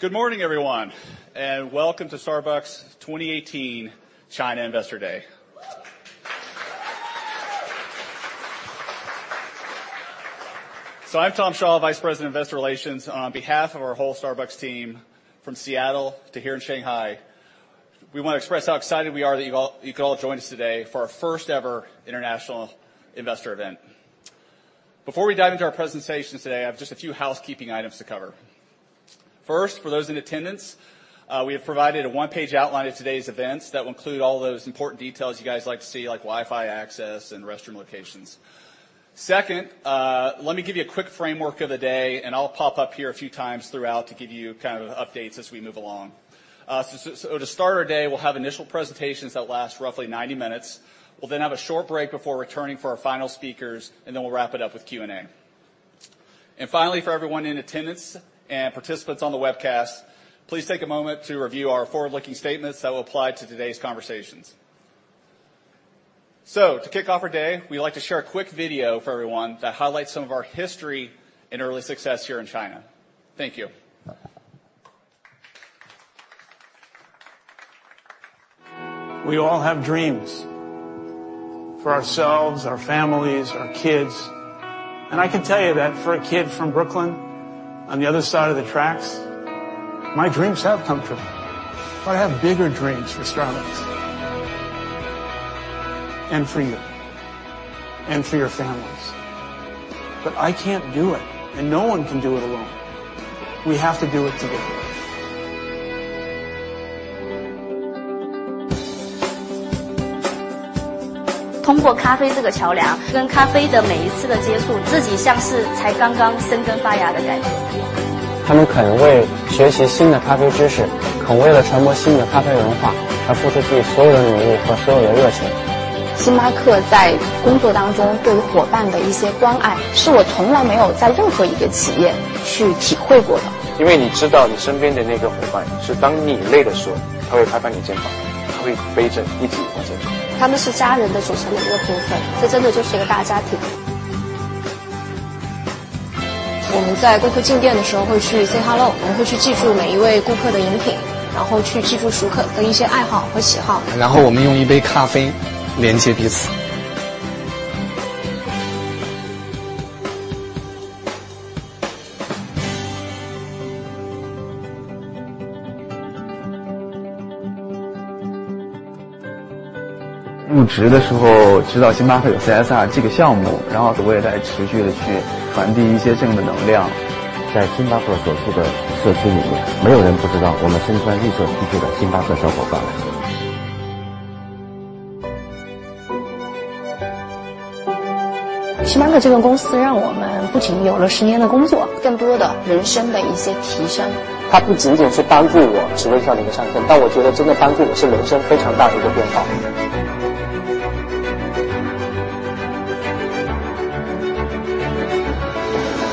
Good morning, everyone. Welcome to Starbucks 2018 China Investor Day. I'm Tom Shaw, vice president of investor relations. On behalf of our whole Starbucks team from Seattle to here in Shanghai, we want to express how excited we are that you can all join us today for our first-ever international investor event. Before we dive into our presentations today, I have just a few housekeeping items to cover. First, for those in attendance, we have provided a one-page outline of today's events that will include all those important details you guys like to see, like Wi-Fi access and restroom locations. Second, let me give you a quick framework of the day, and I'll pop up here a few times throughout to give you updates as we move along. To start our day, we'll have initial presentations that last roughly 90 minutes. We'll then have a short break before returning for our final speakers, and then we'll wrap it up with Q&A. Finally, for everyone in attendance and participants on the webcast, please take a moment to review our forward-looking statements that will apply to today's conversations. To kick off our day, we'd like to share a quick video for everyone that highlights some of our history and early success here in China. Thank you. We all have dreams for ourselves, our families, our kids. I can tell you that for a kid from Brooklyn, on the other side of the tracks, my dreams have come true. I have bigger dreams for Starbucks and for you and for your families. I can't do it, and no one can do it alone. We have to do it together. Good morning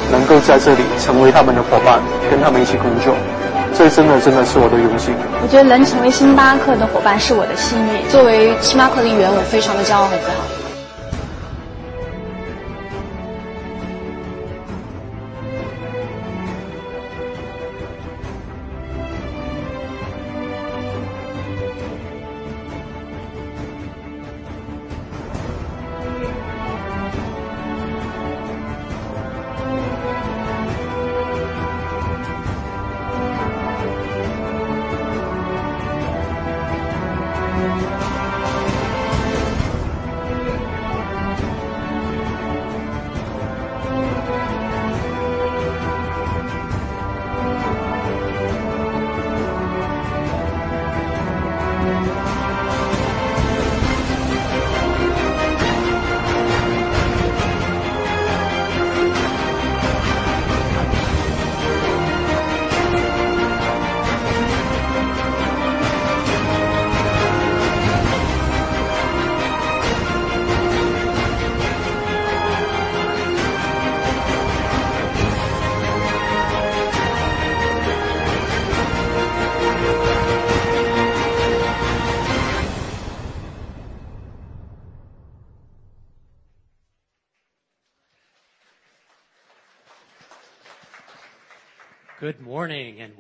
and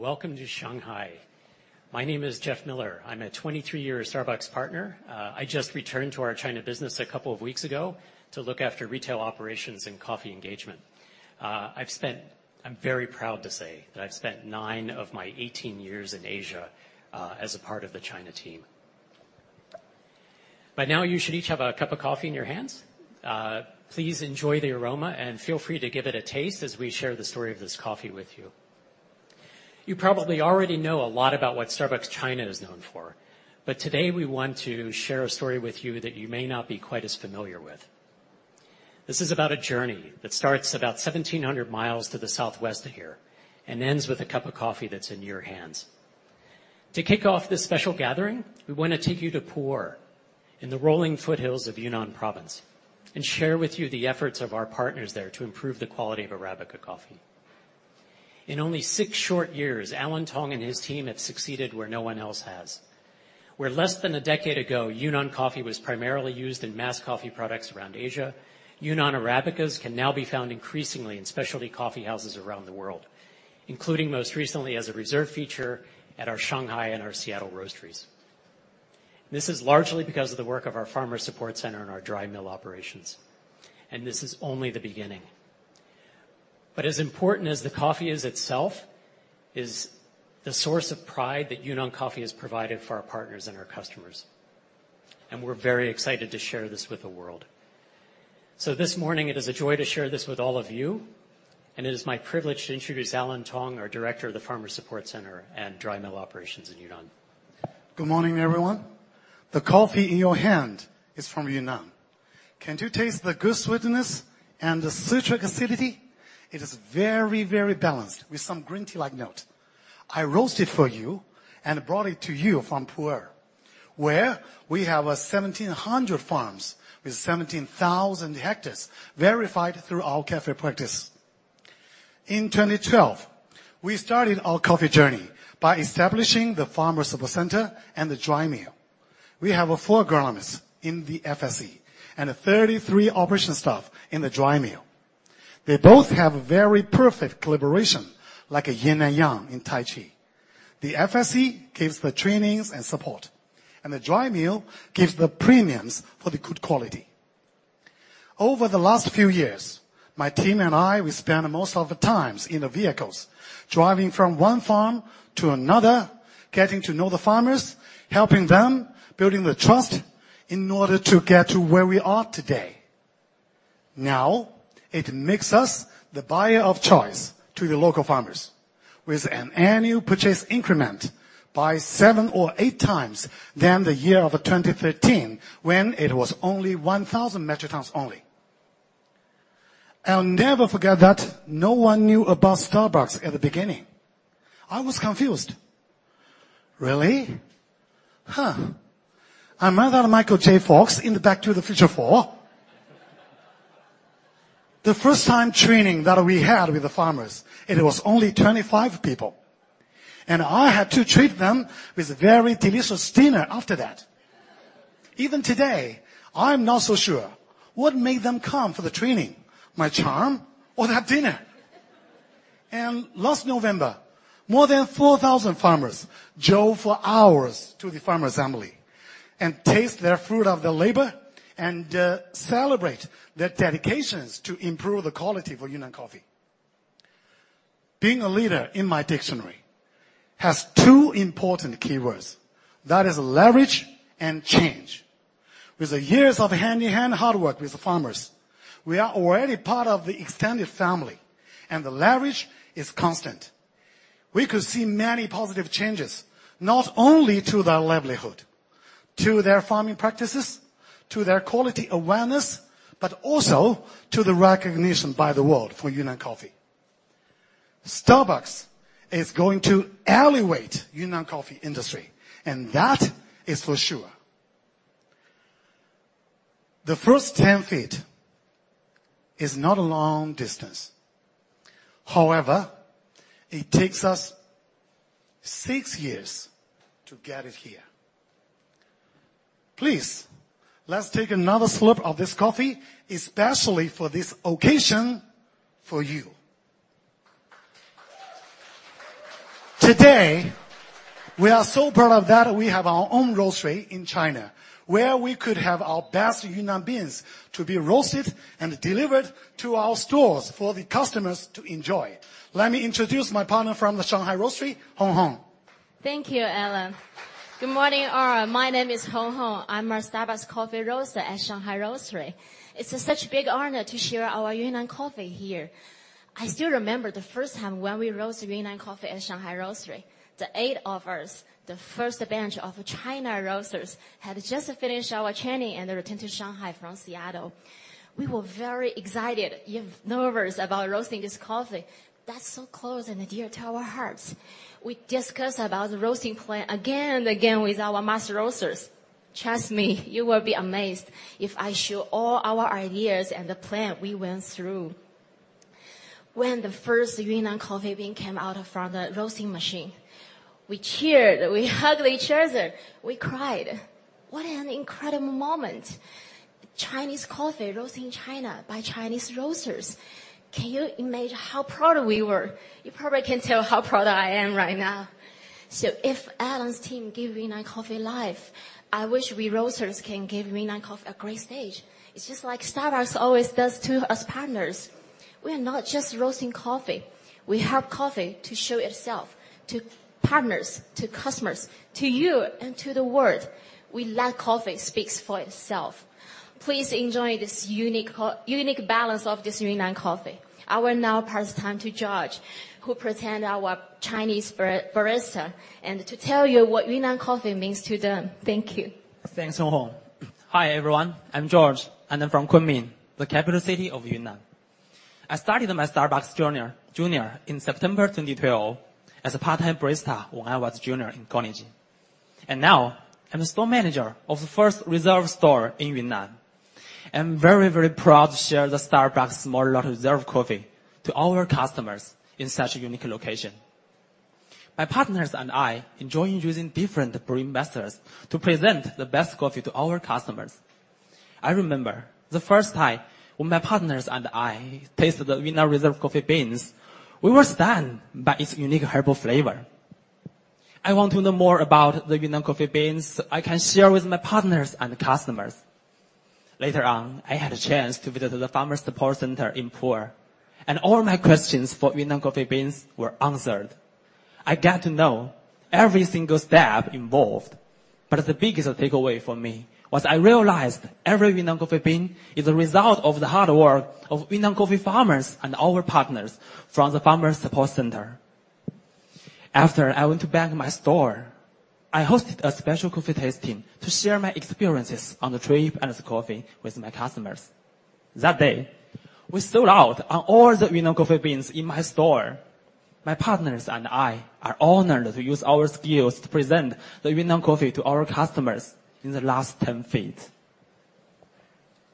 welcome to Shanghai. My name is Jeff Miller. I'm a 23-year Starbucks partner. I just returned to our China business a couple of weeks ago to look after retail operations and coffee engagement. I'm very proud to say that I've spent nine of my 18 years in Asia as a part of the China team. By now you should each have a cup of coffee in your hands. Please enjoy the aroma and feel free to give it a taste as we share the story of this coffee with you. You probably already know a lot about what Starbucks China is known for, but today we want to share a story with you that you may not be quite as familiar with. This is about a journey that starts about 1,700 miles to the southwest of here and ends with a cup of coffee that's in your hands. To kick off this special gathering, we want to take you to Pu'er, in the rolling foothills of Yunnan Province, and share with you the efforts of our partners there to improve the quality of Arabica coffee. In only six short years, Alan Tong and his team have succeeded where no one else has. Where less than a decade ago, Yunnan coffee was primarily used in mass coffee products around Asia, Yunnan Arabicas can now be found increasingly in specialty coffee houses around the world, including most recently as a Reserve feature at our Shanghai and our Seattle Roasteries. This is largely because of the work of our Farmer Support Center and our dry mill operations. This is only the beginning. As important as the coffee is itself, is the source of pride that Yunnan coffee has provided for our partners and our customers. We're very excited to share this with the world. This morning, it is a joy to share this with all of you, and it is my privilege to introduce Alan Tong, our Director of the Farmer Support Center and dry mill operations in Yunnan. Good morning, everyone. The coffee in your hand is from Yunnan. Can you taste the good sweetness and the citric acidity? It is very, very balanced with some green tea-like notes. I roasted for you and brought it to you from Pu'er, where we have 1,700 farms with 17,000 hectares verified through our C.A.F.E. Practices. In 2012, we started our coffee journey by establishing the Farmer Support Center and the dry mill. We have four agronomists in the FSC and 33 operation staff in the dry mill. They both have very perfect collaboration, like a yin and yang in Tai Chi. The FSC gives the trainings and support. The dry mill gives the premiums for the good quality. Over the last few years, my team and I, we spent most of the times in the vehicles driving from one farm to another, getting to know the farmers, helping them, building the trust in order to get to where we are today. It makes us the buyer of choice to the local farmers, with an annual purchase increment by seven or eight times than the year of 2013, when it was only 1,000 metric tons only. I'll never forget that no one knew about Starbucks at the beginning. I was confused. Really? Huh. Am I that Michael J. Fox in the "Back to the Future IV"? The first time training that we had with the farmers, it was only 25 people. I had to treat them with very delicious dinner after that. Even today, I'm not so sure what made them come for the training, my charm or that dinner. Last November, more than 4,000 farmers drove for hours to the Farmer Support Center and taste their fruit of their labor and celebrate their dedications to improve the quality for Yunnan coffee. Being a leader in my dictionary has two important keywords. That is leverage and change. With the years of hand-in-hand hard work with the farmers, we are already part of the extended family, and the leverage is constant. We could see many positive changes, not only to their livelihood, to their farming practices, to their quality awareness, but also to the recognition by the world for Yunnan coffee. Starbucks is going to elevate Yunnan coffee industry, and that is for sure. The first 10 feet is not a long distance. However, it takes us six years to get it here. Please, let's take another slurp of this coffee, especially for this occasion for you. Today, we are so proud of that we have our own Roastery in China, where we could have our best Yunnan beans to be roasted and delivered to our stores for the customers to enjoy. Let me introduce my partner from the Shanghai Roastery, Hong Hong. Thank you, Alan. Good morning, all. My name is Hong Hong. I'm a Starbucks coffee roaster at Shanghai Roastery. It's a such big honor to share our Yunnan coffee here. I still remember the first time when we roast Yunnan coffee at Shanghai Roastery. The eight of us, the first batch of China roasters, had just finished our training and returned to Shanghai from Seattle. We were very excited, yet nervous about roasting this coffee that's so close and dear to our hearts. We discussed about the roasting plan again and again with our master roasters. Trust me, you will be amazed if I show all our ideas and the plan we went through. When the first Yunnan coffee bean came out from the roasting machine, we cheered, we hugged each other, we cried. What an incredible moment. Chinese coffee roasted in China by Chinese roasters. Can you imagine how proud we were? You probably can tell how proud I am right now. If Alan's team give Yunnan coffee life, I wish we roasters can give Yunnan coffee a great stage. It's just like Starbucks always does to us partners. We are not just roasting coffee. We help coffee to show itself to partners, to customers, to you, and to the world. We let coffee speaks for itself. Please enjoy this unique balance of this Yunnan coffee. I will now pass time to George, who represent our Chinese barista, and to tell you what Yunnan coffee means to them. Thank you. Thanks, Hong Hong. Hi, everyone. I'm George, and I'm from Kunming, the capital city of Yunnan. I started my Starbucks journey in September 2012 as a part-time barista when I was junior in college. Now, I'm the store manager of the first Reserve store in Yunnan. I'm very proud to share the Starbucks small lot Reserve coffee to our customers in such a unique location. My partners and I enjoy using different brewing methods to present the best coffee to our customers. I remember the first time when my partners and I tasted the Yunnan Reserve coffee beans, we were stunned by its unique herbal flavor. I want to know more about the Yunnan coffee beans I can share with my partners and customers. Later on, I had a chance to visit the Farmer Support Center in Pu'er. All my questions for Yunnan coffee beans were answered. I got to know every single step involved. The biggest takeaway for me was I realized every Yunnan coffee bean is a result of the hard work of Yunnan coffee farmers and our partners from the Farmer Support Center. After, I went back to my store. I hosted a special coffee tasting to share my experiences on the trip and the coffee with my customers. That day, we sold out on all the Yunnan coffee beans in my store. My partners and I are honored to use our skills to present the Yunnan coffee to our customers in the last 10 feet.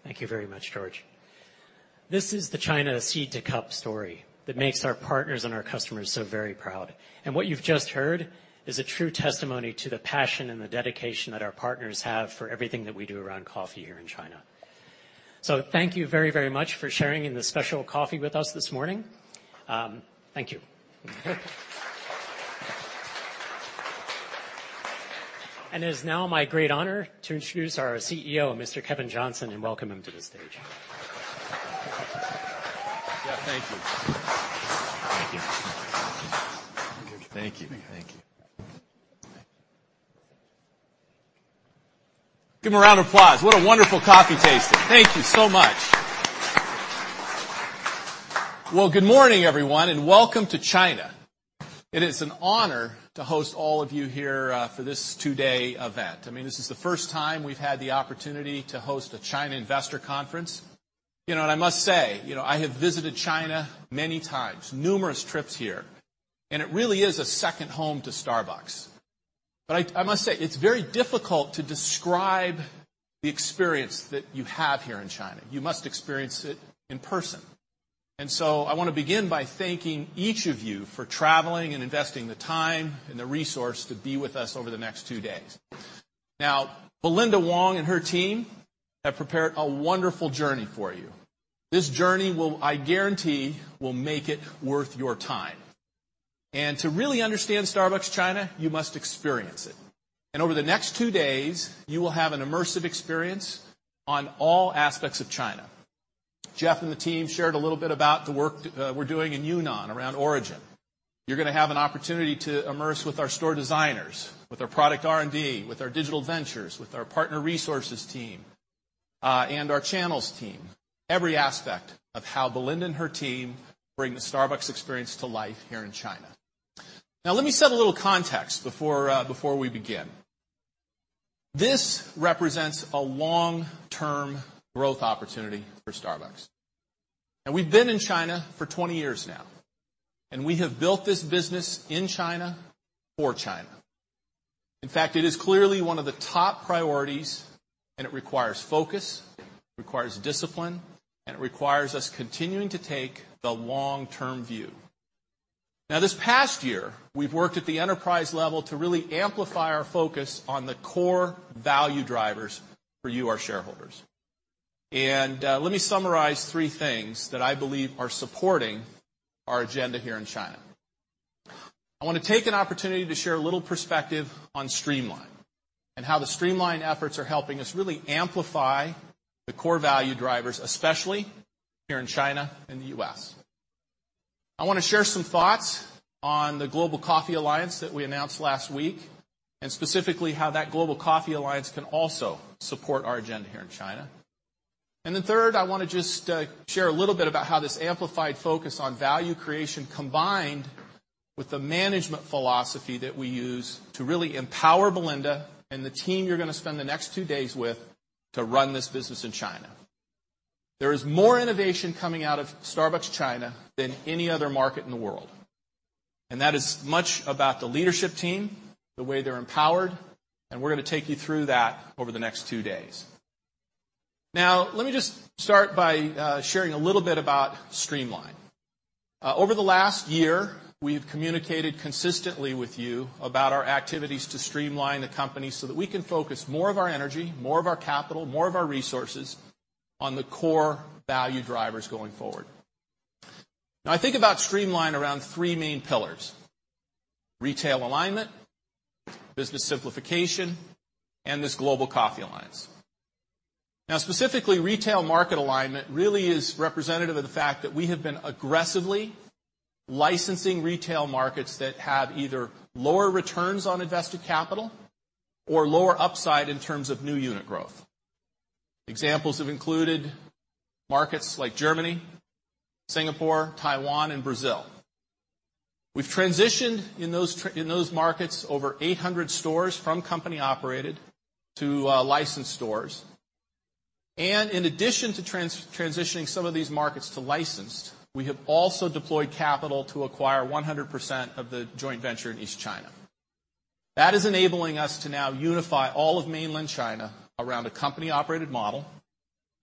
Thank you very much, George. This is the China seed-to-cup story that makes our partners and our customers so very proud. What you've just heard is a true testimony to the passion and the dedication that our partners have for everything that we do around coffee here in China. Thank you very much for sharing in the special coffee with us this morning. Thank you. It is now my great honor to introduce our CEO Kevin Johnson and welcome him to the stage. Yeah, thank you. Thank you. Thank you. Thank you. Give him a round of applause. What a wonderful coffee tasting. Thank you so much. Well, good morning, everyone, welcome to China. It is an honor to host all of you here for this two-day event. This is the first time we've had the opportunity to host a China investor conference. I must say, I have visited China many times, numerous trips here, and it really is a second home to Starbucks. I must say, it's very difficult to describe the experience that you have here in China. You must experience it in person. So I want to begin by thanking each of you for traveling and investing the time and the resource to be with us over the next two days. Now, Belinda Wong and her team have prepared a wonderful journey for you. This journey, I guarantee, will make it worth your time. To really understand Starbucks China, you must experience it. Over the next two days, you will have an immersive experience on all aspects of China. Jeff and the team shared a little bit about the work we're doing in Yunnan around origin. You're going to have an opportunity to immerse with our store designers, with our product R&D, with our digital ventures, with our partner resources team, and our channels team. Every aspect of how Belinda and her team bring the Starbucks experience to life here in China. Now let me set a little context before we begin. This represents a long-term growth opportunity for Starbucks. We've been in China for 20 years now, and we have built this business in China for China. In fact, it is clearly one of the top priorities, it requires focus, requires discipline, and it requires us continuing to take the long-term view. Now, this past year, we've worked at the enterprise level to really amplify our focus on the core value drivers for you, our shareholders. Let me summarize three things that I believe are supporting our agenda here in China. I want to take an opportunity to share a little perspective on streamline and how the streamline efforts are helping us really amplify the core value drivers, especially here in China and the U.S. I want to share some thoughts on the Global Coffee Alliance that we announced last week, specifically how that Global Coffee Alliance can also support our agenda here in China. Third, I want to just share a little bit about how this amplified focus on value creation combined with the management philosophy that we use to really empower Belinda and the team you're going to spend the next two days with to run this business in China. There is more innovation coming out of Starbucks China than any other market in the world. That is much about the leadership team, the way they're empowered, and we're going to take you through that over the next two days. Now, let me just start by sharing a little bit about streamline. Over the last year, we've communicated consistently with you about our activities to streamline the company so that we can focus more of our energy, more of our capital, more of our resources on the core value drivers going forward. I think about streamline around three main pillars, retail alignment, business simplification, and this Global Coffee Alliance. Specifically, retail market alignment really is representative of the fact that we have been aggressively licensing retail markets that have either lower returns on invested capital or lower upside in terms of new unit growth. Examples have included markets like Germany, Singapore, Taiwan, and Brazil. We've transitioned in those markets over 800 stores from company-operated to licensed stores. In addition to transitioning some of these markets to licensed, we have also deployed capital to acquire 100% of the joint venture in East China. That is enabling us to now unify all of mainland China around a company-operated model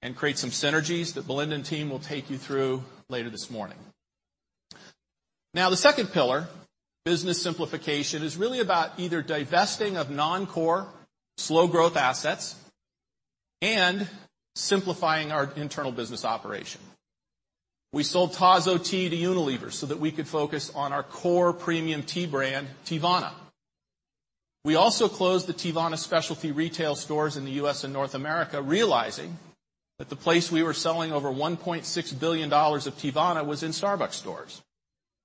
and create some synergies that Belinda and team will take you through later this morning. The second pillar, business simplification, is really about either divesting of non-core slow growth assets and simplifying our internal business operation. We sold Tazo Tea to Unilever so that we could focus on our core premium tea brand, Teavana. We also closed the Teavana specialty retail stores in the U.S. and North America, realizing that the place we were selling over $1.6 billion of Teavana was in Starbucks stores.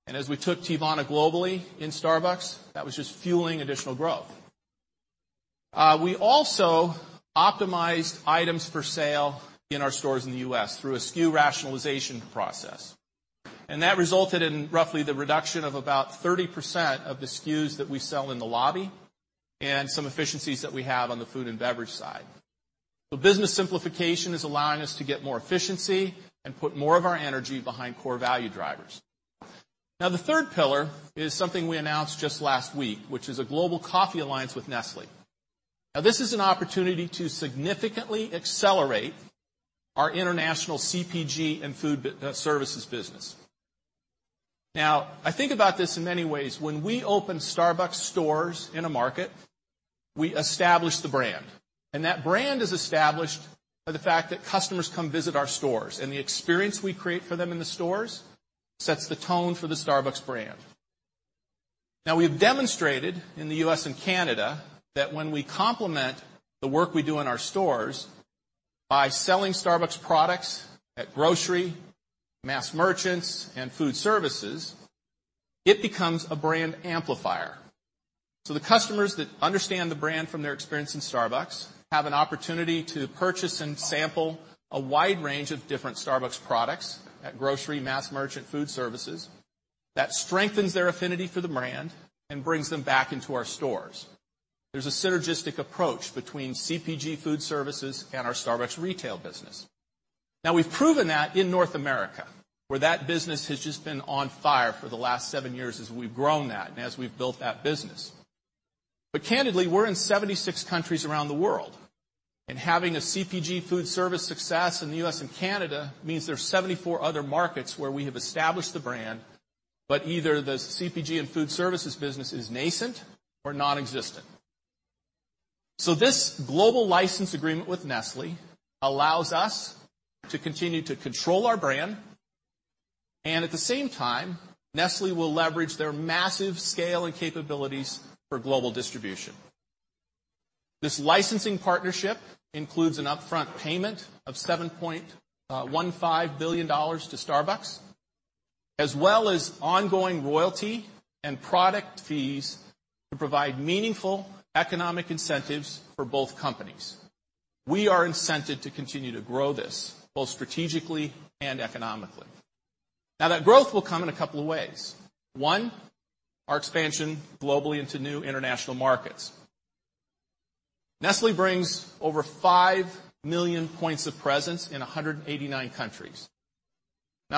As we took Teavana globally in Starbucks, that was just fueling additional growth. We also optimized items for sale in our stores in the U.S. through a SKU rationalization process, and that resulted in roughly the reduction of about 30% of the SKUs that we sell in the lobby and some efficiencies that we have on the food and beverage side. Business simplification is allowing us to get more efficiency and put more of our energy behind core value drivers. The third pillar is something we announced just last week, which is a Global Coffee Alliance with Nestlé. This is an opportunity to significantly accelerate our international CPG and food services business. I think about this in many ways. When we open Starbucks stores in a market, we establish the brand, and that brand is established by the fact that customers come visit our stores, and the experience we create for them in the stores sets the tone for the Starbucks brand. We have demonstrated in the U.S. and Canada that when we complement the work we do in our stores by selling Starbucks products at grocery, mass merchants, and food services, it becomes a brand amplifier. The customers that understand the brand from their experience in Starbucks have an opportunity to purchase and sample a wide range of different Starbucks products at grocery, mass merchant, food services, that strengthens their affinity for the brand and brings them back into our stores. There's a synergistic approach between CPG food services and our Starbucks retail business. We've proven that in North America, where that business has just been on fire for the last seven years as we've grown that and as we've built that business. Candidly, we're in 76 countries around the world, and having a CPG food service success in the U.S. and Canada means there's 74 other markets where we have established the brand, but either the CPG and food services business is nascent or nonexistent. This global license agreement with Nestlé allows us to continue to control our brand, and at the same time, Nestlé will leverage their massive scale and capabilities for global distribution. This licensing partnership includes an upfront payment of $7.15 billion to Starbucks, as well as ongoing royalty and product fees to provide meaningful economic incentives for both companies. We are incented to continue to grow this, both strategically and economically. That growth will come in a couple of ways. One, our expansion globally into new international markets. Nestlé brings over 5 million points of presence in 189 countries.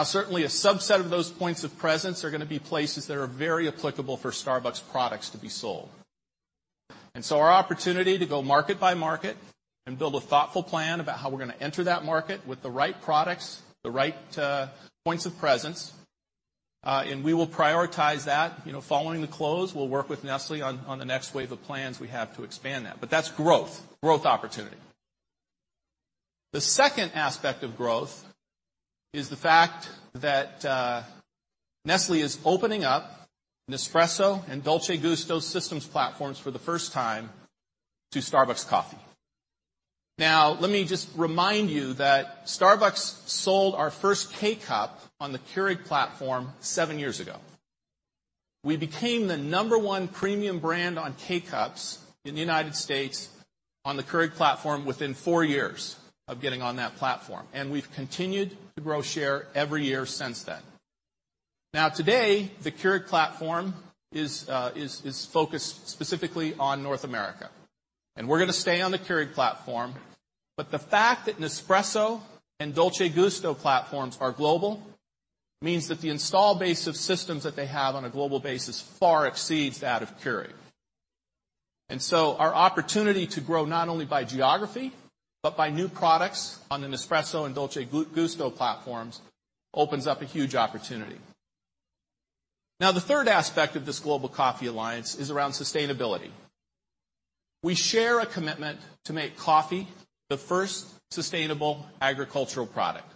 Certainly, a subset of those points of presence are going to be places that are very applicable for Starbucks products to be sold. Our opportunity to go market by market and build a thoughtful plan about how we're going to enter that market with the right products, the right points of presence, and we will prioritize that. Following the close, we'll work with Nestlé on the next wave of plans we have to expand that. But that's growth. Growth opportunity. The second aspect of growth is the fact that Nestlé is opening up Nespresso and Dolce Gusto systems platforms for the first time to Starbucks Coffee. Let me just remind you that Starbucks sold our first K-Cup on the Keurig platform 7 years ago. We became the number 1 premium brand on K-Cups in the U.S. on the Keurig platform within 4 years of getting on that platform, and we've continued to grow share every year since then. Today, the Keurig platform is focused specifically on North America, and we're going to stay on the Keurig platform, but the fact that Nespresso and Dolce Gusto platforms are global means that the install base of systems that they have on a global basis far exceeds that of Keurig. Our opportunity to grow not only by geography, but by new products on the Nespresso and Dolce Gusto platforms opens up a huge opportunity. The third aspect of this Global Coffee Alliance is around sustainability. We share a commitment to make coffee the first sustainable agricultural product,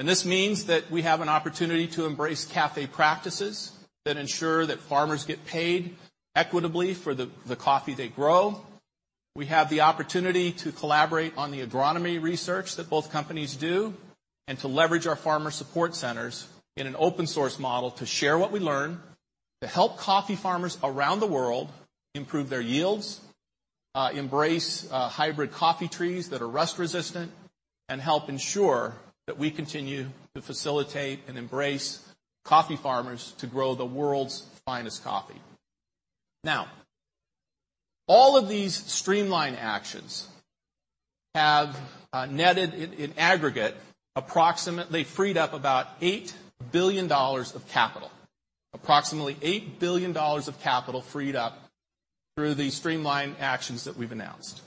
and this means that we have an opportunity to embrace C.A.F.E. Practices that ensure that farmers get paid equitably for the coffee they grow. We have the opportunity to collaborate on the agronomy research that both companies do and to leverage our Farmer Support Centers in an open source model to share what we learn to help coffee farmers around the world improve their yields, embrace hybrid coffee trees that are rust-resistant, and help ensure that we continue to facilitate and embrace coffee farmers to grow the world's finest coffee. All of these streamline actions have netted in aggregate, approximately freed up about $8 billion of capital. Approximately $8 billion of capital freed up through these streamline actions that we've announced.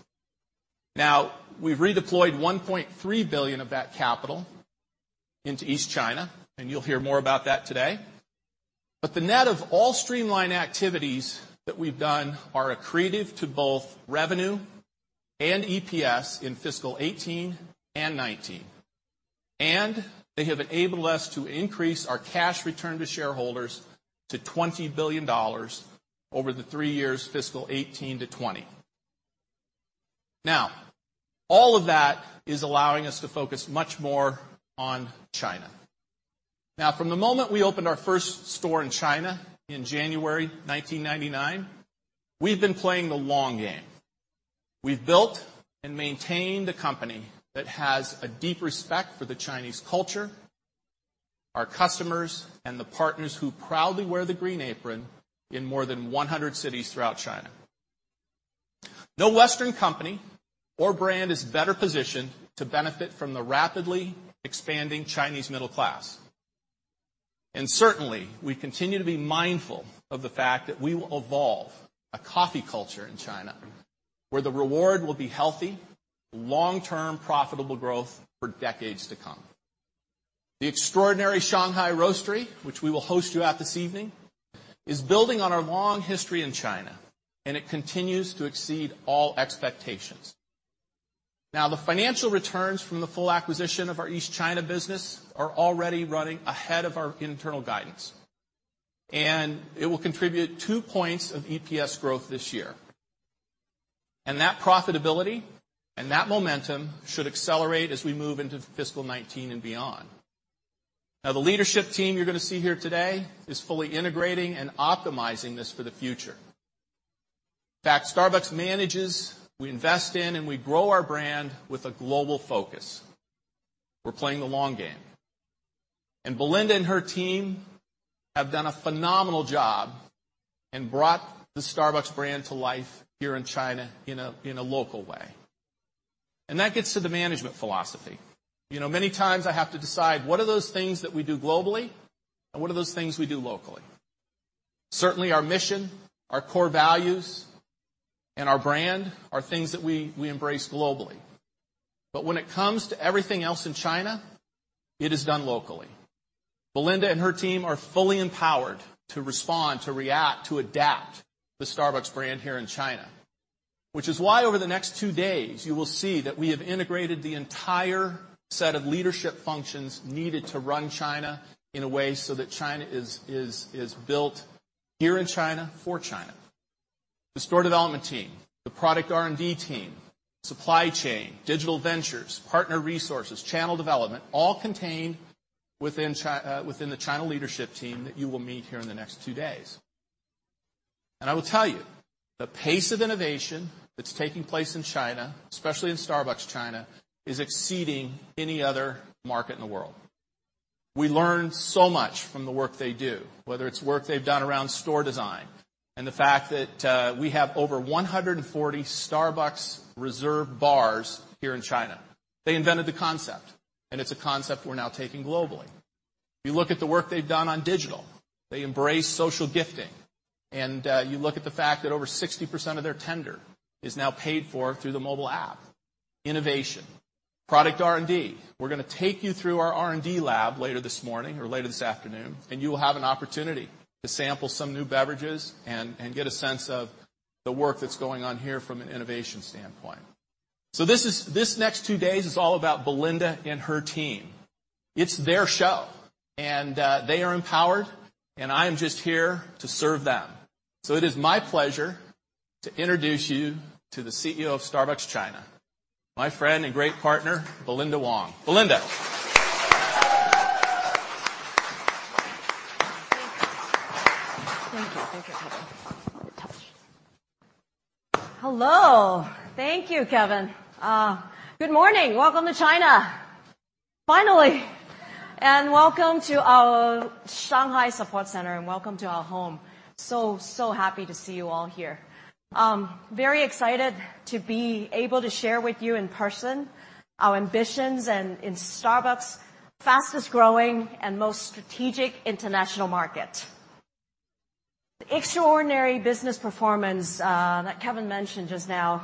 We've redeployed $1.3 billion of that capital into East China, and you'll hear more about that today. But the net of all streamline activities that we've done are accretive to both revenue and EPS in fiscal 2018 and 2019. They have enabled us to increase our cash return to shareholders to $20 billion over the three years fiscal 2018 to 2020. All of that is allowing us to focus much more on China. From the moment we opened our first store in China in January 1999, we've been playing the long game. We've built and maintained a company that has a deep respect for the Chinese culture, our customers, and the partners who proudly wear the green apron in more than 100 cities throughout China. No Western company or brand is better positioned to benefit from the rapidly expanding Chinese middle class. Certainly, we continue to be mindful of the fact that we will evolve a coffee culture in China, where the reward will be healthy, long-term profitable growth for decades to come. The extraordinary Shanghai Roastery, which we will host you at this evening, is building on our long history in China, and it continues to exceed all expectations. The financial returns from the full acquisition of our East China business are already running ahead of our internal guidance. It will contribute two points of EPS growth this year. That profitability and that momentum should accelerate as we move into fiscal 2019 and beyond. The leadership team you're going to see here today is fully integrating and optimizing this for the future. In fact, Starbucks manages, we invest in, and we grow our brand with a global focus. We're playing the long game. Belinda and her team have done a phenomenal job and brought the Starbucks brand to life here in China in a local way. That gets to the management philosophy. Many times I have to decide, what are those things that we do globally, and what are those things we do locally? Certainly, our mission, our core values, and our brand are things that we embrace globally. When it comes to everything else in China, it is done locally. Belinda and her team are fully empowered to respond, to react, to adapt the Starbucks brand here in China, which is why over the next two days, you will see that we have integrated the entire set of leadership functions needed to run China in a way so that China is built here in China for China. The store development team, the product R&D team, supply chain, Digital Ventures, Partner Resources, Channel Development, all contained within the China leadership team that you will meet here in the next two days. I will tell you, the pace of innovation that's taking place in China, especially in Starbucks China, is exceeding any other market in the world. We learn so much from the work they do, whether it's work they've done around store design and the fact that we have over 140 Starbucks Reserve Bars here in China. They invented the concept, and it's a concept we're now taking globally. If you look at the work they've done on digital, they embrace social gifting. You look at the fact that over 60% of their tender is now paid for through the mobile app. Innovation. Product R&D. We're going to take you through our R&D lab later this morning, or later this afternoon, and you will have an opportunity to sample some new beverages and get a sense of the work that's going on here from an innovation standpoint. This next two days is all about Belinda and her team. It's their show, and they are empowered, and I am just here to serve them. It is my pleasure to introduce you to the CEO of Starbucks China, my friend and great partner, Belinda Wong. Belinda. Thank you, Kevin. Hello. Thank you, Kevin. Good morning. Welcome to China, finally. Welcome to our Shanghai support center, and welcome to our home. So happy to see you all here. Very excited to be able to share with you in person our ambitions and in Starbucks' fastest-growing and most strategic international market. The extraordinary business performance that Kevin mentioned just now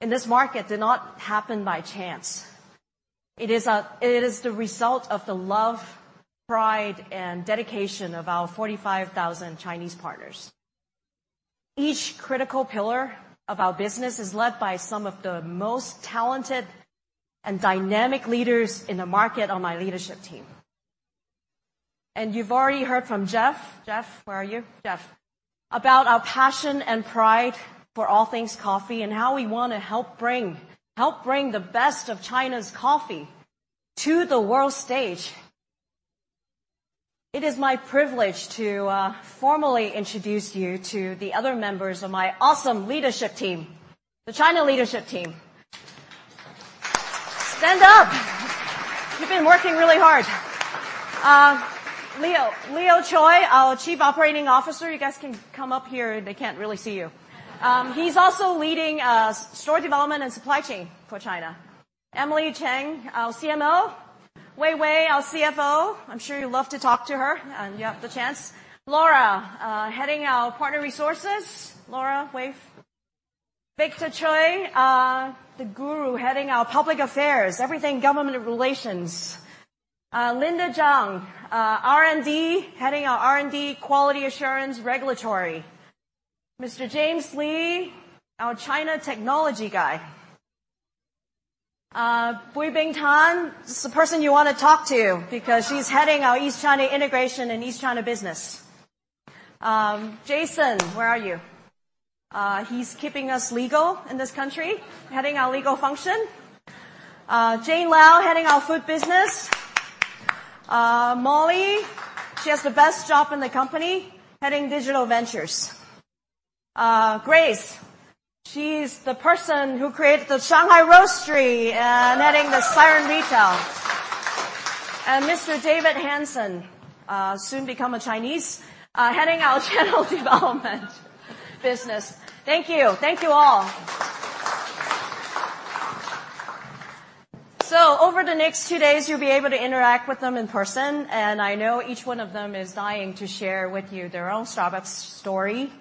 in this market did not happen by chance. It is the result of the love, pride, and dedication of our 45,000 Chinese partners. Each critical pillar of our business is led by some of the most talented and dynamic leaders in the market on my leadership team. You've already heard from Jeff. Jeff, where are you? Jeff. About our passion and pride for all things coffee and how we want to help bring the best of China's coffee to the world stage. It is my privilege to formally introduce you to the other members of my awesome leadership team, the China leadership team. Stand up. You've been working really hard. Leo Tsoi, our Chief Operating Officer. You guys can come up here. They can't really see you. He's also leading store development and supply chain for China. Emily Chang, our CMO. Weiwei, our CFO. I'm sure you'd love to talk to her, when you have the chance. Laura, heading our partner resources. Laura, wave. Victor Choi, the guru heading our public affairs, everything government relations. Linda Jiang, R&D, heading our R&D, quality assurance, regulatory. Mr. James Li, our China technology guy. Buay Beng Tan, this is the person you want to talk to because she's heading our East China integration and East China business. Jason, where are you? He's keeping us legal in this country, heading our legal function. Jane Lao, heading our food business. Molly, she has the best job in the company, heading digital ventures. Grace, she's the person who created the Shanghai Roastery and heading the Siren Retail. Mr. David Hanson, soon become a Chinese, heading our channel development business. Thank you all. Over the next two days, you'll be able to interact with them in person, and I know each one of them is dying to share with you their own Starbucks story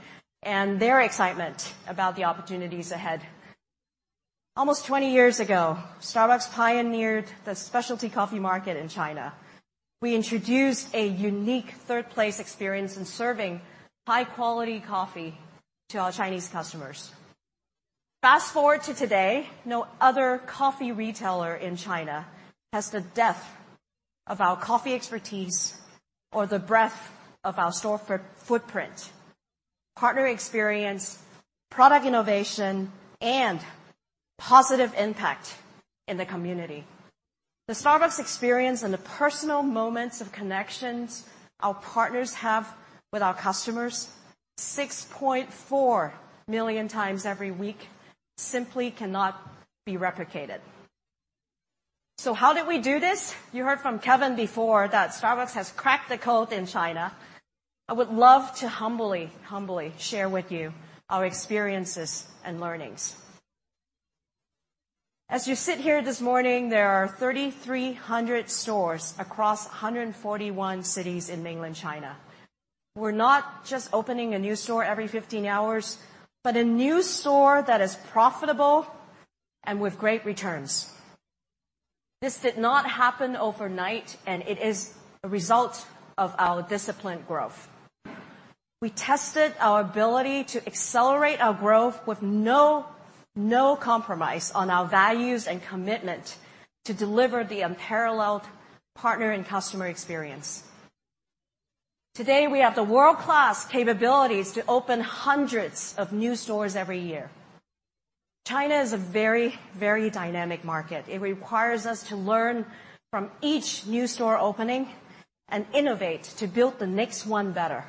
and their excitement about the opportunities ahead. Almost 20 years ago, Starbucks pioneered the specialty coffee market in China. We introduced a unique third place experience in serving high-quality coffee to our Chinese customers. Fast-forward to today, no other coffee retailer in China has the depth of our coffee expertise or the breadth of our store footprint, partner experience, product innovation, and positive impact in the community. The Starbucks experience and the personal moments of connections our partners have with our customers 6.4 million times every week simply cannot be replicated. How did we do this? You heard from Kevin before that Starbucks has cracked the code in China. I would love to humbly share with you our experiences and learnings. As you sit here this morning, there are 3,300 stores across 141 cities in mainland China. We're not just opening a new store every 15 hours, but a new store that is profitable and with great returns. This did not happen overnight, and it is a result of our disciplined growth. We tested our ability to accelerate our growth with no compromise on our values and commitment to deliver the unparalleled partner and customer experience. Today, we have the world-class capabilities to open hundreds of new stores every year. China is a very dynamic market. It requires us to learn from each new store opening and innovate to build the next one better.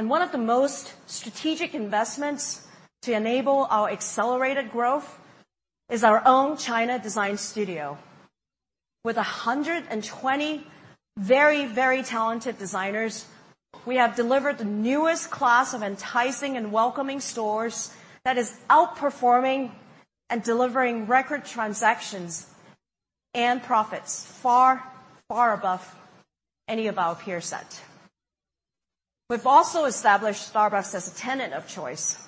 One of the most strategic investments to enable our accelerated growth is our own China Design Studio. With 120 very talented designers, we have delivered the newest class of enticing and welcoming stores that is outperforming and delivering record transactions and profits far above any of our peer set. We've also established Starbucks as a tenant of choice.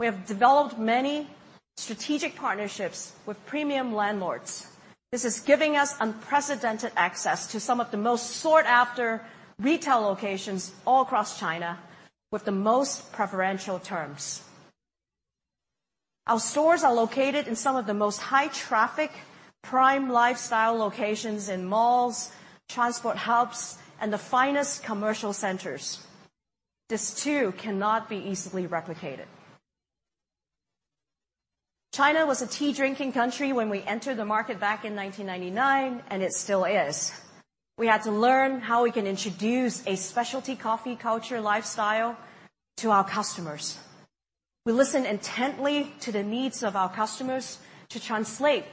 We have developed many strategic partnerships with premium landlords. This is giving us unprecedented access to some of the most sought-after retail locations all across China with the most preferential terms. Our stores are located in some of the most high-traffic, prime lifestyle locations in malls, transport hubs, and the finest commercial centers. This too cannot be easily replicated. China was a tea-drinking country when we entered the market back in 1999, and it still is. We had to learn how we can introduce a specialty coffee culture lifestyle to our customers. We listen intently to the needs of our customers to translate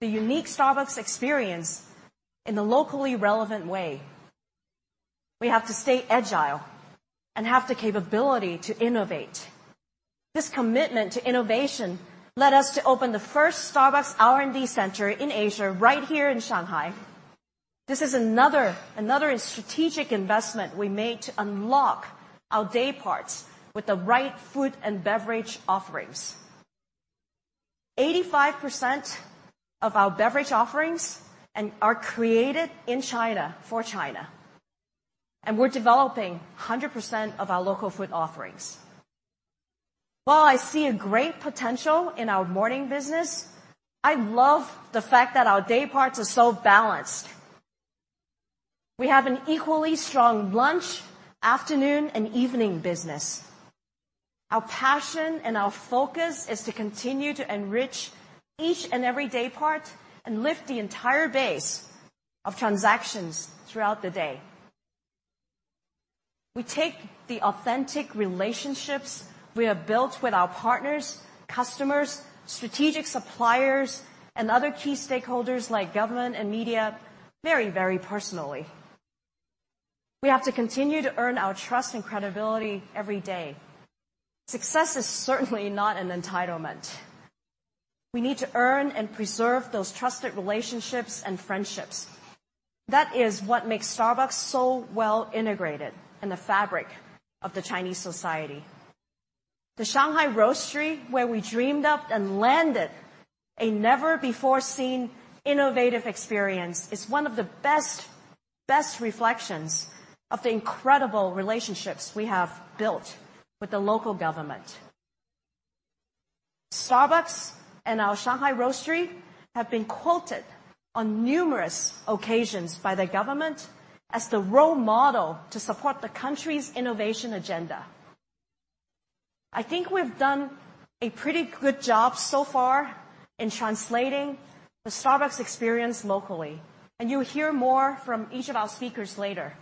the unique Starbucks experience in a locally relevant way. We have to stay agile and have the capability to innovate. This commitment to innovation led us to open the first Starbucks R&D center in Asia right here in Shanghai. This is another strategic investment we made to unlock our day parts with the right food and beverage offerings. 85% of our beverage offerings are created in China for China, and we're developing 100% of our local food offerings. While I see a great potential in our morning business, I love the fact that our day parts are so balanced. We have an equally strong lunch, afternoon, and evening business. Our passion and our focus is to continue to enrich each and every day part and lift the entire base of transactions throughout the day. We take the authentic relationships we have built with our partners, customers, strategic suppliers, and other key stakeholders like government and media very, very personally. We have to continue to earn our trust and credibility every day. Success is certainly not an entitlement. We need to earn and preserve those trusted relationships and friendships. That is what makes Starbucks so well-integrated in the fabric of the Chinese society. The Shanghai Roastery, where we dreamed up and landed a never-before-seen innovative experience, is one of the best reflections of the incredible relationships we have built with the local government. Starbucks and our Shanghai Roastery have been quoted on numerous occasions by the government as the role model to support the country's innovation agenda. I think we've done a pretty good job so far in translating the Starbucks experience locally, and you'll hear more from each of our speakers later.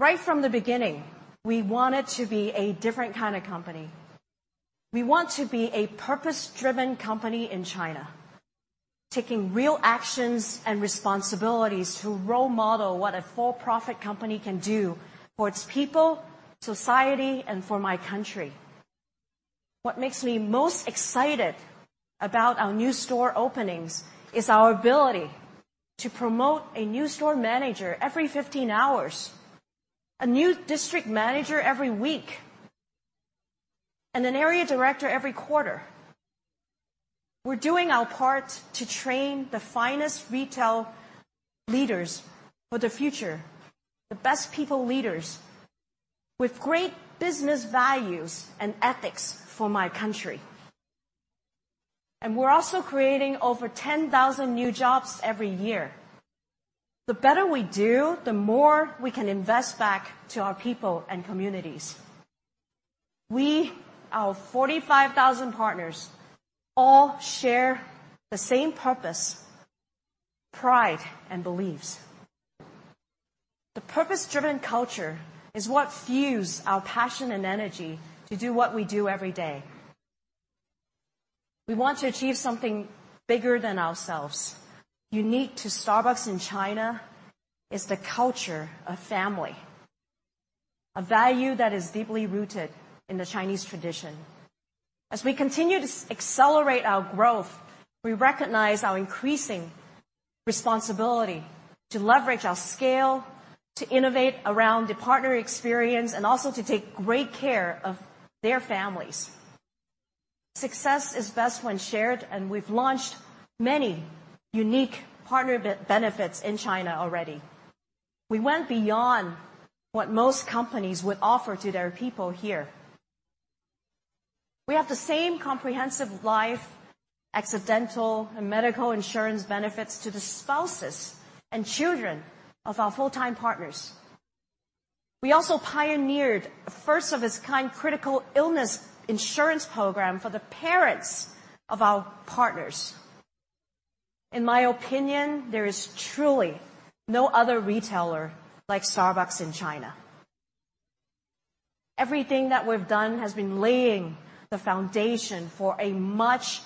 Right from the beginning, we wanted to be a different kind of company. We want to be a purpose-driven company in China, taking real actions and responsibilities to role model what a for-profit company can do for its people, society, and for my country. What makes me most excited about our new store openings is our ability to promote a new store manager every 15 hours, a new district manager every week, and an area director every quarter. We're doing our part to train the finest retail leaders for the future, the best people leaders with great business values and ethics for my country. We're also creating over 10,000 new jobs every year. The better we do, the more we can invest back to our people and communities. We, our 45,000 partners, all share the same purpose, pride, and beliefs. The purpose-driven culture is what fuels our passion and energy to do what we do every day. We want to achieve something bigger than ourselves. Unique to Starbucks in China is the culture of family, a value that is deeply rooted in the Chinese tradition. As we continue to accelerate our growth, we recognize our increasing responsibility to leverage our scale, to innovate around the partner experience, and also to take great care of their families. Success is best when shared. We've launched many unique partner benefits in China already. We went beyond what most companies would offer to their people here. We have the same comprehensive life, accidental, and medical insurance benefits to the spouses and children of our full-time partners. We also pioneered a first-of-its-kind critical illness insurance program for the parents of our partners. In my opinion, there is truly no other retailer like Starbucks in China. Everything that we've done has been laying the foundation for a much,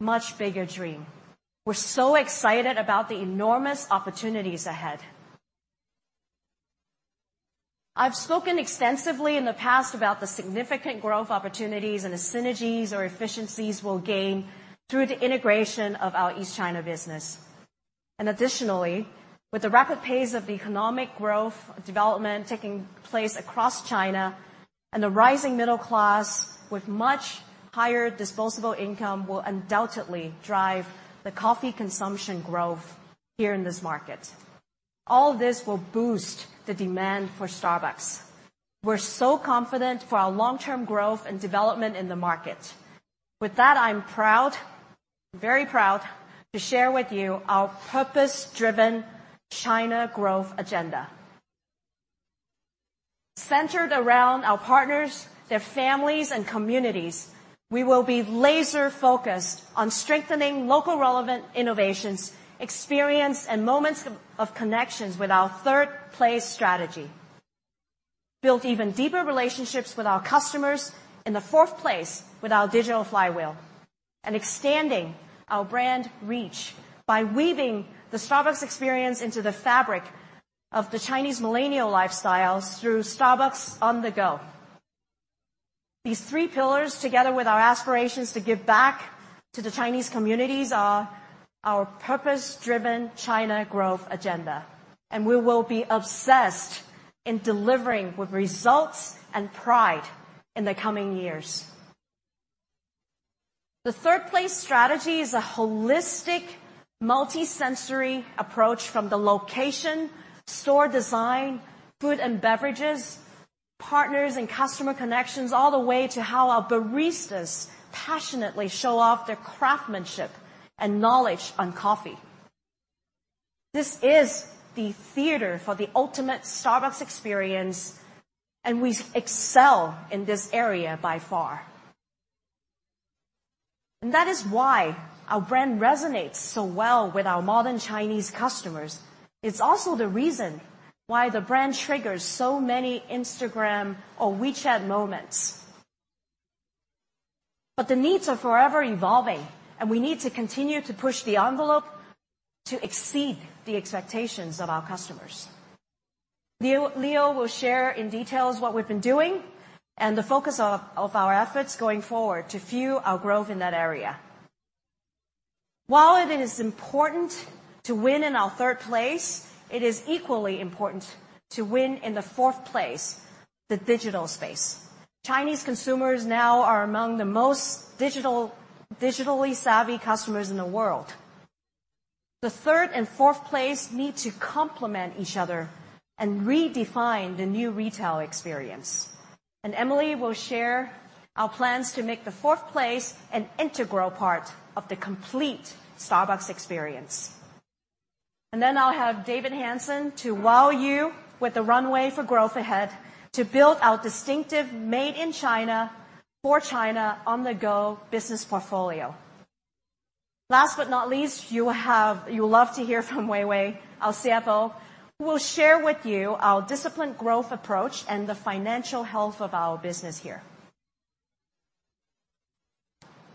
much bigger dream. We're so excited about the enormous opportunities ahead. I've spoken extensively in the past about the significant growth opportunities and the synergies or efficiencies we'll gain through the integration of our East China business. Additionally, with the rapid pace of economic growth development taking place across China and the rising middle class with much higher disposable income will undoubtedly drive the coffee consumption growth here in this market. All this will boost the demand for Starbucks. We're so confident for our long-term growth and development in the market. With that, I'm proud, very proud, to share with you our purpose-driven China growth agenda. Centered around our partners, their families, and communities, we will be laser-focused on strengthening local relevant innovations, experience, and moments of connections with our third place strategy, build even deeper relationships with our customers in the fourth place with our digital flywheel, and extending our brand reach by weaving the Starbucks experience into the fabric of the Chinese millennial lifestyles through Starbucks on the go. These three pillars, together with our aspirations to give back to the Chinese communities, are our purpose-driven China growth agenda, and we will be obsessed in delivering with results and pride in the coming years. The third place strategy is a holistic, multi-sensory approach from the location, store design, food and beverages, partners and customer connections, all the way to how our baristas passionately show off their craftsmanship and knowledge on coffee. This is the theater for the ultimate Starbucks experience, and we excel in this area by far. That is why our brand resonates so well with our modern Chinese customers. It's also the reason why the brand triggers so many Instagram or WeChat moments. But the needs are forever evolving, and we need to continue to push the envelope to exceed the expectations of our customers. Leo will share in details what we've been doing and the focus of our efforts going forward to fuel our growth in that area. While it is important to win in our third place, it is equally important to win in the fourth place, the digital space. Chinese consumers now are among the most digitally savvy customers in the world. The third and fourth place need to complement each other and redefine the New Retail experience. Emily will share our plans to make the fourth place an integral part of the complete Starbucks experience. Then I'll have David Hanson to wow you with the runway for growth ahead to build our distinctive made in China for China on the go business portfolio. Last but not least, you'll love to hear from Wei Wei, our CFO, who will share with you our disciplined growth approach and the financial health of our business here.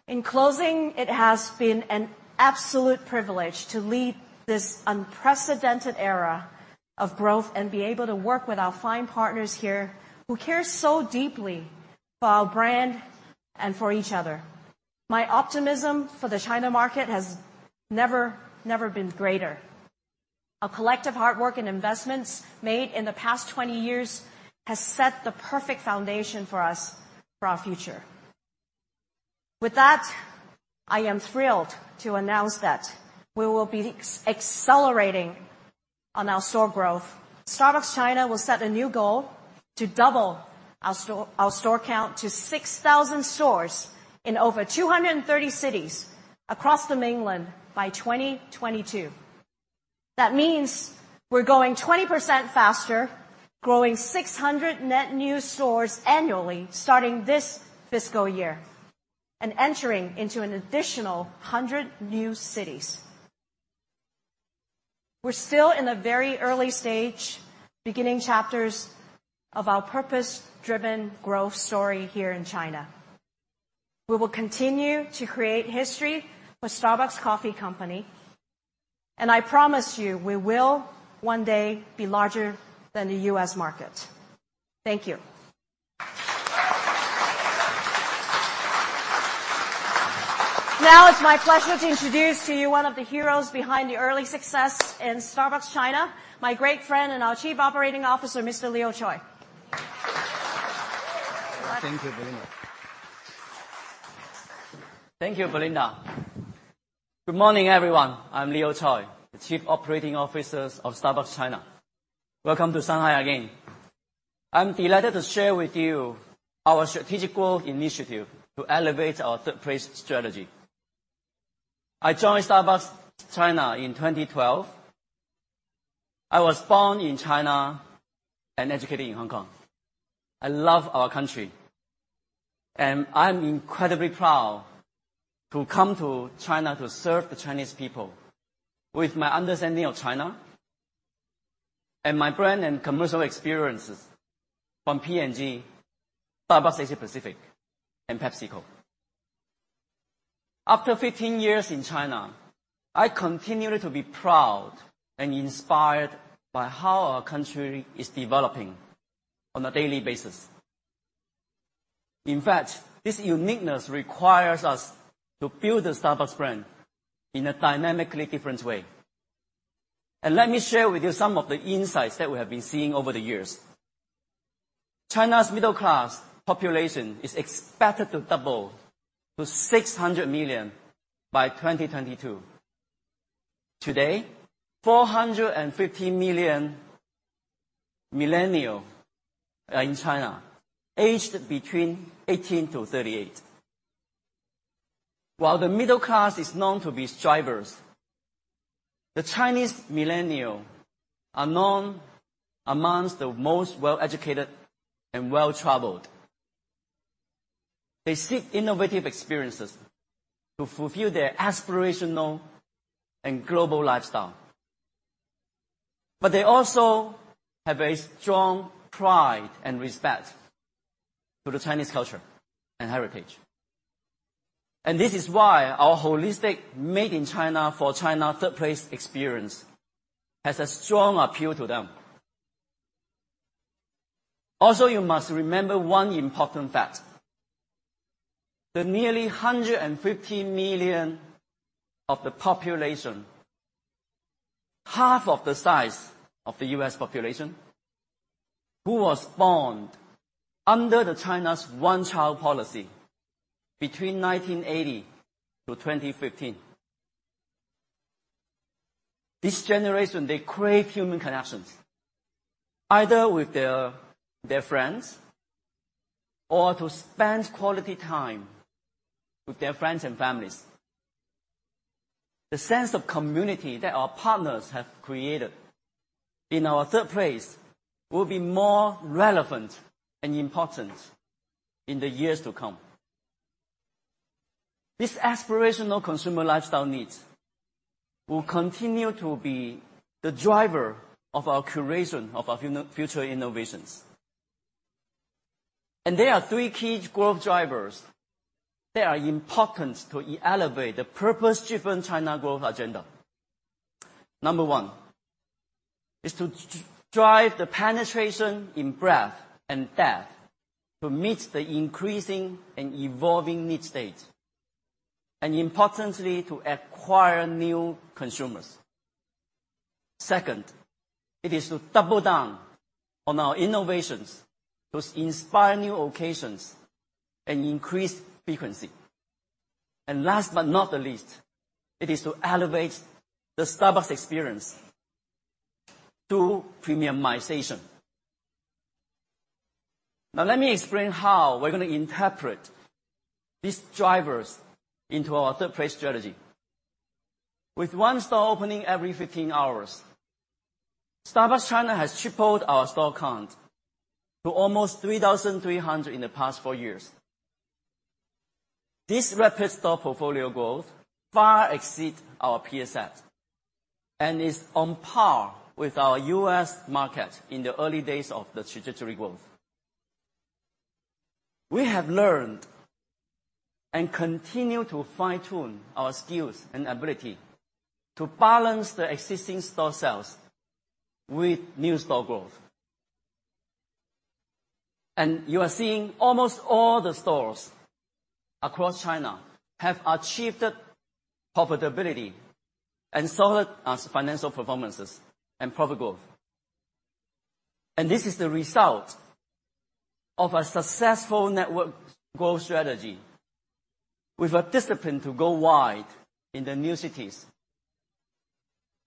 In closing, it has been an absolute privilege to lead this unprecedented era of growth and be able to work with our fine partners here who care so deeply for our brand and for each other. My optimism for the China market has never been greater. Our collective hard work and investments made in the past 20 years has set the perfect foundation for us for our future. With that, I am thrilled to announce that we will be accelerating on our store growth. Starbucks China will set a new goal to double our store count to 6,000 stores in over 230 cities across the mainland by 2022. That means we're going 20% faster, growing 600 net new stores annually starting this fiscal year, and entering into an additional 100 new cities. We're still in a very early stage, beginning chapters of our purpose-driven growth story here in China. We will continue to create history with Starbucks Coffee Company, and I promise you, we will one day be larger than the U.S. market. Thank you. Now it's my pleasure to introduce to you one of the heroes behind the early success in Starbucks China, my great friend and our Chief Operating Officer, Mr. Leo Tsoi. Thank you, Belinda. Thank you, Belinda. Good morning, everyone. I'm Leo Tsoi, the Chief Operating Officer of Starbucks China. Welcome to Shanghai again. I'm delighted to share with you our strategic growth initiative to elevate our third place strategy. I joined Starbucks China in 2012. I was born in China and educated in Hong Kong. I love our country, and I'm incredibly proud to come to China to serve the Chinese people with my understanding of China and my brand and commercial experiences from P&G, Starbucks Asia Pacific, and PepsiCo. After 15 years in China, I continue to be proud and inspired by how our country is developing on a daily basis. In fact, this uniqueness requires us to build the Starbucks brand in a dynamically different way. Let me share with you some of the insights that we have been seeing over the years. China's middle-class population is expected to double to 600 million by 2022. Today, 450 million millennials are in China, aged between 18 to 38. While the middle class is known to be strivers, the Chinese millennials are known amongst the most well-educated and well-traveled. They seek innovative experiences to fulfill their aspirational and global lifestyle. They also have a strong pride and respect for the Chinese culture and heritage. This is why our holistic made-in-China-for-China third place experience has a strong appeal to them. Also, you must remember one important fact. The nearly 150 million of the population, half of the size of the U.S. population, who was born under the China's one-child policy between 1980 to 2015. This generation, they crave human connections either with their friends or to spend quality time with their friends and families. The sense of community that our partners have created in our third place will be more relevant and important in the years to come. These aspirational consumer lifestyle needs will continue to be the driver of our curation of our future innovations. There are three key growth drivers that are important to elevate the purpose-driven China growth agenda. Number one is to drive the penetration in breadth and depth to meet the increasing and evolving need state, and importantly, to acquire new consumers. Second, it is to double down on our innovations to inspire new occasions and increase frequency. Last but not the least, it is to elevate the Starbucks experience through premiumization. Now let me explain how we're going to interpret these drivers into our third place strategy. With one store opening every 15 hours, Starbucks China has tripled our store count to almost 3,300 in the past four years. This rapid store portfolio growth far exceeds our PSFs and is on par with our U.S. market in the early days of the trajectory growth. We have learned and continue to fine-tune our skills and ability to balance the existing store sales with new store growth. You are seeing almost all the stores across China have achieved profitability and solid financial performances and profit growth. This is the result of a successful network growth strategy with a discipline to go wide in the new cities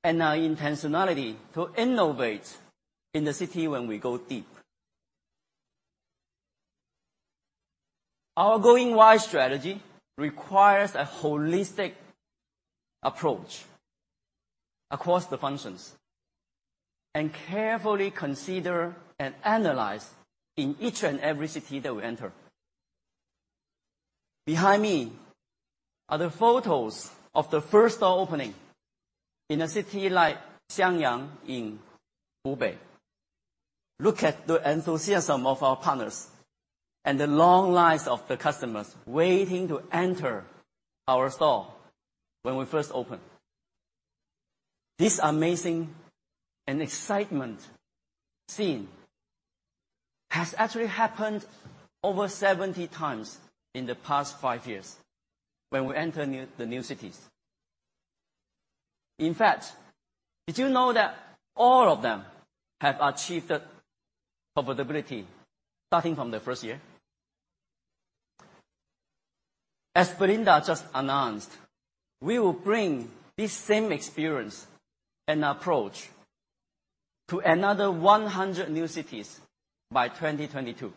and our intentionality to innovate in the city when we go deep. Our going wide strategy requires a holistic approach across the functions and carefully consider and analyze in each and every city that we enter. Behind me are the photos of the first store opening in a city like Xiangyang in Hubei. Look at the enthusiasm of our partners and the long lines of the customers waiting to enter our store when we first opened. This amazing and excitement scene has actually happened over 70 times in the past five years when we enter the new cities. In fact, did you know that all of them have achieved profitability starting from the first year? As Belinda just announced, we will bring this same experience and approach to another 100 new cities by 2022.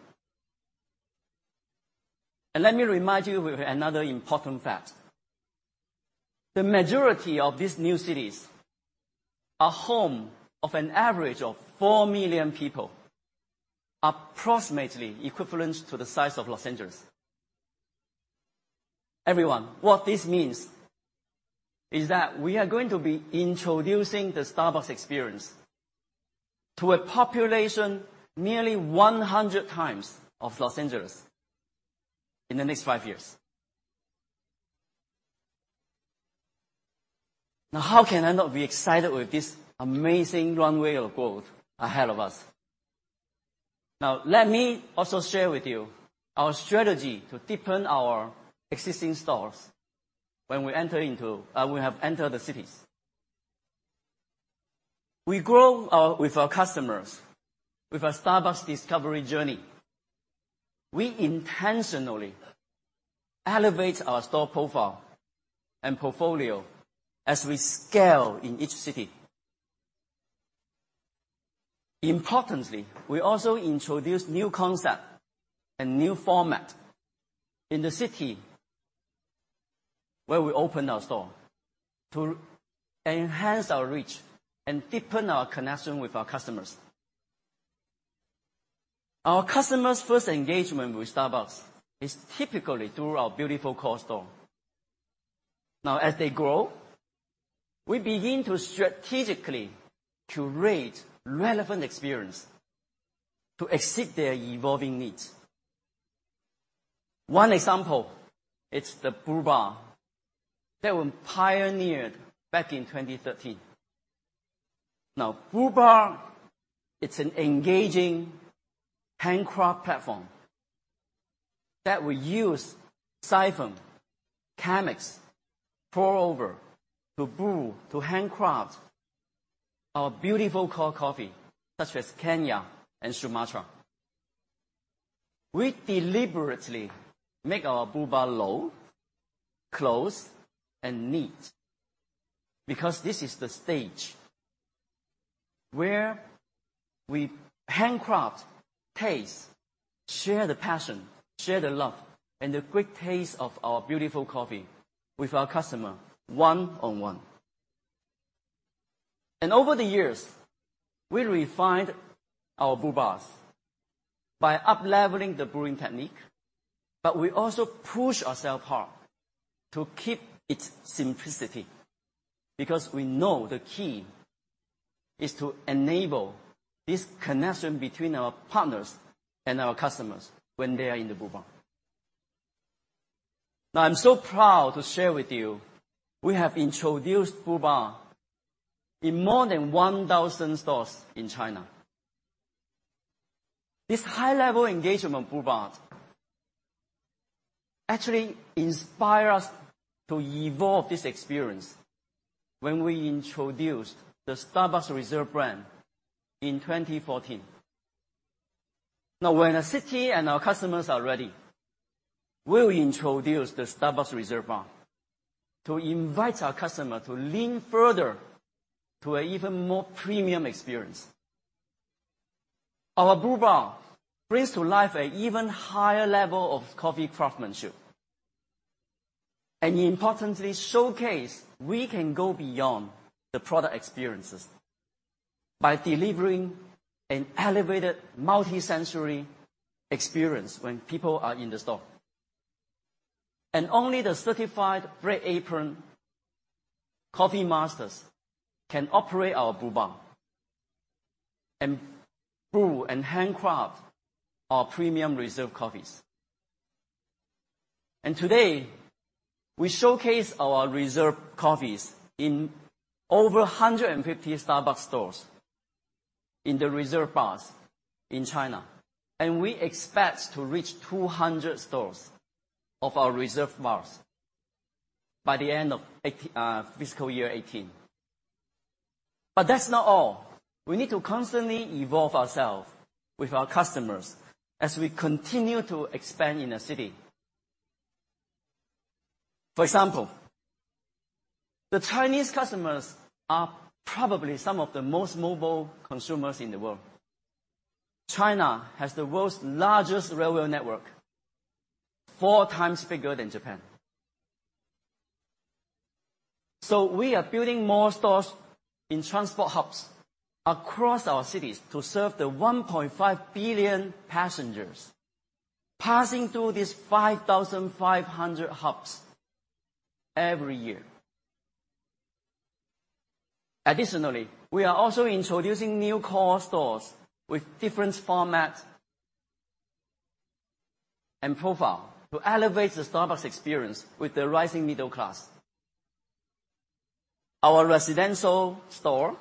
Let me remind you with another important fact. The majority of these new cities are home of an average of 4 million people, approximately equivalent to the size of Los Angeles. Everyone, what this means is that we are going to be introducing the Starbucks experience to a population nearly 100 times of Los Angeles in the next five years. How can I not be excited with this amazing runway of growth ahead of us? Let me also share with you our strategy to deepen our existing stores when we have entered the cities. We grow with our customers with our Starbucks discovery journey. We intentionally elevate our store profile and portfolio as we scale in each city. Importantly, we also introduce new concept and new format in the city where we open our store to enhance our reach and deepen our connection with our customers. Our customers' first engagement with Starbucks is typically through our beautiful core store. As they grow, we begin to strategically curate relevant experience to exceed their evolving needs. One example, it's the Brew Bar that we pioneered back in 2013. Brew Bar, it's an engaging handcraft platform that we use siphon, Chemex, pour over to brew, to handcraft our beautiful core coffee such as Kenya and Sumatra. We deliberately make our Brew Bar low, close, and neat because this is the stage where we handcraft taste, share the passion, share the love, and the great taste of our beautiful coffee with our customer, one-on-one. Over the years, we refined our Brew Bars by upleveling the brewing technique, we also push ourself hard to keep its simplicity, because we know the key is to enable this connection between our partners and our customers when they are in the Brew Bar. I'm so proud to share with you, we have introduced Brew Bar in more than 1,000 stores in China. This high-level engagement Brew Bars actually inspire us to evolve this experience when we introduced the Starbucks Reserve brand in 2014. When a city and our customers are ready, we will introduce the Starbucks Reserve Bar to invite our customer to lean further to an even more premium experience. Our Brew Bar brings to life an even higher level of coffee craftsmanship, importantly, showcase we can go beyond the product experiences by delivering an elevated multi-sensory experience when people are in the store. Only the certified red apron Coffee Masters can operate our Brew Bar and brew and handcraft our premium Reserve coffees. Today, we showcase our Reserve coffees in over 150 Starbucks stores in the Reserve Bars in China. We expect to reach 200 stores of our Reserve Bars by the end of fiscal year 2018. That's not all. We need to constantly evolve ourself with our customers as we continue to expand in a city. For example, the Chinese customers are probably some of the most mobile consumers in the world. China has the world's largest railway network, four times bigger than Japan. We are building more stores in transport hubs across our cities to serve the 1.5 billion passengers passing through these 5,500 hubs every year. Additionally, we are also introducing new core stores with different formats and profile to elevate the Starbucks experience with the rising middle class. Our residential store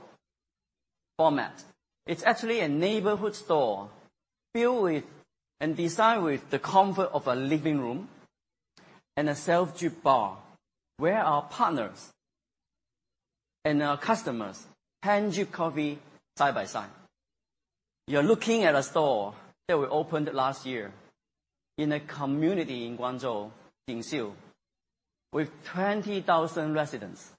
format. It's actually a neighborhood store filled with and designed with the comfort of a living room and a self-drip bar where our partners and our customers hand-drip coffee side by side. You're looking at a store that we opened last year in a community in Guangzhou, Jingxiu, with 20,000 residents.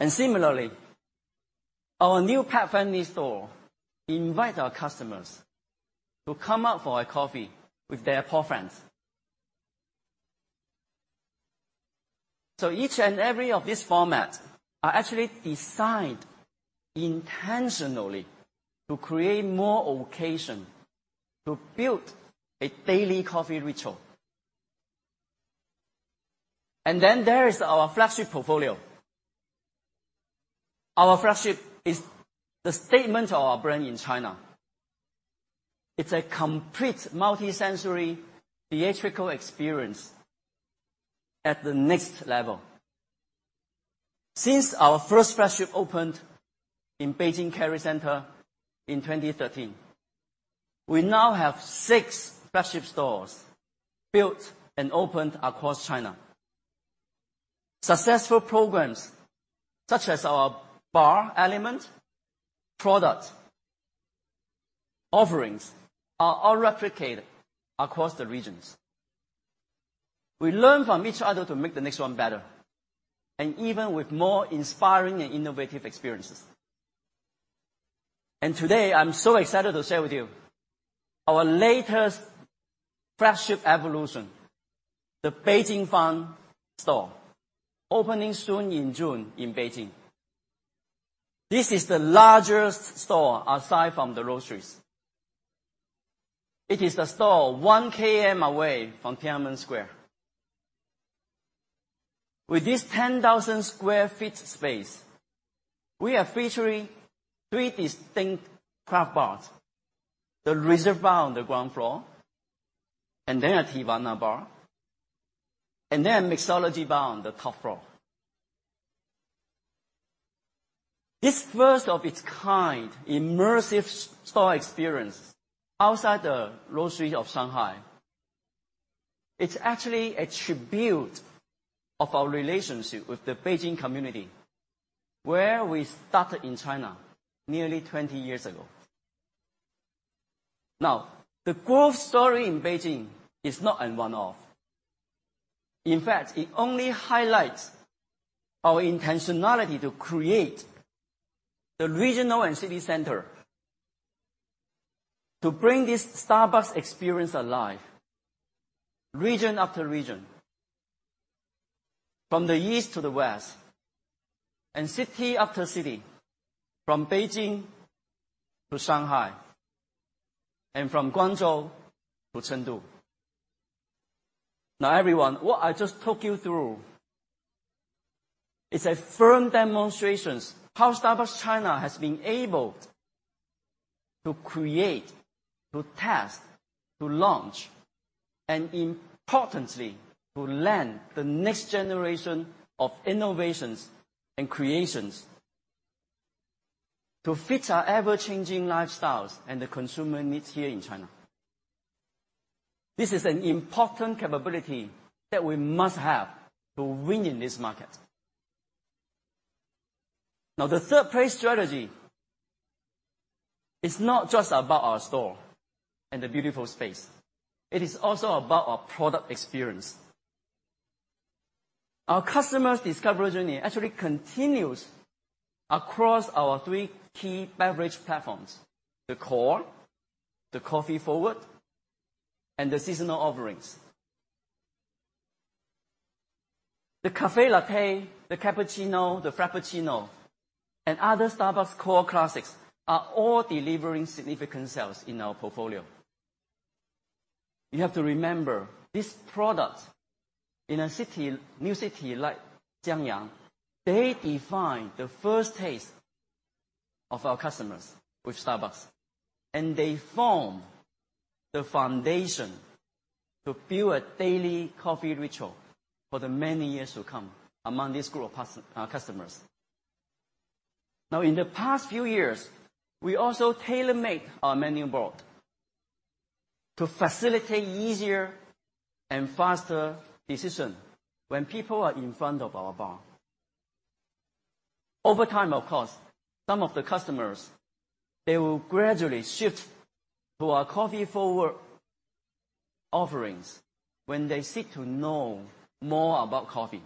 Similarly, our new pet-friendly store invite our customers to come out for a coffee with their paw friends. Each and every of these formats are actually designed intentionally to create more occasion to build a daily coffee ritual. Then there is our flagship portfolio. Our flagship is the statement of our brand in China. It's a complete multi-sensory theatrical experience at the next level. Since our first flagship opened in Beijing Kerry Centre in 2013, we now have six flagship stores built and opened across China. Successful programs, such as our bar element, product offerings, are all replicated across the regions. We learn from each other to make the next one better, and even with more inspiring and innovative experiences. Today, I'm so excited to share with you our latest flagship evolution, the Beijing Fun store, opening soon in June in Beijing. This is the largest store aside from the Roasteries. It is a store 1 km away from Tiananmen Square. With this 10,000 sq ft space, we are featuring three distinct craft bars. The Reserve Bar on the ground floor, then a Teavana Bar, then a mixology bar on the top floor. This first of its kind immersive store experience outside the Roastery of Shanghai, it's actually a tribute of our relationship with the Beijing community, where we started in China nearly 20 years ago. The growth story in Beijing is not a one-off. In fact, it only highlights our intentionality to create the regional and city center to bring this Starbucks experience alive region after region, from the east to the west, and city after city, from Beijing to Shanghai, and from Guangzhou to Chengdu. Everyone, what I just talked you through, it's a firm demonstration how Starbucks China has been able to create, to test, to launch, and importantly, to land the next generation of innovations and creations to fit our ever-changing lifestyles and the consumer needs here in China. This is an important capability that we must have to win in this market. The third place strategy is not just about our store and the beautiful space. It is also about our product experience. Our customers' discovery journey actually continues across our three key beverage platforms, the core, the coffee-forward, and the seasonal offerings. The café latte, the cappuccino, the Frappuccino, and other Starbucks core classics are all delivering significant sales in our portfolio. You have to remember, these products in a new city like Jiangyang, they define the first taste of our customers with Starbucks, and they form the foundation to build a daily coffee ritual for the many years to come among this group of our customers. In the past few years, we also tailor-make our menu board to facilitate easier and faster decision when people are in front of our bar. Over time, of course, some of the customers, they will gradually shift to our coffee-forward offerings when they seek to know more about coffee.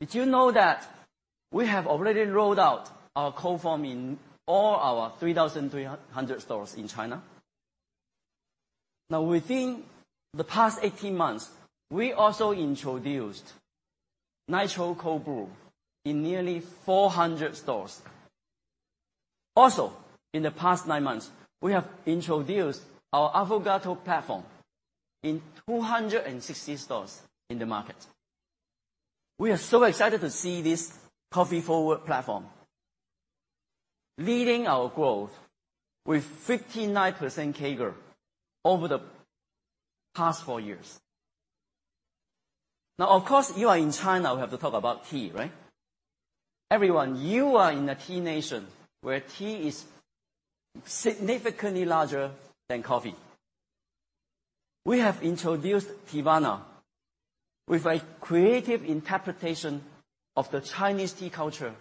Did you know that we have already rolled out our cold foam in all our 3,300 stores in China? Within the past 18 months, we also introduced Nitro Cold Brew in nearly 400 stores. In the past nine months, we have introduced our Affogato platform in 260 stores in the market. We are so excited to see this coffee-forward platform leading our growth with 59% CAGR over the past four years. Of course, you are in China, we have to talk about tea, right? Everyone, you are in a tea nation where tea is significantly larger than coffee. We have introduced Teavana with a creative interpretation of the Chinese tea culture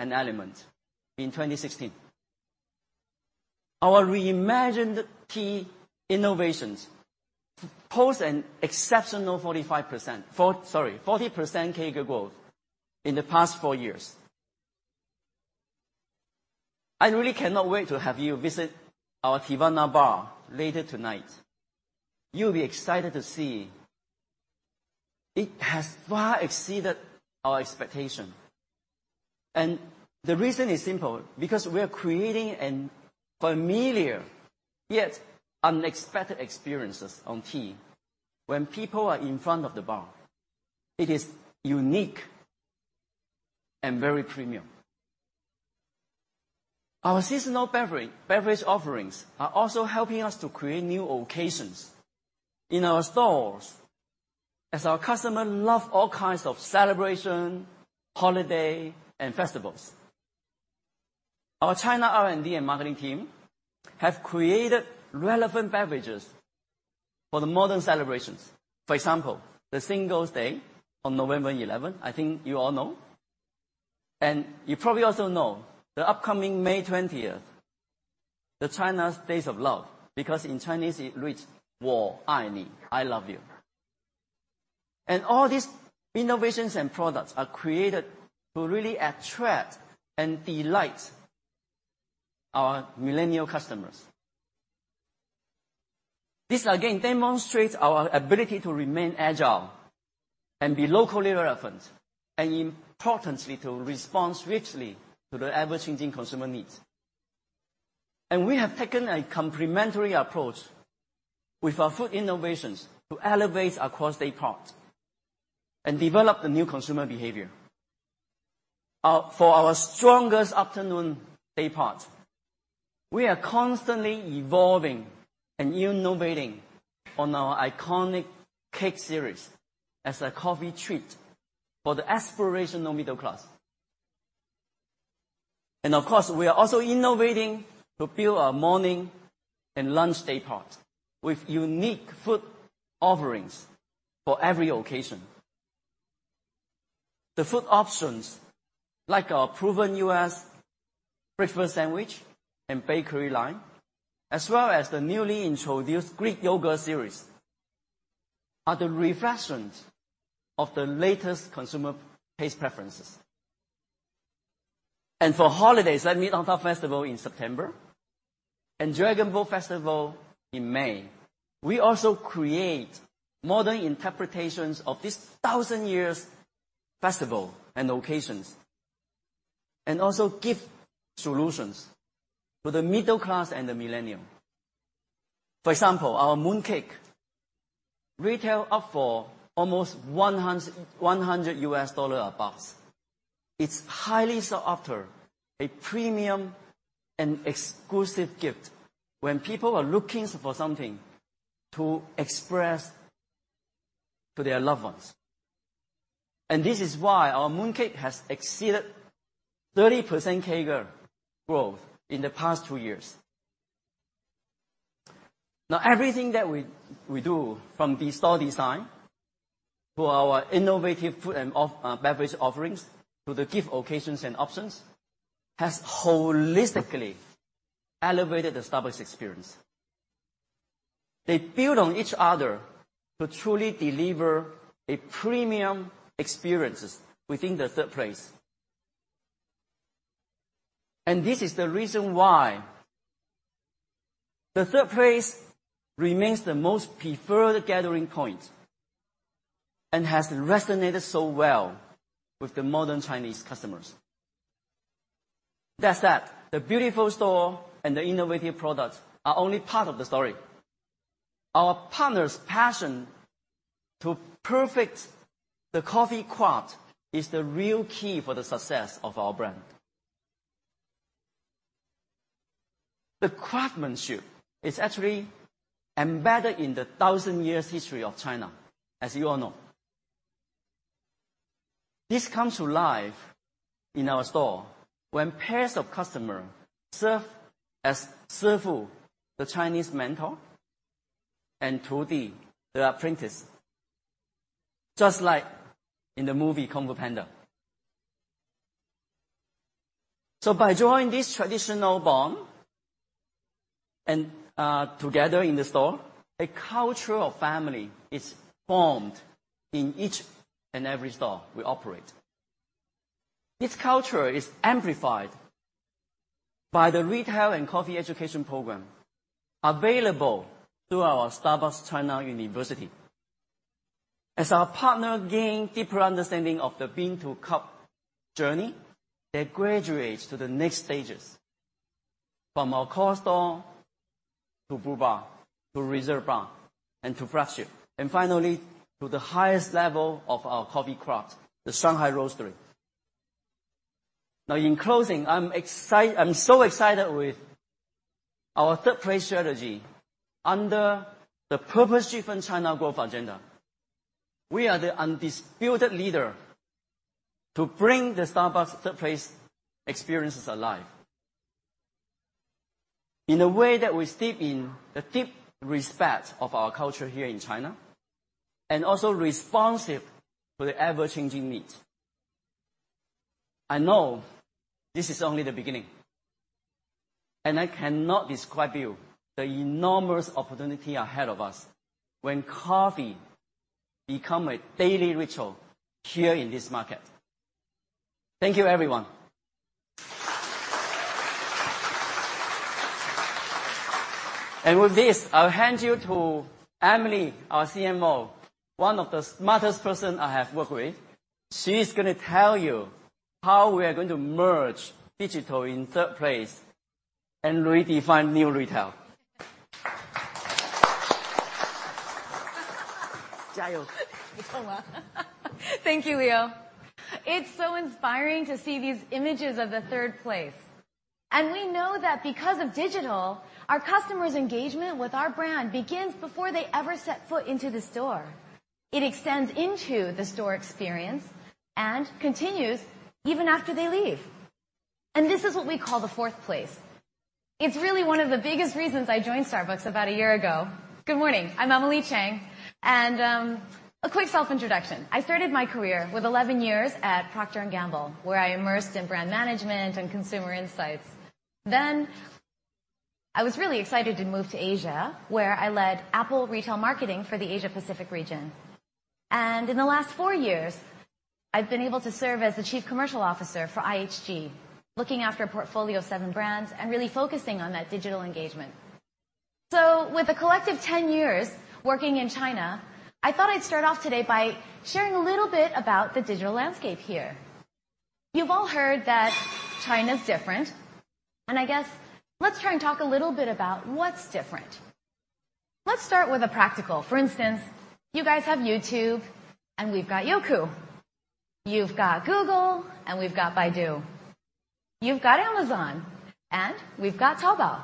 and element in 2016. Our reimagined tea innovations pose an exceptional 45% sorry, 40% CAGR growth in the past four years. I really cannot wait to have you visit our Teavana bar later tonight. You'll be excited to see it has far exceeded our expectation. The reason is simple, because we are creating a familiar yet unexpected experiences on tea when people are in front of the bar. It is unique and very premium. Our seasonal beverage offerings are also helping us to create new occasions in our stores as our customers love all kinds of celebration, holiday, and festivals. Our China R&D and marketing team have created relevant beverages for the modern celebrations. For example, the Singles' Day on November 11th. I think you all know. You probably also know the upcoming May 20th, the China's Days of Love, because in Chinese it reads, "Wo ai ni," I love you. All these innovations and products are created to really attract and delight our millennial customers. This again demonstrates our ability to remain agile and be locally relevant, and importantly, to respond swiftly to the ever-changing consumer needs. We have taken a complementary approach with our food innovations to elevate our core day part and develop the new consumer behavior. For our strongest afternoon day part, we are constantly evolving and innovating on our iconic cake series as a coffee treat for the aspirational middle class. Of course, we are also innovating to build our morning and lunch day part with unique food offerings for every occasion. The food options like our proven U.S. breakfast sandwich and bakery line, as well as the newly introduced Greek yogurt series, are the reflections of the latest consumer taste preferences. For holidays like Mid-Autumn Festival in September, and Dragon Boat Festival in May, we also create modern interpretations of these thousand years festival and occasions, and also gift solutions for the middle class and the millennium. For example, our mooncake retail up for almost $100 a box. It is highly sought after, a premium and exclusive gift when people are looking for something to express to their loved ones. This is why our mooncake has exceeded 30% CAGR growth in the past 2 years. Now, everything that we do from the store design to our innovative food and beverage offerings to the gift occasions and options has holistically elevated the Starbucks experience. They build on each other to truly deliver a premium experiences within the Third Place. This is the reason why the Third Place remains the most preferred gathering point and has resonated so well with the modern Chinese customers. That said, the beautiful store and the innovative products are only part of the story. Our partners' passion to perfect the coffee craft is the real key for the success of our brand. The craftsmanship is actually embedded in the thousand years history of China, as you all know. This comes to life in our store when pairs of customer serve as shifu, the Chinese mentor, and tudi, the apprentice, just like in the movie Kung Fu Panda. By drawing this traditional bond and together in the store, a culture of family is formed in each and every store we operate. This culture is amplified by the retail and coffee education program available through our Starbucks China University. As our partner gain deeper understanding of the bean-to-cup journey, they graduate to the next stages, from our core store to Brew Bar, to Reserve Bar, and to Frappuccino. Finally, to the highest level of our coffee craft, the Shanghai Roastery. Now in closing, I am so excited with our Third Place strategy under the purpose-driven China growth agenda. We are the undisputed leader to bring the Starbucks Third Place experiences alive. In a way that we steep in the deep respect of our culture here in China, and also responsive to the ever-changing needs. I know this is only the beginning, and I cannot describe you the enormous opportunity ahead of us when coffee become a daily ritual here in this market. Thank you, everyone. With this, I will hand you to Emily, our CMO, one of the smartest person I have worked with. She is going to tell you how we are going to merge digital in Third Place and redefine New Retail. Thank you, Leo. It's so inspiring to see these images of the Third Place. We know that because of digital, our customers' engagement with our brand begins before they ever set foot into the store. It extends into the store experience and continues even after they leave. This is what we call the Fourth Place. It's really one of the biggest reasons I joined Starbucks about a year ago. Good morning. I'm Emily Chang. A quick self-introduction. I started my career with 11 years at Procter & Gamble, where I immersed in brand management and consumer insights. I was really excited to move to Asia, where I led Apple retail marketing for the Asia Pacific region. In the last four years, I've been able to serve as the chief commercial officer for IHG, looking after a portfolio of seven brands and really focusing on that digital engagement. With a collective 10 years working in China, I thought I'd start off today by sharing a little bit about the digital landscape here. You've all heard that China's different, and I guess let's try and talk a little bit about what's different. Let's start with a practical. For instance, you guys have YouTube and we've got Youku. You've got Google and we've got Baidu. You've got Amazon and we've got Taobao.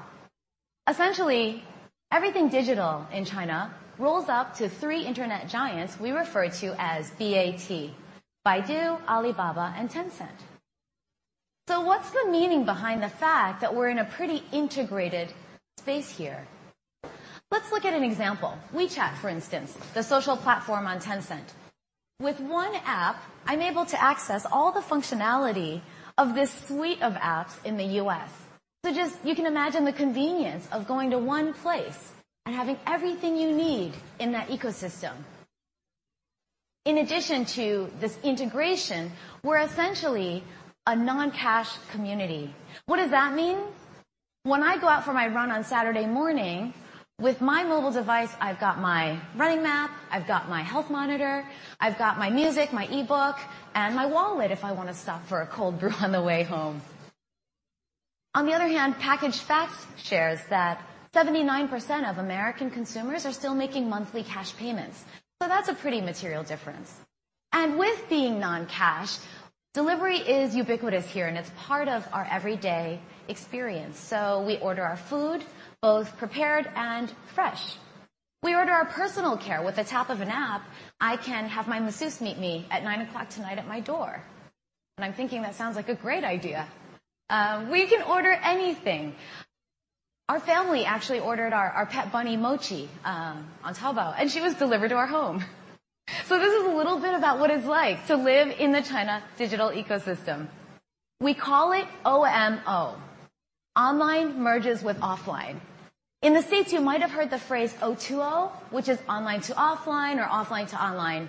Essentially, everything digital in China rolls up to three internet giants we refer to as BAT: Baidu, Alibaba, and Tencent. What's the meaning behind the fact that we're in a pretty integrated space here? Let's look at an example. WeChat, for instance, the social platform on Tencent. With one app, I'm able to access all the functionality of this suite of apps in the U.S. You can imagine the convenience of going to one place and having everything you need in that ecosystem. In addition to this integration, we're essentially a non-cash community. What does that mean? When I go out for my run on Saturday morning, with my mobile device, I've got my running map, I've got my health monitor, I've got my music, my e-book, and my wallet if I want to stop for a cold brew on the way home. On the other hand, Packaged Facts shares that 79% of American consumers are still making monthly cash payments. That's a pretty material difference. With being non-cash, delivery is ubiquitous here, and it's part of our everyday experience. We order our food, both prepared and fresh. We order our personal care. With the tap of an app, I can have my masseuse meet me at 9:00 P.M. tonight at my door. I'm thinking that sounds like a great idea. We can order anything. Our family actually ordered our pet bunny, Mochi, on Taobao, and she was delivered to our home. This is a little bit about what it's like to live in the China digital ecosystem. We call it OMO, online merges with offline. In the States, you might have heard the phrase O2O, which is online to offline or offline to online.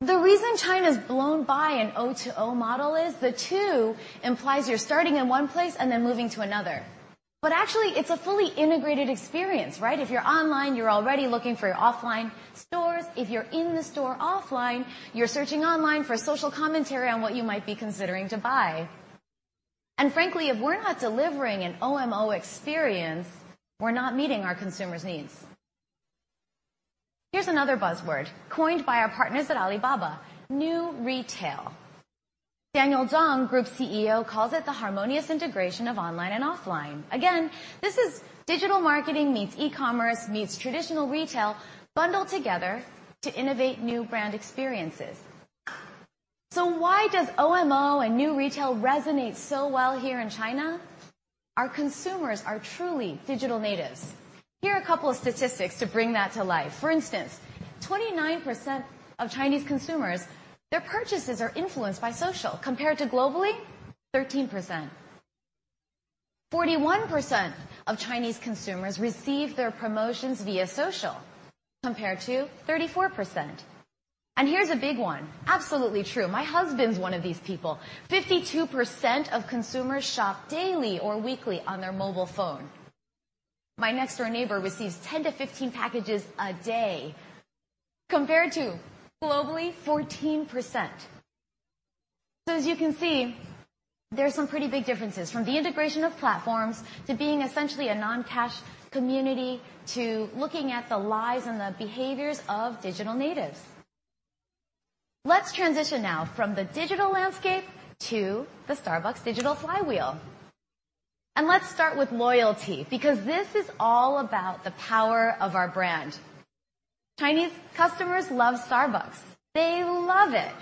The reason China's blown by an O2O model is the two implies you're starting in one place and then moving to another. Actually, it's a fully integrated experience, right? If you're online, you're already looking for your offline stores. If you're in the store offline, you're searching online for social commentary on what you might be considering to buy. Frankly, if we're not delivering an OMO experience, we're not meeting our consumers' needs. Here's another buzzword coined by our partners at Alibaba, New Retail. Daniel Zhang, Group CEO, calls it the harmonious integration of online and offline. This is digital marketing meets e-commerce meets traditional retail bundled together to innovate new brand experiences. Why does OMO and New Retail resonate so well here in China? Our consumers are truly digital natives. Here are a couple of statistics to bring that to life. For instance, 29% of Chinese consumers, their purchases are influenced by social, compared to globally, 13%. 41% of Chinese consumers receive their promotions via social, compared to 34%. Here's a big one. Absolutely true. My husband's one of these people. 52% of consumers shop daily or weekly on their mobile phone. My next-door neighbor receives 10 to 15 packages a day, compared to globally, 14%. As you can see, there are some pretty big differences, from the integration of platforms to being essentially a non-cash community to looking at the lives and the behaviors of digital natives. Let's transition now from the digital landscape to the Starbucks digital flywheel. Let's start with loyalty, because this is all about the power of our brand. Chinese customers love Starbucks. They love it.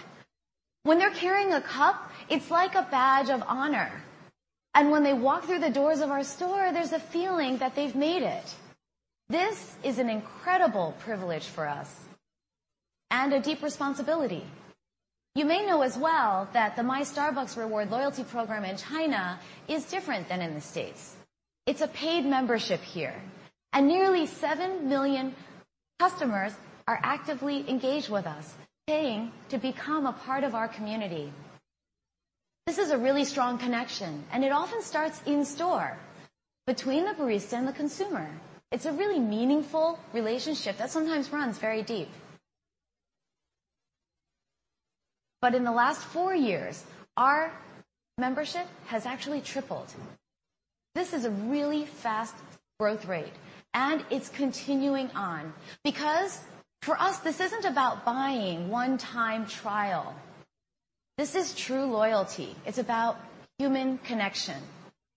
When they're carrying a cup, it's like a badge of honor. When they walk through the doors of our store, there's a feeling that they've made it. This is an incredible privilege for us and a deep responsibility. You may know as well that the My Starbucks Rewards loyalty program in China is different than in the U.S. It's a paid membership here. Nearly 7 million customers are actively engaged with us, paying to become a part of our community. This is a really strong connection, and it often starts in store between the barista and the consumer. It's a really meaningful relationship that sometimes runs very deep. In the last 4 years, our membership has actually tripled. This is a really fast growth rate, and it's continuing on. For us, this isn't about buying one-time trial. This is true loyalty. It's about human connection.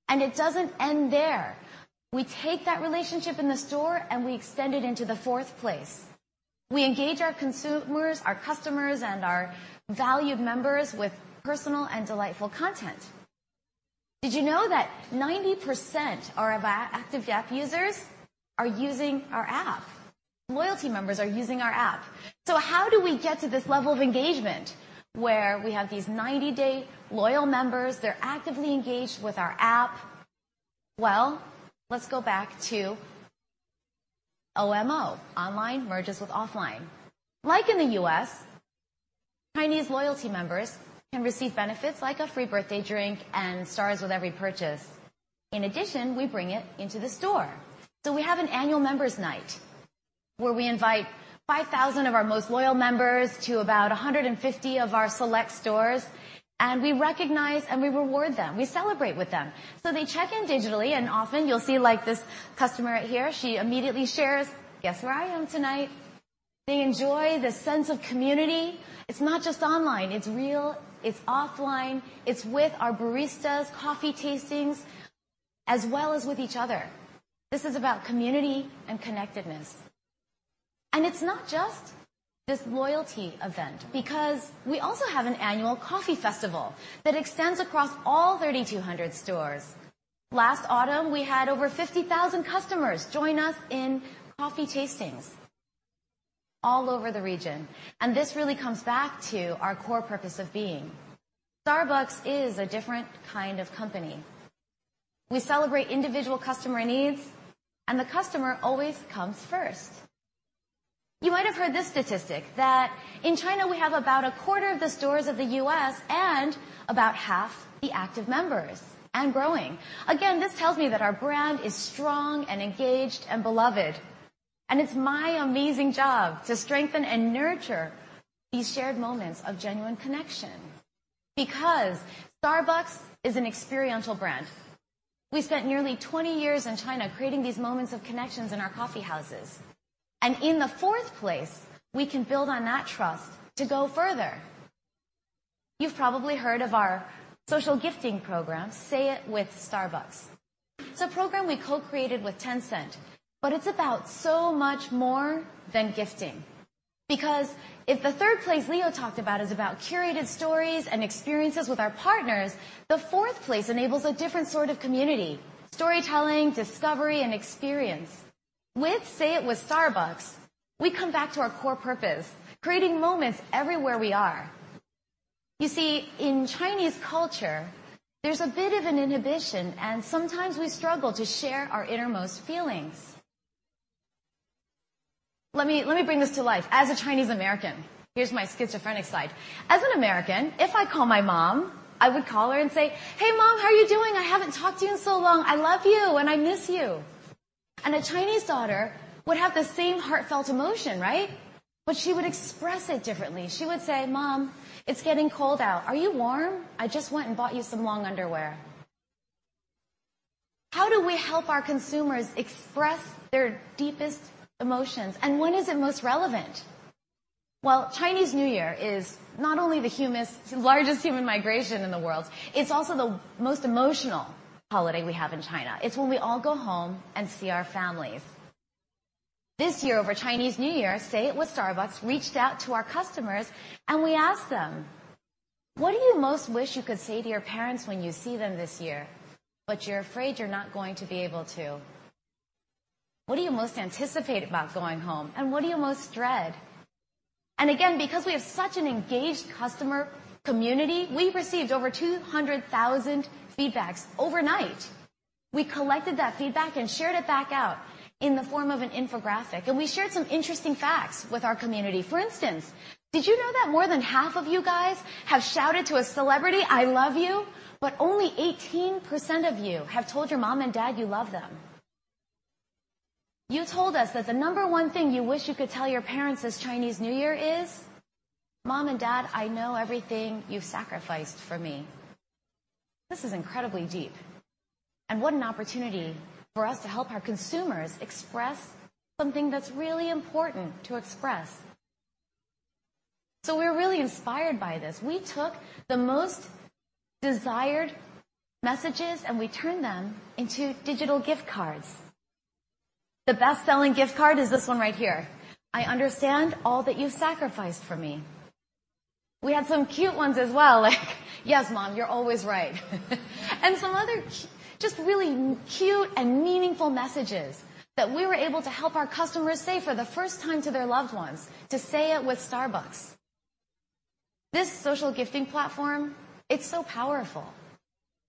It doesn't end there. We take that relationship in the store, and we extend it into the fourth place. We engage our consumers, our customers, and our valued members with personal and delightful content. Did you know that 90% are of our active app users are using our app? Loyalty members are using our app. How do we get to this level of engagement where we have these 90-day loyal members, they're actively engaged with our app? Let's go back to OMO, online merges with offline. Like in the U.S., Chinese loyalty members can receive benefits like a free birthday drink and stars with every purchase. In addition, we bring it into the store. We have an annual members night where we invite 5,000 of our most loyal members to about 150 of our select stores, and we recognize and we reward them. We celebrate with them. They check in digitally, and often you'll see, like this customer right here, she immediately shares, "Guess where I am tonight?" They enjoy the sense of community. It's not just online. It's real. It's offline. It's with our baristas, coffee tastings, as well as with each other. This is about community and connectedness. It's not just this loyalty event, because we also have an annual coffee festival that extends across all 3,200 stores. Last autumn, we had over 50,000 customers join us in coffee tastings all over the region. This really comes back to our core purpose of being. Starbucks is a different kind of company. We celebrate individual customer needs, and the customer always comes first. You might have heard this statistic, that in China, we have about a quarter of the stores of the U.S. and about half the active members, and growing. This tells me that our brand is strong and engaged and beloved, and it's my amazing job to strengthen and nurture these shared moments of genuine connection. Starbucks is an experiential brand. We spent nearly 20 years in China creating these moments of connections in our coffee houses. In the fourth place, we can build on that trust to go further. You've probably heard of our social gifting program, Say it with Starbucks. It's a program we co-created with Tencent, but it's about so much more than gifting. If the third place Leo talked about is about curated stories and experiences with our partners, the fourth place enables a different sort of community, storytelling, discovery, and experience. With Say it with Starbucks, we come back to our core purpose, creating moments everywhere we are. In Chinese culture, there's a bit of an inhibition, and sometimes we struggle to share our innermost feelings. Let me bring this to life as a Chinese American. Here's my schizophrenic side. As an American, if I call my mom, I would call her and say, "Hey, Mom, how are you doing? I haven't talked to you in so long. I love you, and I miss you." A Chinese daughter would have the same heartfelt emotion, right? She would express it differently. She would say, "Mom, it's getting cold out. Are you warm? I just went and bought you some long underwear." How do we help our consumers express their deepest emotions, and when is it most relevant? Chinese New Year is not only the largest human migration in the world, it's also the most emotional holiday we have in China. It's when we all go home and see our families. This year, over Chinese New Year, Say it with Starbucks reached out to our customers, and we asked them, "What do you most wish you could say to your parents when you see them this year, but you're afraid you're not going to be able to? What do you most anticipate about going home, and what do you most dread?" Because we have such an engaged customer community, we received over 200,000 feedbacks overnight. We collected that feedback and shared it back out in the form of an infographic. We shared some interesting facts with our community. For instance, did you know that more than half of you guys have shouted to a celebrity, "I love you," but only 18% of you have told your mom and dad you love them? You told us that the number one thing you wish you could tell your parents this Chinese New Year is, "Mom and Dad, I know everything you've sacrificed for me." This is incredibly deep. What an opportunity for us to help our consumers express something that's really important to express. We're really inspired by this. We took the most desired messages, and we turned them into digital gift cards. The best-selling gift card is this one right here, "I understand all that you sacrificed for me." We have some cute ones as well, like, "Yes, Mom, you're always right." Some other just really cute and meaningful messages that we were able to help our customers say for the first time to their loved ones to Say it with Starbucks. This social gifting platform, it's so powerful.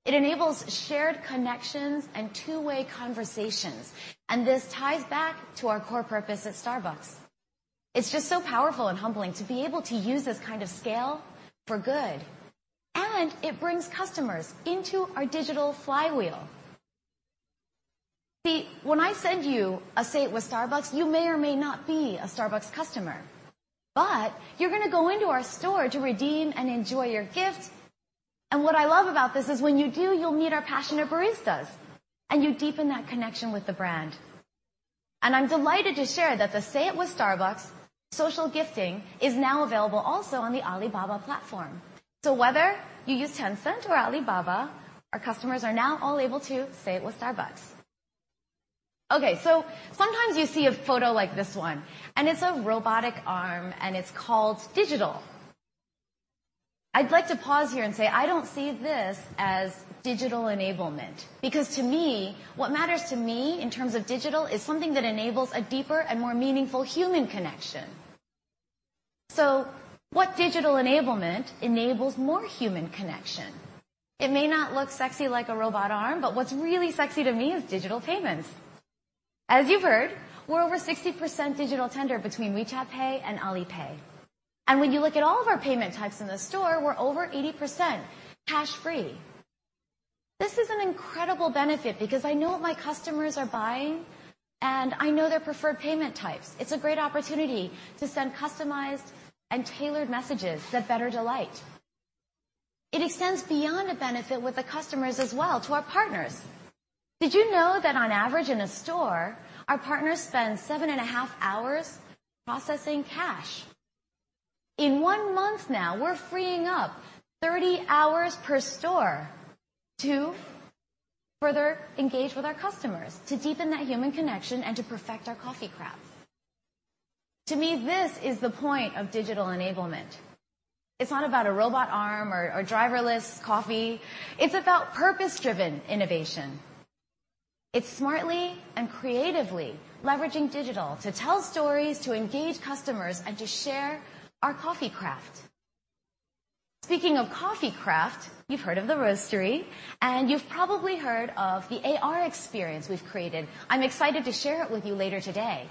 It enables shared connections and two-way conversations. This ties back to our core purpose at Starbucks. It's just so powerful and humbling to be able to use this kind of scale for good. It brings customers into our digital flywheel. See, when I send you a Say it with Starbucks, you may or may not be a Starbucks customer. You're going to go into our store to redeem and enjoy your gift. What I love about this is when you do, you'll meet our passionate baristas, and you deepen that connection with the brand. I'm delighted to share that the Say it with Starbucks social gifting is now available also on the Alibaba platform. Whether you use Tencent or Alibaba, our customers are now all able to Say it with Starbucks. Sometimes you see a photo like this one, and it's a robotic arm, and it's called digital. I'd like to pause here and say, I don't see this as digital enablement, because to me, what matters to me in terms of digital is something that enables a deeper and more meaningful human connection. What digital enablement enables more human connection? It may not look sexy like a robot arm, but what's really sexy to me is digital payments. As you've heard, we're over 60% digital tender between WeChat Pay and Alipay. When you look at all of our payment types in the store, we're over 80% cash-free. This is an incredible benefit because I know what my customers are buying, and I know their preferred payment types. It's a great opportunity to send customized and tailored messages that better delight. It extends beyond a benefit with the customers as well to our partners. Did you know that on average in a store, our partners spend seven and a half hours processing cash? In one month now, we're freeing up 30 hours per store to further engage with our customers, to deepen that human connection, and to perfect our coffee craft. To me, this is the point of digital enablement. It's not about a robot arm or driverless coffee. It's about purpose-driven innovation. It's smartly and creatively leveraging digital to tell stories, to engage customers, and to share our coffee craft. Speaking of coffee craft, you've heard of the Roastery, and you've probably heard of the AR experience we've created. I'm excited to share it with you later today.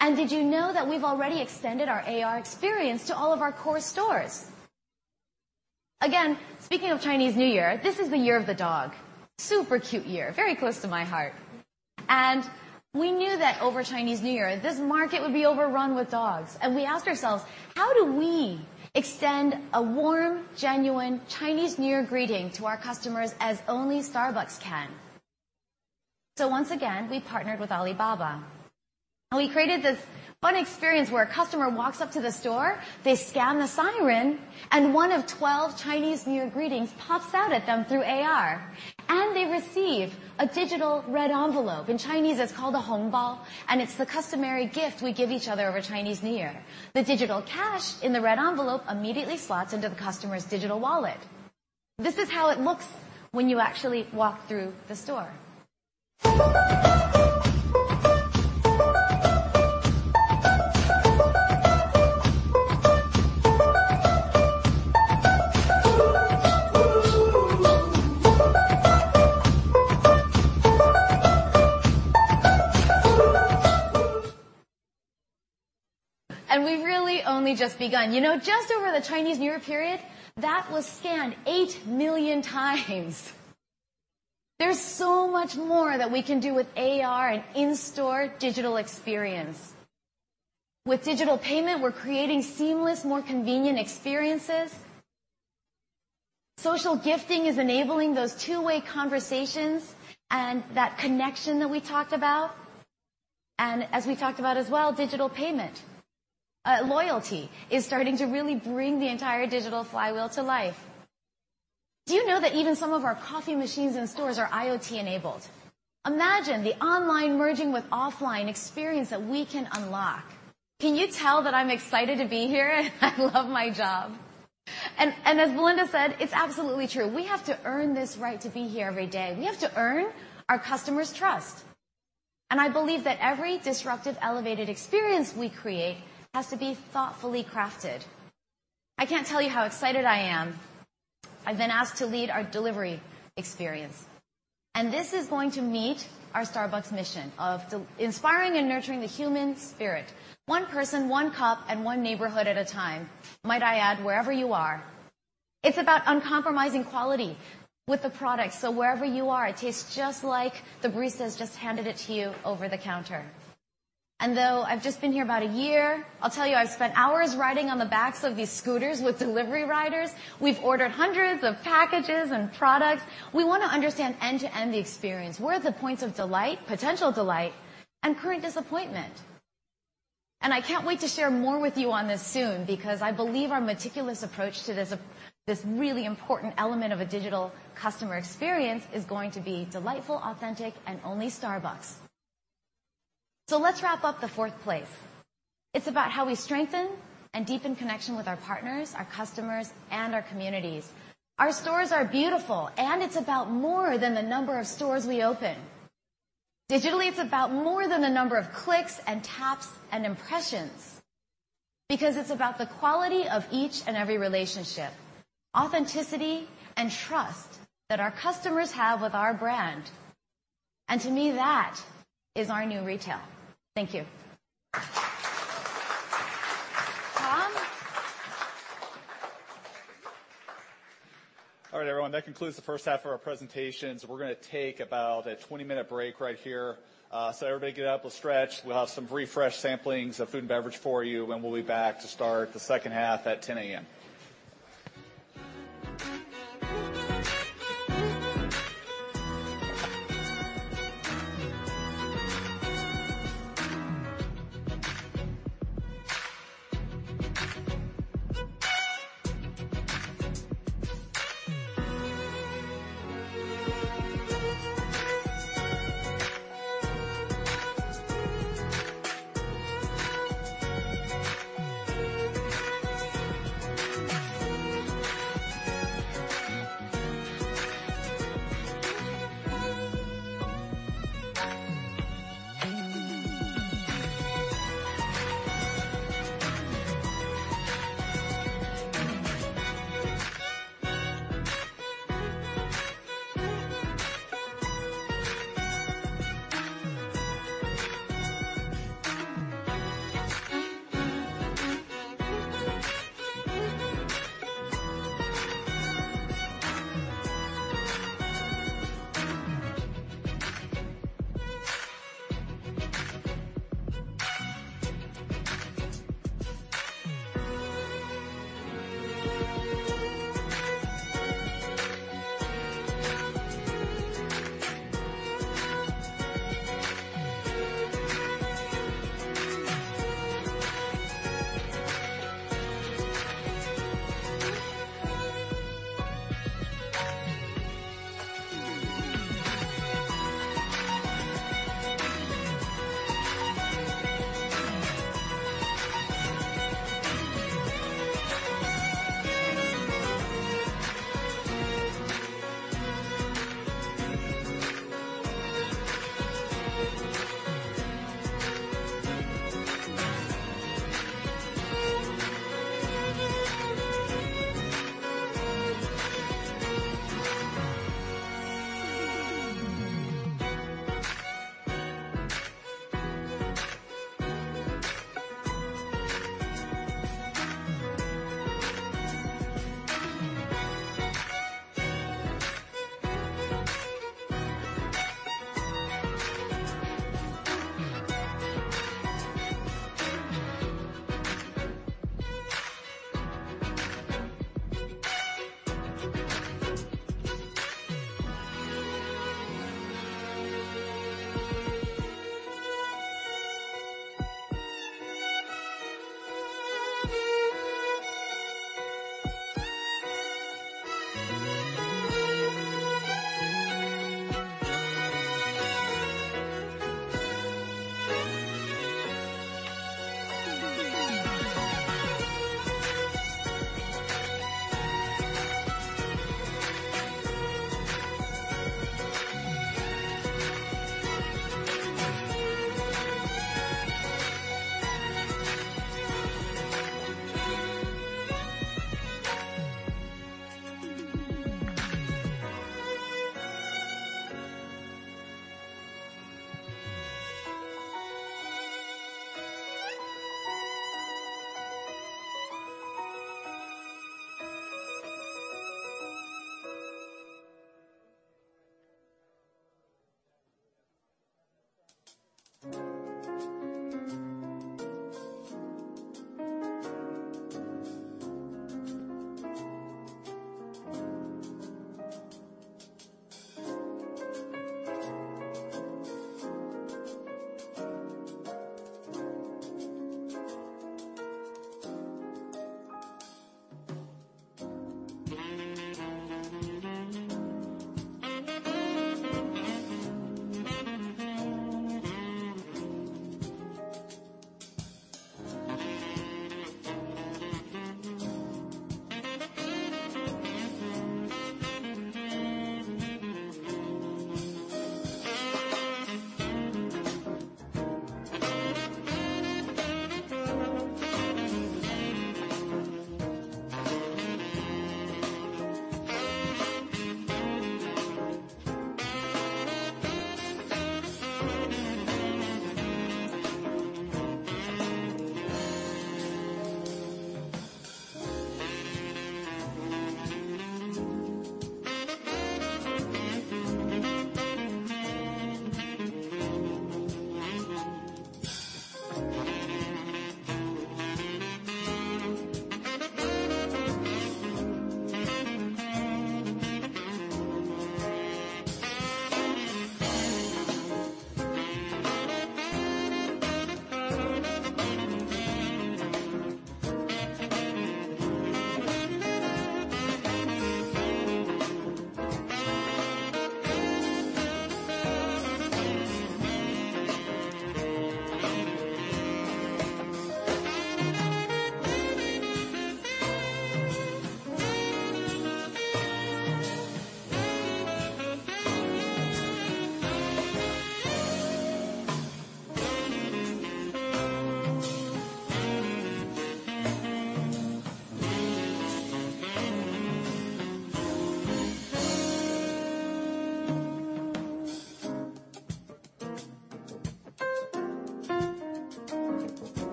Did you know that we've already extended our AR experience to all of our core stores? Speaking of Chinese New Year, this is the year of the dog. Super cute year, very close to my heart. We knew that over Chinese New Year, this market would be overrun with dogs. We asked ourselves, "How do we extend a warm, genuine Chinese New Year greeting to our customers as only Starbucks can?" Once again, we partnered with Alibaba, and we created this fun experience where a customer walks up to the store, they scan the Siren, and one of 12 Chinese New Year greetings pops out at them through AR, and they receive a digital red envelope. In Chinese, it's called a hongbao, and it's the customary gift we give each other over Chinese New Year. The digital cash in the red envelope immediately slots into the customer's digital wallet. This is how it looks when you actually walk through the store. We've really only just begun. Just over the Chinese New Year period, that was scanned 8 million times. There's so much more that we can do with AR and in-store digital experience. With digital payment, we're creating seamless, more convenient experiences. Social gifting is enabling those two-way conversations and that connection that we talked about. As we talked about as well, digital payment. Loyalty is starting to really bring the entire digital flywheel to life. Do you know that even some of our coffee machines in stores are IoT-enabled? Imagine the online merging with offline experience that we can unlock. Can you tell that I'm excited to be here? I love my job. As Belinda said, it's absolutely true. We have to earn this right to be here every day. We have to earn our customers' trust. I believe that every disruptive, elevated experience we create has to be thoughtfully crafted. I can't tell you how excited I am. I've been asked to lead our delivery experience, and this is going to meet our Starbucks mission of inspiring and nurturing the human spirit, one person, one cup, and one neighborhood at a time. Might I add, wherever you are. It's about uncompromising quality with the product, so wherever you are, it tastes just like the barista's just handed it to you over the counter. Though I've just been here about a year, I'll tell you, I've spent hours riding on the backs of these scooters with delivery riders. We've ordered hundreds of packages and products. We want to understand end-to-end the experience. Where are the points of delight, potential delight, and current disappointment? I can't wait to share more with you on this soon, because I believe our meticulous approach to this really important element of a digital customer experience is going to be delightful, authentic, and only Starbucks. Let's wrap up the fourth place. It's about how we strengthen and deepen connection with our partners, our customers, and our communities. Our stores are beautiful, and it's about more than the number of stores we open. Digitally, it's about more than the number of clicks, and taps, and impressions. It's about the quality of each and every relationship, authenticity, and trust that our customers have with our brand. To me, that is our New Retail. Thank you. Tom? All right, everyone, that concludes the first half of our presentations. We're going to take about a 20-minute break right here. Everybody get up. We'll stretch. We'll have some refresh samplings of food and beverage for you, and we'll be back to start the second half at 10:00 A.M.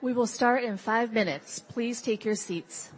We will start in five minutes. Please take your seats.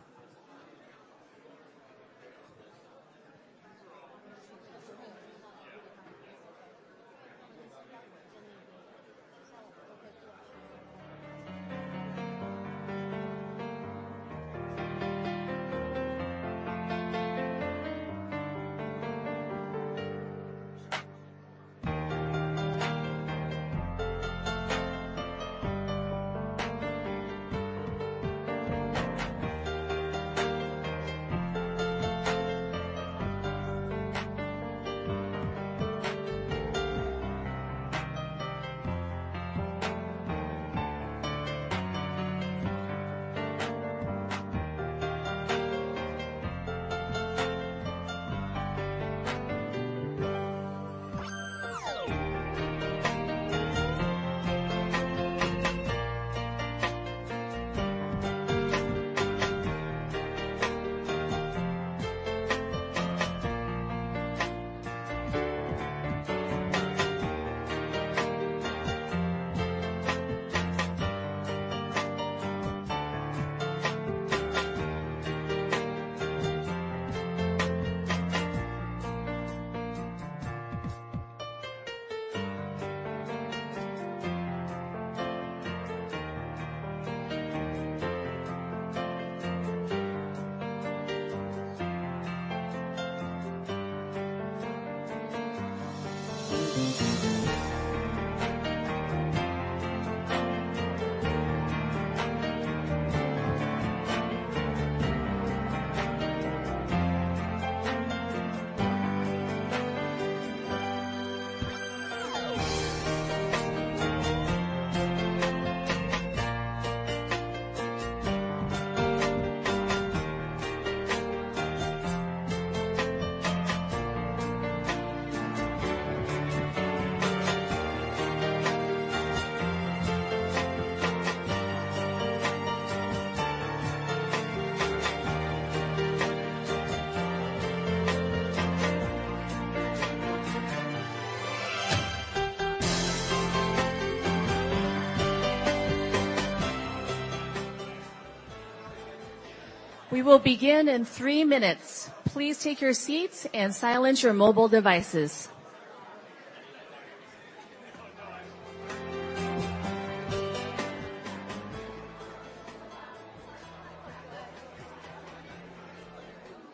We will begin in three minutes. Please take your seats and silence your mobile devices.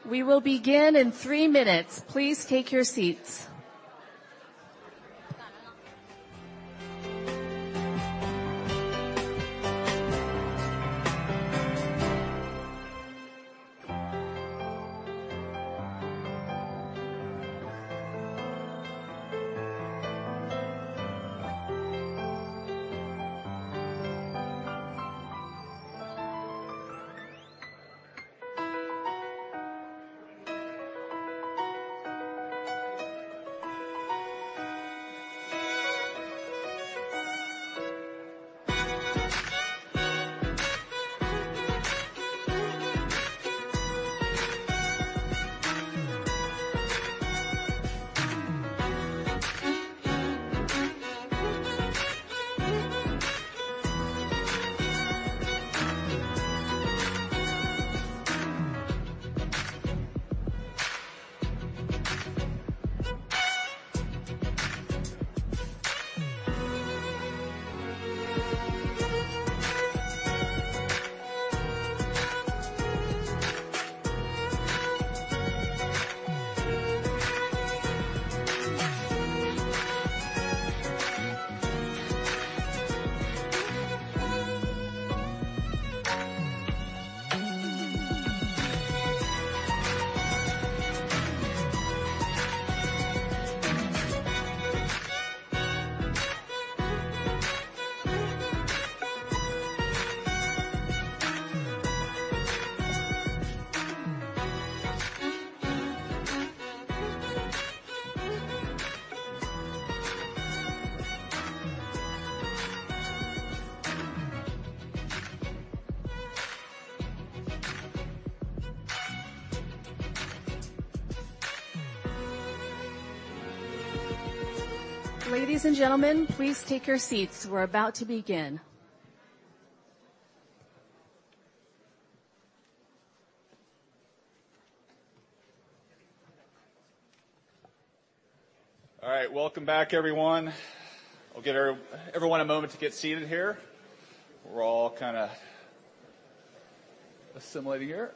We will begin in three minutes. Please take your seats. Ladies and gentlemen, please take your seats. We're about to begin. All right, welcome back everyone. I'll give everyone a moment to get seated here. We're all kind of assimilating here.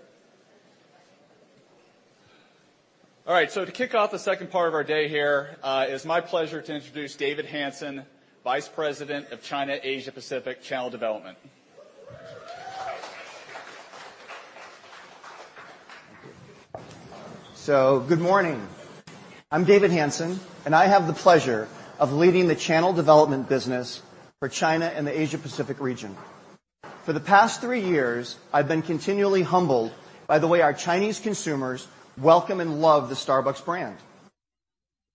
To kick off the second part of our day here, it is my pleasure to introduce David Hanson, Vice President of China Asia Pacific Channel Development. Good morning. I'm David Hanson, and I have the pleasure of leading the channel development business for China and the Asia Pacific region. For the past three years, I've been continually humbled by the way our Chinese consumers welcome and love the Starbucks brand.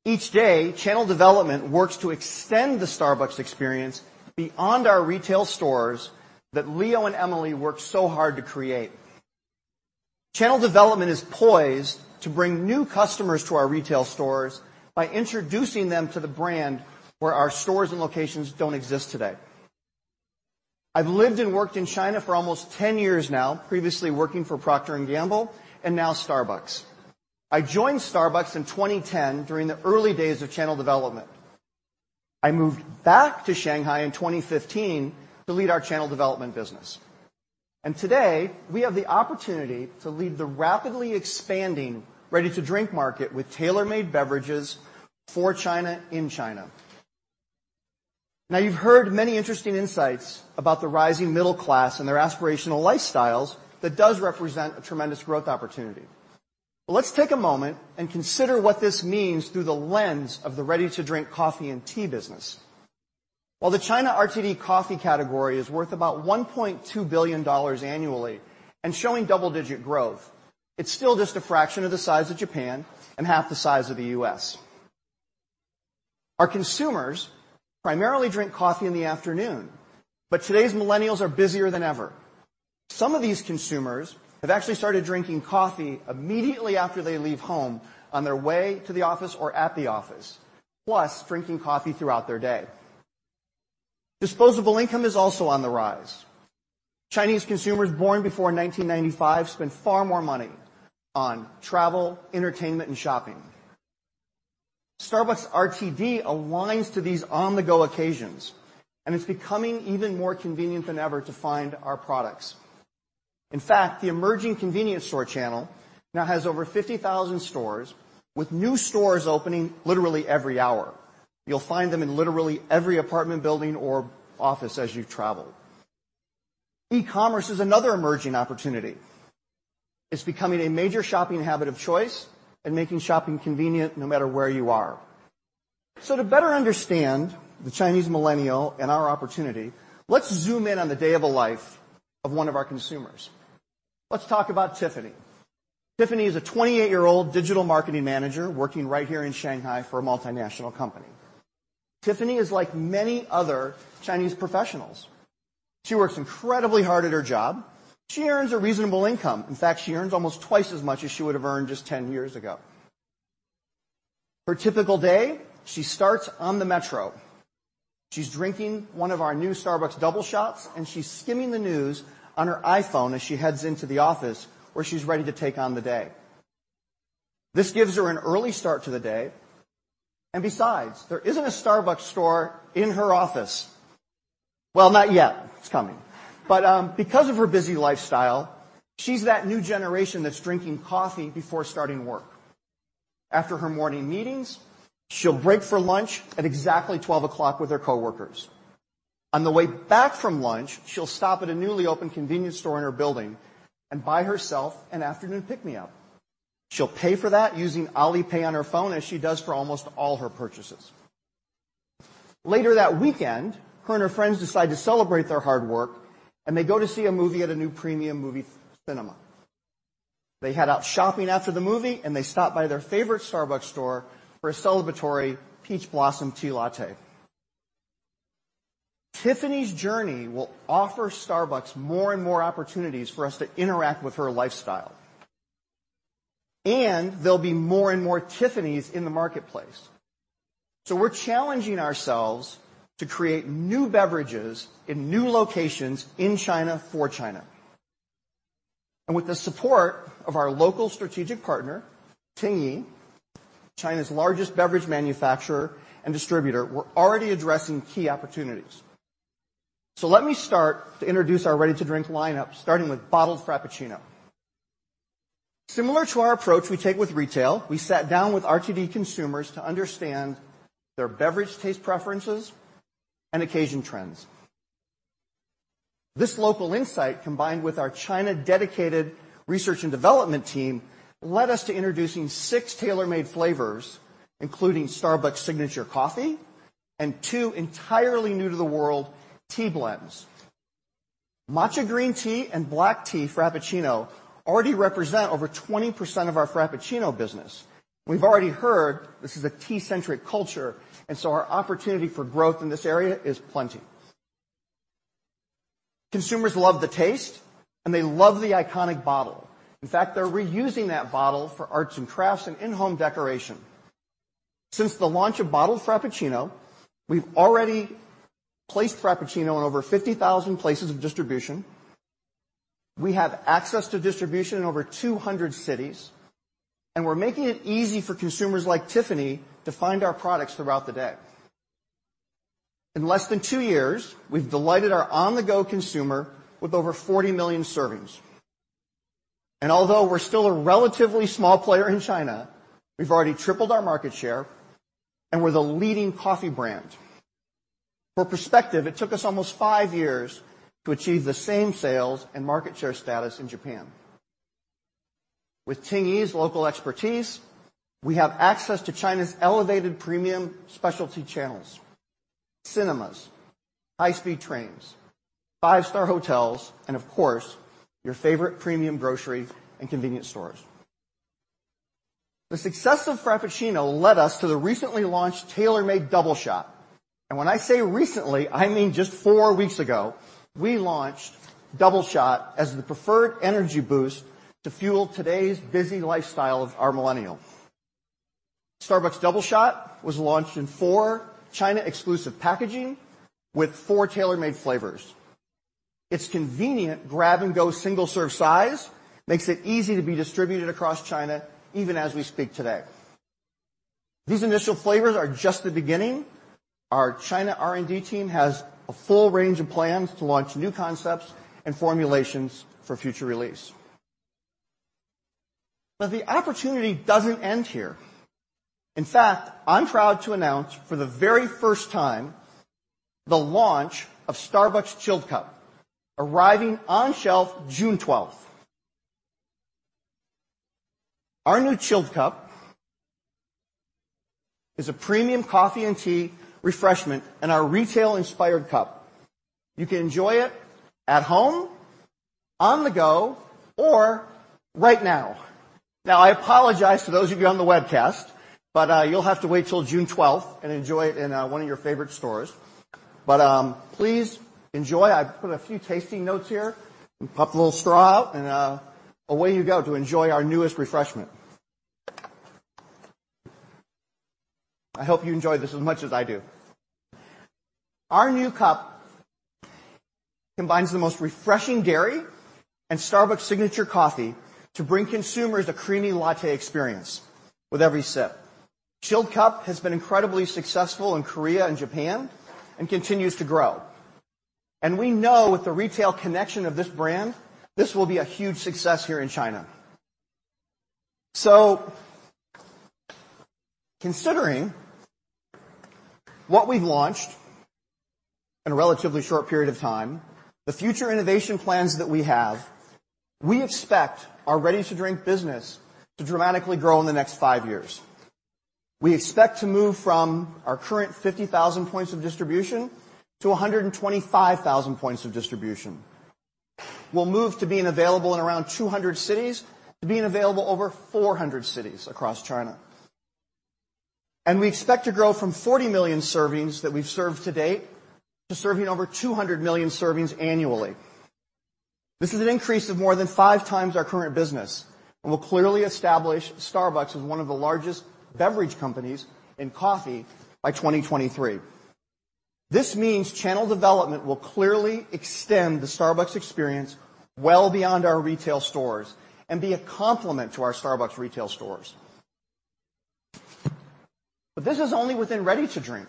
Each day, channel development works to extend the Starbucks experience beyond our retail stores that Leo and Emily worked so hard to create. Channel development is poised to bring new customers to our retail stores by introducing them to the brand where our stores and locations don't exist today. I've lived and worked in China for almost 10 years now, previously working for Procter & Gamble, and now Starbucks. I joined Starbucks in 2010 during the early days of channel development. I moved back to Shanghai in 2015 to lead our channel development business. Today, we have the opportunity to lead the rapidly expanding ready-to-drink market with tailor-made beverages for China, in China. You've heard many interesting insights about the rising middle class and their aspirational lifestyles that does represent a tremendous growth opportunity. Let's take a moment and consider what this means through the lens of the ready-to-drink coffee and tea business. The China RTD coffee category is worth about $1.2 billion annually and showing double-digit growth, it is still just a fraction of the size of Japan and half the size of the U.S. Our consumers primarily drink coffee in the afternoon, but today's millennials are busier than ever. Some of these consumers have actually started drinking coffee immediately after they leave home on their way to the office or at the office, plus drinking coffee throughout their day. Disposable income is also on the rise. Chinese consumers born before 1995 spend far more money on travel, entertainment, and shopping. Starbucks RTD aligns to these on-the-go occasions, and it is becoming even more convenient than ever to find our products. In fact, the emerging convenience store channel now has over 50,000 stores, with new stores opening literally every hour. You will find them in literally every apartment building or office as you travel. E-commerce is another emerging opportunity. It is becoming a major shopping habit of choice and making shopping convenient no matter where you are. To better understand the Chinese millennial and our opportunity, let's zoom in on the day in the life of one of our consumers. Let's talk about Tiffany. Tiffany is a 28-year-old digital marketing manager working right here in Shanghai for a multinational company. Tiffany is like many other Chinese professionals. She works incredibly hard at her job. She earns a reasonable income. In fact, she earns almost twice as much as she would have earned just 10 years ago. Her typical day, she starts on the metro. She is drinking one of our new Starbucks Doubleshot, and she is skimming the news on her iPhone as she heads into the office, where she is ready to take on the day. This gives her an early start to the day. Besides, there isn't a Starbucks store in her office. Well, not yet. It is coming. Because of her busy lifestyle, she is that new generation that is drinking coffee before starting work. After her morning meetings, she will break for lunch at exactly 12 o'clock with her coworkers. On the way back from lunch, she will stop at a newly opened convenience store in her building and buy herself an afternoon pick-me-up. She will pay for that using Alipay on her phone as she does for almost all her purchases. Later that weekend, she and her friends decide to celebrate their hard work. They go to see a movie at a new premium movie cinema. They head out shopping after the movie. They stop by their favorite Starbucks store for a celebratory peach blossom tea latte. Tiffany's journey will offer Starbucks more and more opportunities for us to interact with her lifestyle. There will be more and more Tiffanys in the marketplace. We are challenging ourselves to create new beverages in new locations in China for China. With the support of our local strategic partner, Tingyi, China's largest beverage manufacturer and distributor, we are already addressing key opportunities. Let me start to introduce our ready-to-drink lineup, starting with bottled Frappuccino. Similar to our approach we take with retail, we sat down with RTD consumers to understand their beverage taste preferences and occasion trends. This local insight, combined with our China-dedicated research and development team, led us to introducing 6 tailor-made flavors, including Starbucks signature coffee and 2 entirely new-to-the-world tea blends. Matcha Green Tea and Black Tea Frappuccino already represent over 20% of our Frappuccino business. We've already heard this is a tea-centric culture, our opportunity for growth in this area is plenty. Consumers love the taste, they love the iconic bottle. In fact, they're reusing that bottle for arts and crafts and in-home decoration. Since the launch of bottled Frappuccino, we've already placed Frappuccino in over 50,000 places of distribution. We have access to distribution in over 200 cities, we're making it easy for consumers like Tiffany to find our products throughout the day. In less than 2 years, we've delighted our on-the-go consumer with over 40 million servings. Although we're still a relatively small player in China, we've already tripled our market share, we're the leading coffee brand. For perspective, it took us almost 5 years to achieve the same sales and market share status in Japan. With Tingyi's local expertise, we have access to China's elevated premium specialty channels, cinemas, high-speed trains, five-star hotels, and of course, your favorite premium grocery and convenience stores. The success of Frappuccino led us to the recently launched tailor-made Doubleshot. When I say recently, I mean just 4 weeks ago, we launched Double Shot as the preferred energy boost to fuel today's busy lifestyle of our millennial. Starbucks Double Shot was launched in 4 China-exclusive packaging with 4 tailor-made flavors. Its convenient grab-and-go single-serve size makes it easy to be distributed across China, even as we speak today. These initial flavors are just the beginning. Our China R&D team has a full range of plans to launch new concepts and formulations for future release. The opportunity doesn't end here. In fact, I'm proud to announce for the very first time the launch of Starbucks Chilled Cup, arriving on shelf June 12th. Our new Chilled Cup is a premium coffee and tea refreshment in our retail-inspired cup. You can enjoy it at home, on the go, or right now. Now, I apologize to those of you on the webcast, you'll have to wait till June 12th and enjoy it in one of your favorite stores. Please enjoy. I put a few tasting notes here. Pop the little straw out, away you go to enjoy our newest refreshment. I hope you enjoy this as much as I do. Our new cup combines the most refreshing dairy and Starbucks signature coffee to bring consumers a creamy latte experience with every sip. Chilled Cup has been incredibly successful in Korea and Japan and continues to grow. We know with the retail connection of this brand, this will be a huge success here in China. Considering what we've launched in a relatively short period of time, the future innovation plans that we have, we expect our ready-to-drink business to dramatically grow in the next 5 years. We expect to move from our current 50,000 points of distribution to 125,000 points of distribution. We'll move to being available in around 200 cities to being available over 400 cities across China. We expect to grow from 40 million servings that we've served to date to serving over 200 million servings annually. This is an increase of more than five times our current business, will clearly establish Starbucks as one of the largest beverage companies in coffee by 2023. This means channel development will clearly extend the Starbucks experience well beyond our retail stores and be a complement to our Starbucks retail stores. This is only within ready-to-drink.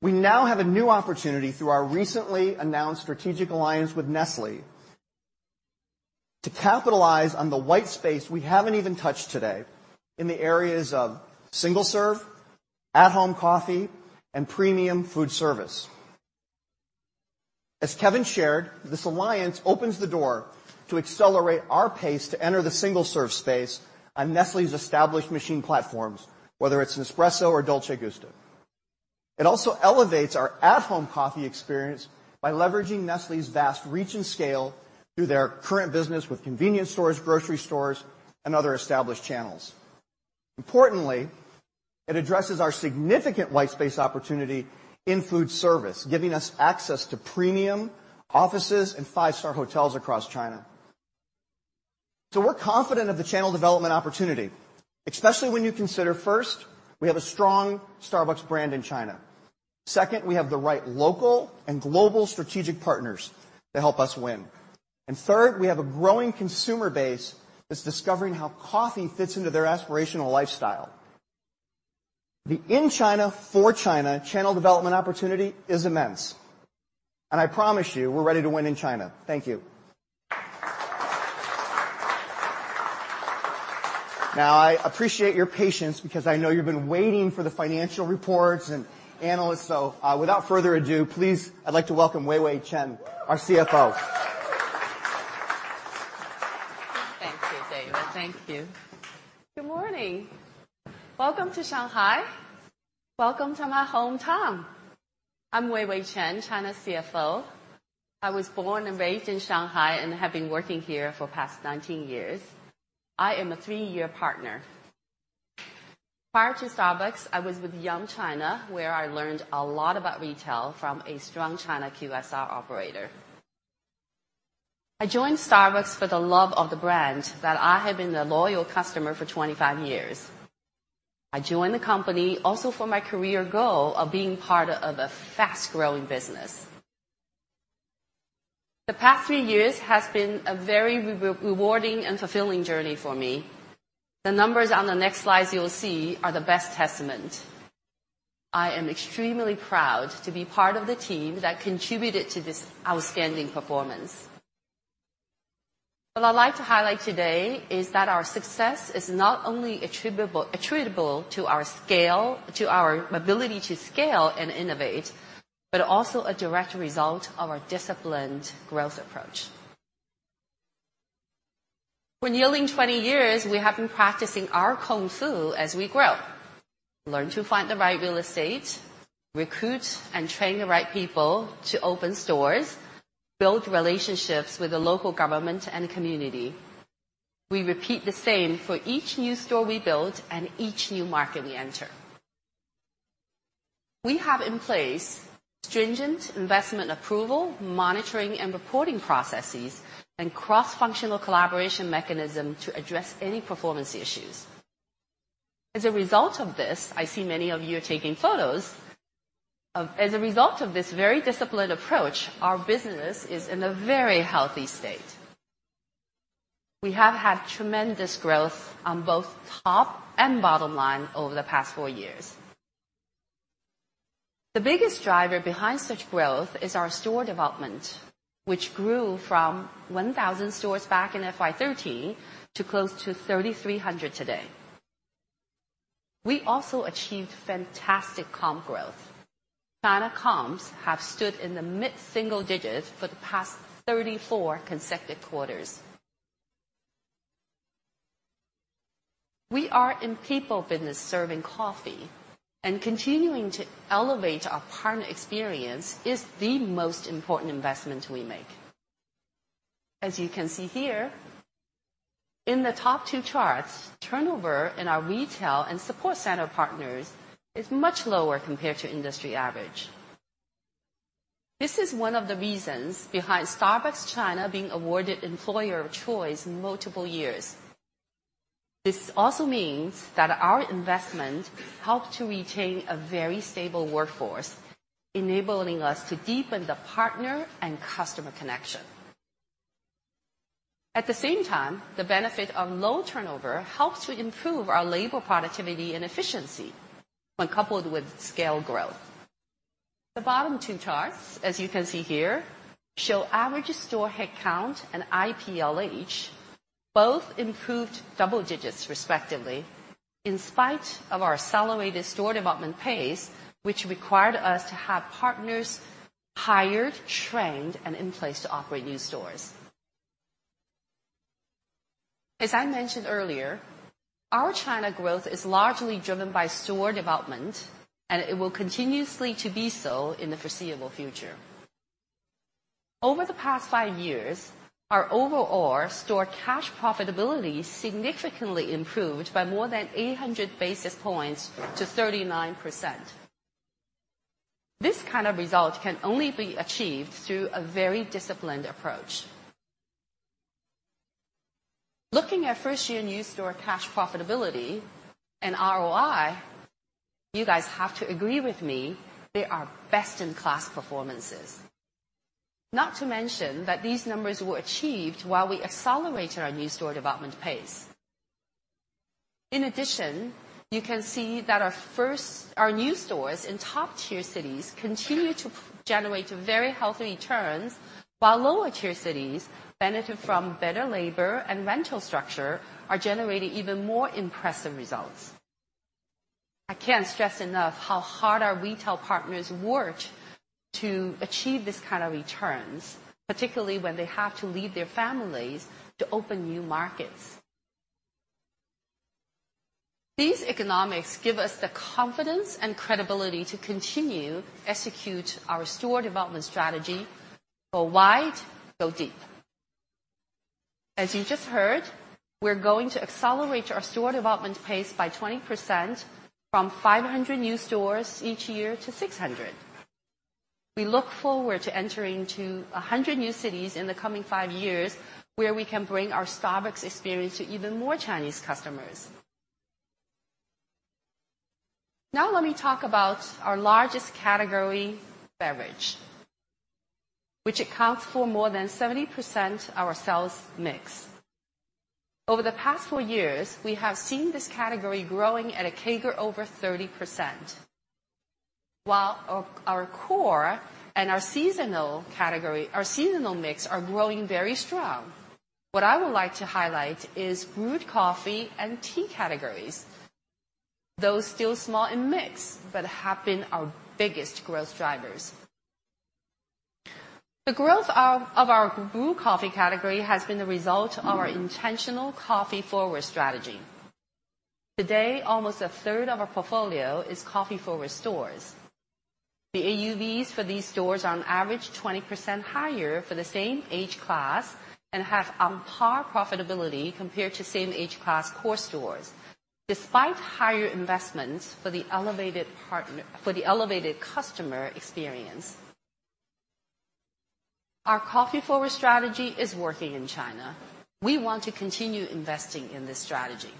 We now have a new opportunity through our recently announced strategic alliance with Nestlé to capitalize on the white space we haven't even touched today in the areas of single-serve, at-home coffee, and premium food service. As Kevin shared, this alliance opens the door to accelerate our pace to enter the single-serve space on Nestlé's established machine platforms, whether it's Nespresso or Dolce Gusto. It also elevates our at-home coffee experience by leveraging Nestlé's vast reach and scale through their current business with convenience stores, grocery stores, and other established channels. Importantly, it addresses our significant white space opportunity in food service, giving us access to premium offices and five-star hotels across China. We're confident of the channel development opportunity, especially when you consider first, we have a strong Starbucks brand in China. Second, we have the right local and global strategic partners to help us win. Third, we have a growing consumer base that's discovering how coffee fits into their aspirational lifestyle. The in China for China channel development opportunity is immense, I promise you, we're ready to win in China. Thank you. Now, I appreciate your patience because I know you've been waiting for the financial reports and analysts. Without further ado, please, I'd like to welcome Weiwei Chen, our CFO. Thank you, David. Thank you. Good morning. Welcome to Shanghai. Welcome to my hometown. I'm Weiwei Chen, China CFO. I was born and raised in Shanghai and have been working here for the past 19 years. I am a three-year partner. Prior to Starbucks, I was with Yum China, where I learned a lot about retail from a strong China QSR operator. I joined Starbucks for the love of the brand that I have been a loyal customer for 25 years. I joined the company also for my career goal of being part of a fast-growing business. The past three years has been a very rewarding and fulfilling journey for me. The numbers on the next slides you'll see are the best testament. I am extremely proud to be part of the team that contributed to this outstanding performance. What I'd like to highlight today is that our success is not only attributable to our ability to scale and innovate, but also a direct result of our disciplined growth approach. For nearly 20 years, we have been practicing our kung fu as we grow, learn to find the right real estate, recruit and train the right people to open stores, build relationships with the local government and community. We repeat the same for each new store we build and each new market we enter. We have in place stringent investment approval, monitoring, and reporting processes, and cross-functional collaboration mechanism to address any performance issues. As a result of this, I see many of you are taking photos. As a result of this very disciplined approach, our business is in a very healthy state. We have had tremendous growth on both top and bottom line over the past 4 years. The biggest driver behind such growth is our store development, which grew from 1,000 stores back in FY 2013 to close to 3,300 today. We also achieved fantastic comp growth. China comps have stood in the mid-single digits for the past 34 consecutive quarters. Continuing to elevate our partner experience is the most important investment we make. As you can see here, in the top two charts, turnover in our retail and support center partners is much lower compared to industry average. This is one of the reasons behind Starbucks China being awarded employer of choice multiple years. This also means that our investment helped to retain a very stable workforce, enabling us to deepen the partner and customer connection. At the same time, the benefit of low turnover helps to improve our labor productivity and efficiency when coupled with scale growth. The bottom two charts, as you can see here, show average store headcount and IPLH both improved double digits respectively, in spite of our accelerated store development pace, which required us to have partners hired, trained, and in place to operate new stores. As I mentioned earlier, our China growth is largely driven by store development. It will continuously to be so in the foreseeable future. Over the past 5 years, our overall store cash profitability significantly improved by more than 800 basis points to 39%. This kind of result can only be achieved through a very disciplined approach. Looking at first year new store cash profitability and ROI, you guys have to agree with me, they are best-in-class performances. Not to mention that these numbers were achieved while we accelerated our new store development pace. In addition, you can see that our new stores in top-tier cities continue to generate very healthy returns, while lower-tier cities benefit from better labor and rental structure are generating even more impressive results. I can't stress enough how hard our retail partners worked to achieve this kind of returns, particularly when they have to leave their families to open new markets. These economics give us the confidence and credibility to continue execute our store development strategy go wide, go deep. As you just heard, we're going to accelerate our store development pace by 20%, from 500 new stores each year to 600. We look forward to entering to 100 new cities in the coming 5 years, where we can bring our Starbucks experience to even more Chinese customers. Now let me talk about our largest category, beverage, which accounts for more than 70% our sales mix. Over the past four years, we have seen this category growing at a CAGR over 30%. While our core and our seasonal mix are growing very strong, what I would like to highlight is brewed coffee and tea categories. Those still small in mix but have been our biggest growth drivers. The growth of our brew coffee category has been the result of our intentional coffee-forward strategy. Today, almost a third of our portfolio is coffee-forward stores. The AUVs for these stores are on average 20% higher for the same age class and have on par profitability compared to same age class core stores. Despite higher investments for the elevated customer experience, our Coffee Forward strategy is working in China. We want to continue investing in this strategy.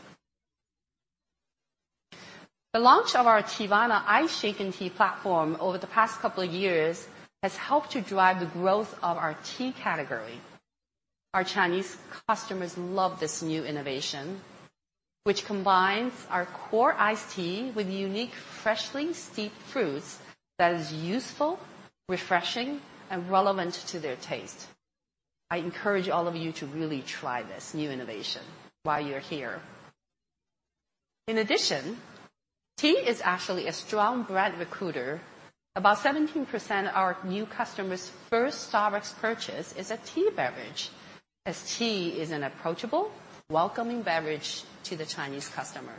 The launch of our Teavana Shaken Tea platform over the past couple of years has helped to drive the growth of our tea category. Our Chinese customers love this new innovation, which combines our core iced tea with unique freshly steeped fruits that is useful, refreshing, and relevant to their taste. I encourage all of you to really try this new innovation while you're here. In addition, tea is actually a strong brand recruiter. About 17% of our new customers' first Starbucks purchase is a tea beverage, as tea is an approachable, welcoming beverage to the Chinese customer.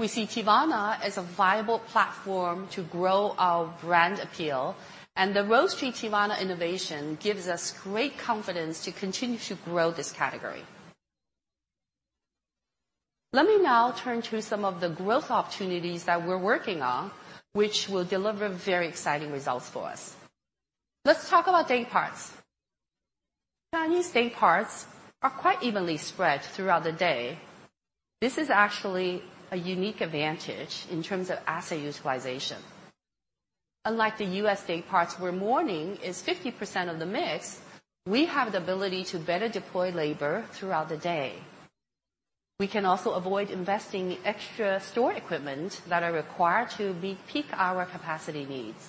We see Teavana as a viable platform to grow our brand appeal, and the Rose Tea Teavana innovation gives us great confidence to continue to grow this category. Let me now turn to some of the growth opportunities that we're working on, which will deliver very exciting results for us. Let's talk about day parts. Chinese day parts are quite evenly spread throughout the day. This is actually a unique advantage in terms of asset utilization. Unlike the U.S. day parts, where morning is 50% of the mix, we have the ability to better deploy labor throughout the day. We can also avoid investing extra store equipment that are required to meet peak hour capacity needs.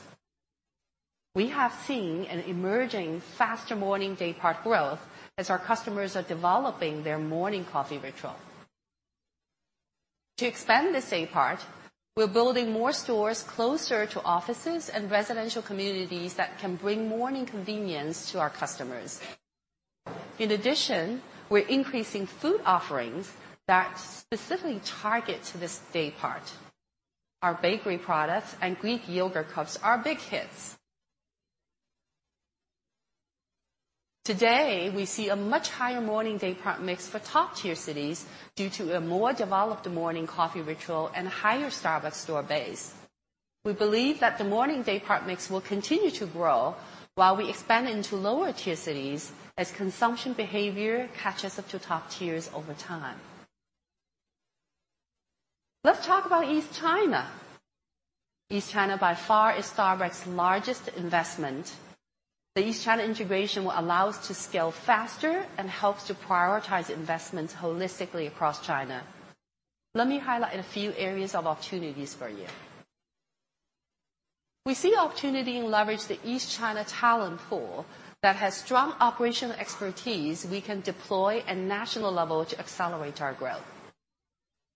We have seen an emerging faster morning day part growth as our customers are developing their morning coffee ritual. To expand this day part, we're building more stores closer to offices and residential communities that can bring morning convenience to our customers. In addition, we're increasing food offerings that specifically target to this day part. Our bakery products and Greek yogurt cups are big hits. Today, we see a much higher morning day part mix for top-tier cities due to a more developed morning coffee ritual and higher Starbucks store base. We believe that the morning day part mix will continue to grow while we expand into lower-tier cities as consumption behavior catches up to top tiers over time. Let's talk about East China. East China, by far, is Starbucks' largest investment. The East China integration will allow us to scale faster and helps to prioritize investments holistically across China. Let me highlight a few areas of opportunities for you. We see opportunity and leverage the East China talent pool that has strong operational expertise we can deploy at national level to accelerate our growth.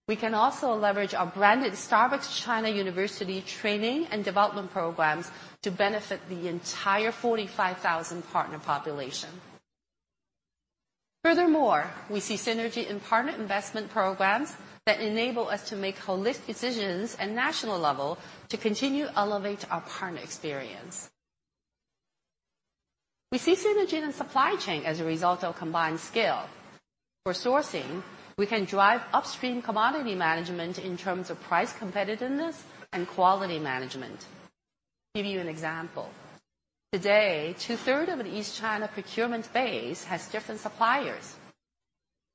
We can also leverage our branded Starbucks China University training and development programs to benefit the entire 45,000 partner population. We see synergy in partner investment programs that enable us to make holistic decisions at national level to continue elevate our partner experience. We see synergy in supply chain as a result of combined scale. For sourcing, we can drive upstream commodity management in terms of price competitiveness and quality management. Give you an example. Today, two-thirds of an East China procurement base has different suppliers.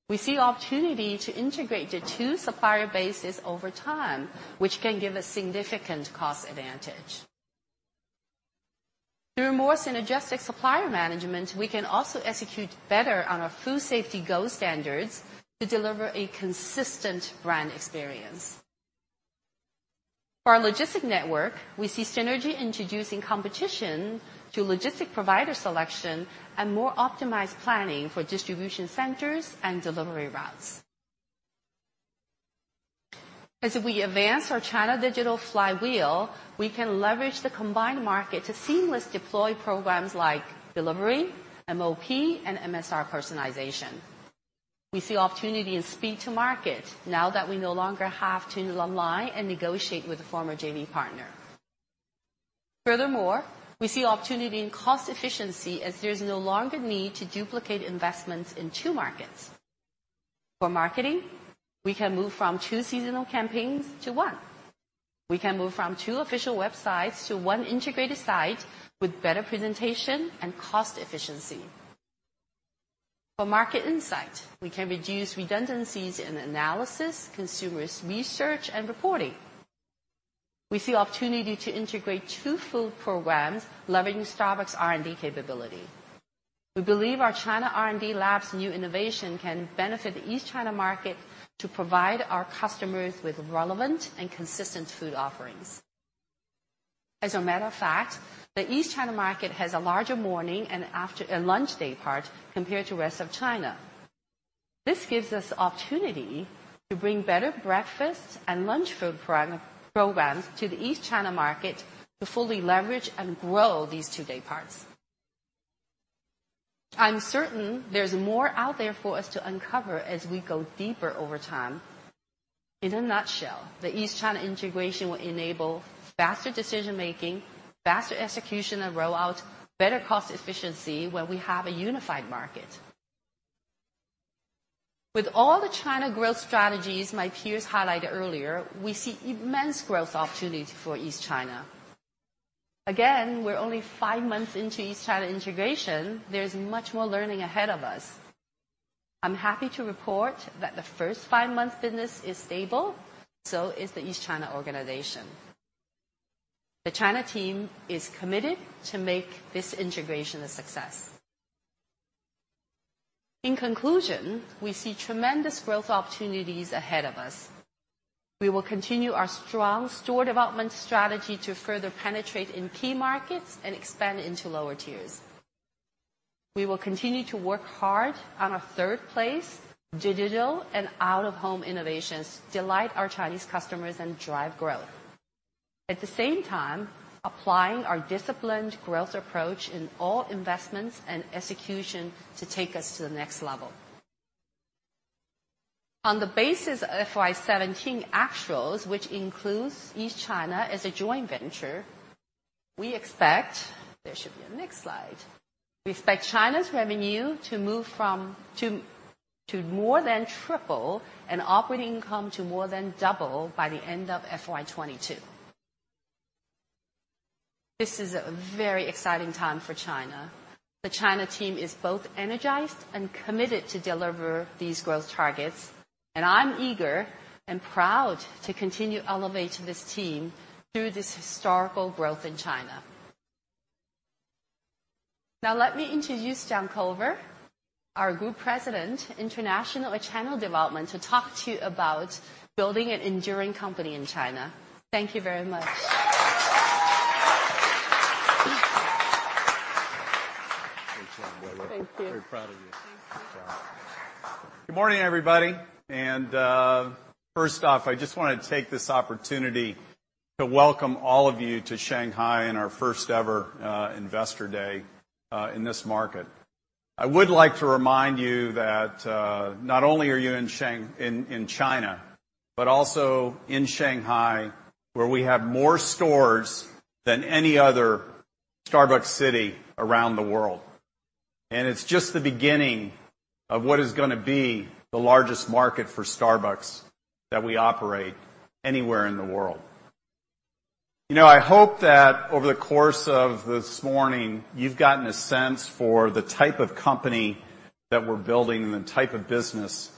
We see opportunity to integrate the two supplier bases over time, which can give a significant cost advantage. Through more synergistic supplier management, we can also execute better on our food safety gold standards to deliver a consistent brand experience. For our logistics network, we see synergy introducing competition to logistics provider selection and more optimized planning for distribution centers and delivery routes. We advance our China Digital Flywheel, we can leverage the combined market to seamlessly deploy programs like delivery, MOP, and MSR personalization. We see opportunity in speed to market now that we no longer have to align and negotiate with a former JV partner. We see opportunity in cost efficiency as there's no longer need to duplicate investments in two markets. For marketing, we can move from two seasonal campaigns to one. We can move from two official websites to one integrated site with better presentation and cost efficiency. For market insight, we can reduce redundancies in analysis, consumer research, and reporting. We see opportunity to integrate two food programs leveraging Starbucks R&D capability. We believe our China R&D labs' new innovation can benefit East China market to provide our customers with relevant and consistent food offerings. A matter of fact, the East China market has a larger morning and lunch day part compared to the rest of China. This gives us opportunity to bring better breakfast and lunch food programs to the East China market to fully leverage and grow these two day parts. I'm certain there's more out there for us to uncover as we go deeper over time. In a nutshell, the East China integration will enable faster decision making, faster execution and rollout, better cost efficiency where we have a unified market. With all the China growth strategies my peers highlighted earlier, we see immense growth opportunity for East China. Again, we're only five months into East China integration. There's much more learning ahead of us. I'm happy to report that the first five months' business is stable, so is the East China organization. The China team is committed to make this integration a success. We see tremendous growth opportunities ahead of us. We will continue our strong store development strategy to further penetrate in key markets and expand into lower tiers. We will continue to work hard on our Third Place digital and out-of-home innovations, delight our Chinese customers, and drive growth. At the same time, applying our disciplined growth approach in all investments and execution to take us to the next level. On the basis of FY 2017 actuals, which includes East China as a joint venture, we expect China's revenue to more than triple and operating income to more than double by the end of FY 2022. This is a very exciting time for China. The China team is both energized and committed to deliver these growth targets, and I'm eager and proud to continue elevating this team through this historical growth in China. Let me introduce John Culver, our Group President, International Channel Development, to talk to you about building an enduring company in China. Thank you very much. Great job, Belinda. Thank you. Very proud of you. Thank you. Good job. Good morning, everybody. First off, I just want to take this opportunity to welcome all of you to Shanghai and our first-ever Investor Day in this market. I would like to remind you that not only are you in China, but also in Shanghai, where we have more stores than any other Starbucks city around the world. It's just the beginning of what is gonna be the largest market for Starbucks that we operate anywhere in the world. I hope that over the course of this morning, you've gotten a sense for the type of company that we're building and the type of business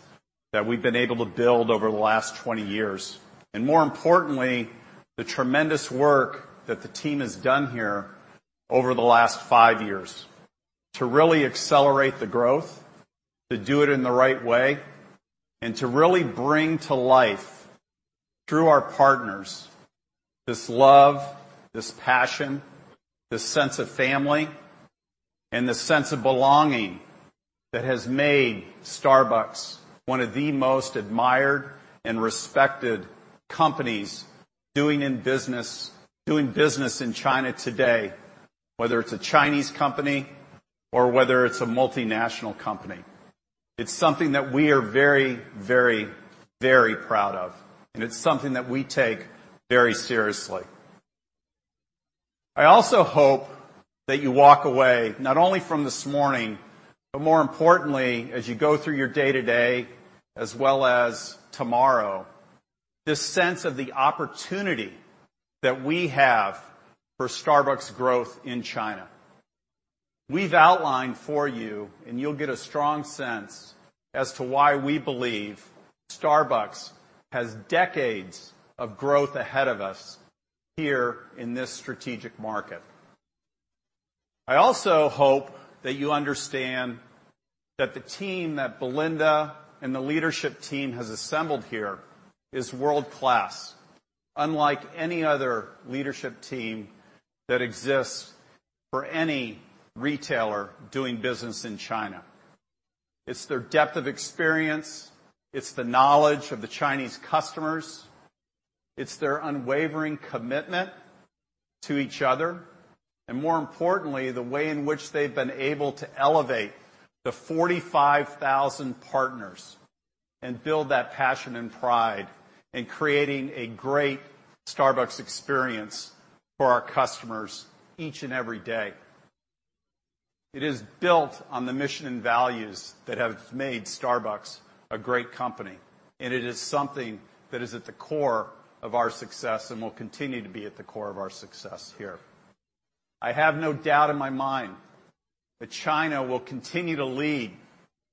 that we've been able to build over the last 20 years. More importantly, the tremendous work that the team has done here over the last five years to really accelerate the growth, to do it in the right way, and to really bring to life, through our partners, this love, this passion, this sense of family, and this sense of belonging that has made Starbucks one of the most admired and respected companies doing business in China today, whether it's a Chinese company or whether it's a multinational company. It's something that we are very proud of, and it's something that we take very seriously. I also hope that you walk away, not only from this morning, but more importantly, as you go through your day-to-day as well as tomorrow, this sense of the opportunity that we have for Starbucks' growth in China. We've outlined for you'll get a strong sense as to why we believe Starbucks has decades of growth ahead of us here in this strategic market. I also hope that you understand that the team that Belinda and the leadership team has assembled here is world-class, unlike any other leadership team that exists for any retailer doing business in China. It's their depth of experience, it's the knowledge of the Chinese customers, it's their unwavering commitment to each other, and more importantly, the way in which they've been able to elevate the 45,000 partners and build that passion and pride in creating a great Starbucks experience for our customers each and every day. It is built on the mission and values that have made Starbucks a great company. It is something that is at the core of our success and will continue to be at the core of our success here. I have no doubt in my mind that China will continue to lead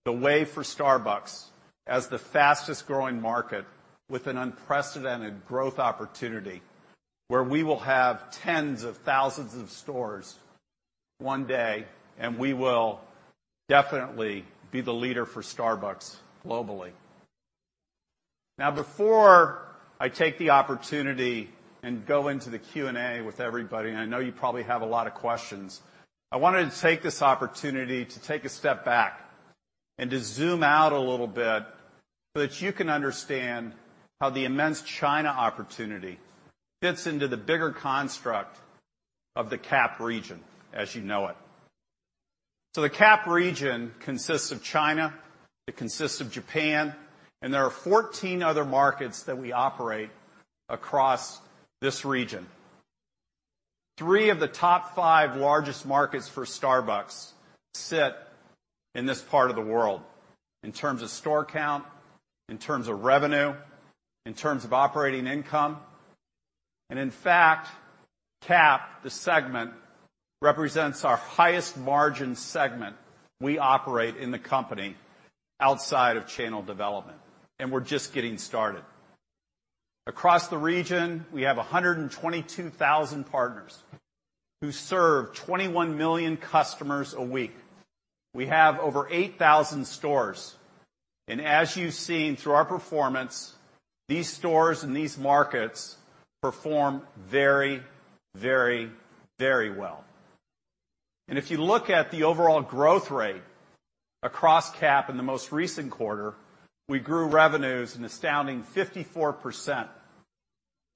the way for Starbucks as the fastest-growing market with an unprecedented growth opportunity, where we will have tens of thousands of stores one day. We will definitely be the leader for Starbucks globally. Before I take the opportunity and go into the Q&A with everybody, I know you probably have a lot of questions, I wanted to take this opportunity to take a step back and to zoom out a little bit so that you can understand how the immense China opportunity fits into the bigger construct of the CAP region as you know it. The CAP region consists of China. It consists of Japan, and there are 14 other markets that we operate across this region. Three of the top five largest markets for Starbucks sit in this part of the world in terms of store count, in terms of revenue, in terms of operating income. In fact, CAP, the segment, represents our highest margin segment we operate in the company outside of channel development, and we're just getting started. Across the region, we have 122,000 partners who serve 21 million customers a week. We have over 8,000 stores. As you've seen through our performance, these stores and these markets perform very, very, very well. If you look at the overall growth rate across CAP in the most recent quarter, we grew revenues an astounding 54%.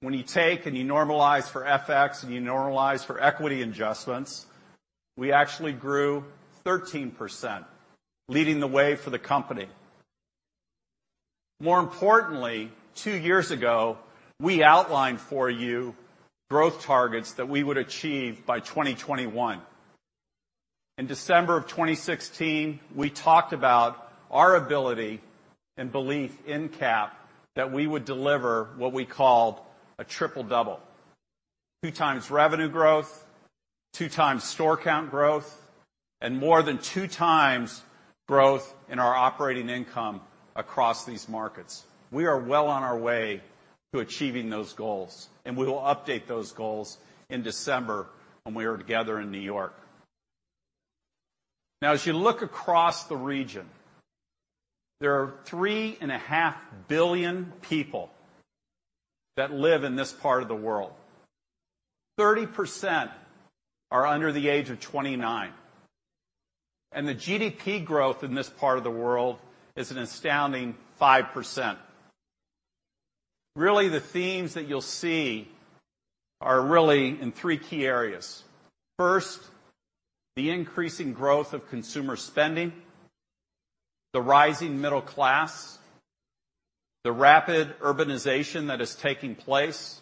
When you take and you normalize for FX and you normalize for equity adjustments, we actually grew 13%, leading the way for the company. More importantly, two years ago, we outlined for you growth targets that we would achieve by 2021. In December of 2016, we talked about our ability and belief in CAP that we would deliver what we called a triple double. Two times revenue growth, two times store count growth, and more than two times growth in our operating income across these markets. We are well on our way to achieving those goals. We will update those goals in December when we are together in New York. As you look across the region, there are three and a half billion people that live in this part of the world. 30% are under the age of 29. The GDP growth in this part of the world is an astounding 5%. Really, the themes that you'll see are really in three key areas. First, the increasing growth of consumer spending, the rising middle class, the rapid urbanization that is taking place,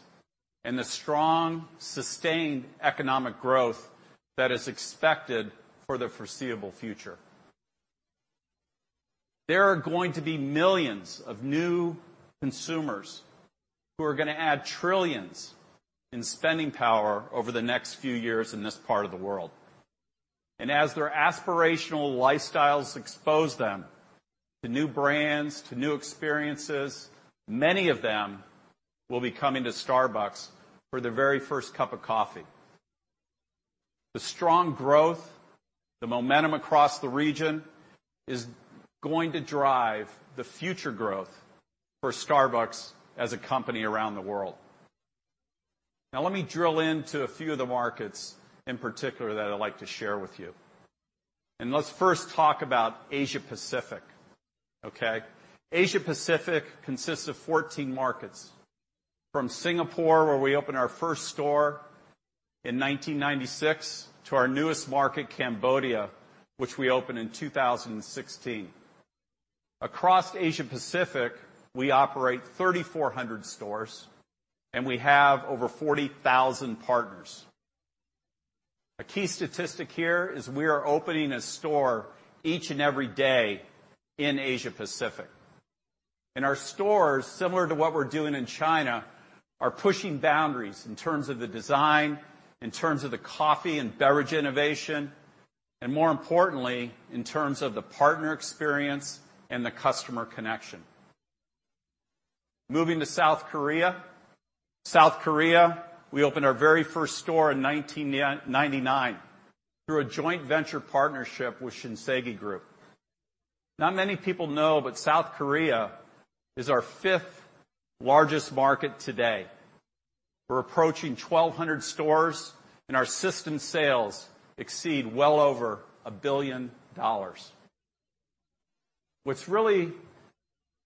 and the strong, sustained economic growth that is expected for the foreseeable future. There are going to be millions of new consumers who are going to add trillions in spending power over the next few years in this part of the world. As their aspirational lifestyles expose them to new brands, to new experiences, many of them will be coming to Starbucks for their very first cup of coffee. The strong growth, the momentum across the region, is going to drive the future growth for Starbucks as a company around the world. Let me drill into a few of the markets in particular that I'd like to share with you. Let's first talk about Asia-Pacific. Okay? Asia-Pacific consists of 14 markets, from Singapore, where we opened our first store in 1996, to our newest market, Cambodia, which we opened in 2016. Across Asia-Pacific, we operate 3,400 stores, and we have over 40,000 partners. A key statistic here is we are opening a store each and every day in Asia-Pacific. Our stores, similar to what we're doing in China, are pushing boundaries in terms of the design, in terms of the coffee and beverage innovation, and more importantly, in terms of the partner experience and the customer connection. Moving to South Korea. South Korea, we opened our very first store in 1999 through a joint venture partnership with Shinsegae Group. Not many people know, South Korea is our fifth largest market today. We're approaching 1,200 stores. Our system sales exceed well over $1 billion. What's really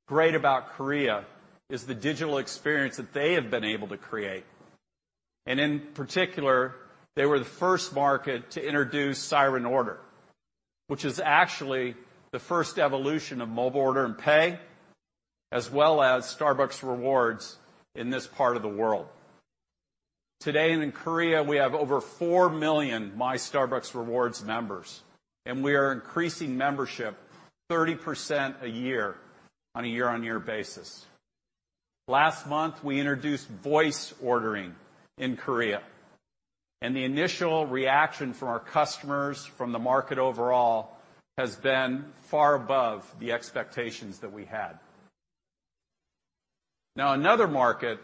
great about Korea is the digital experience that they have been able to create. In particular, they were the first market to introduce Siren Order, which is actually the first evolution of mobile order and pay, as well as Starbucks Rewards in this part of the world. Today and in Korea, we have over four million My Starbucks Rewards members. We are increasing membership 30% a year on a year-on-year basis. Last month, we introduced voice ordering in Korea. The initial reaction from our customers, from the market overall, has been far above the expectations that we had. Another market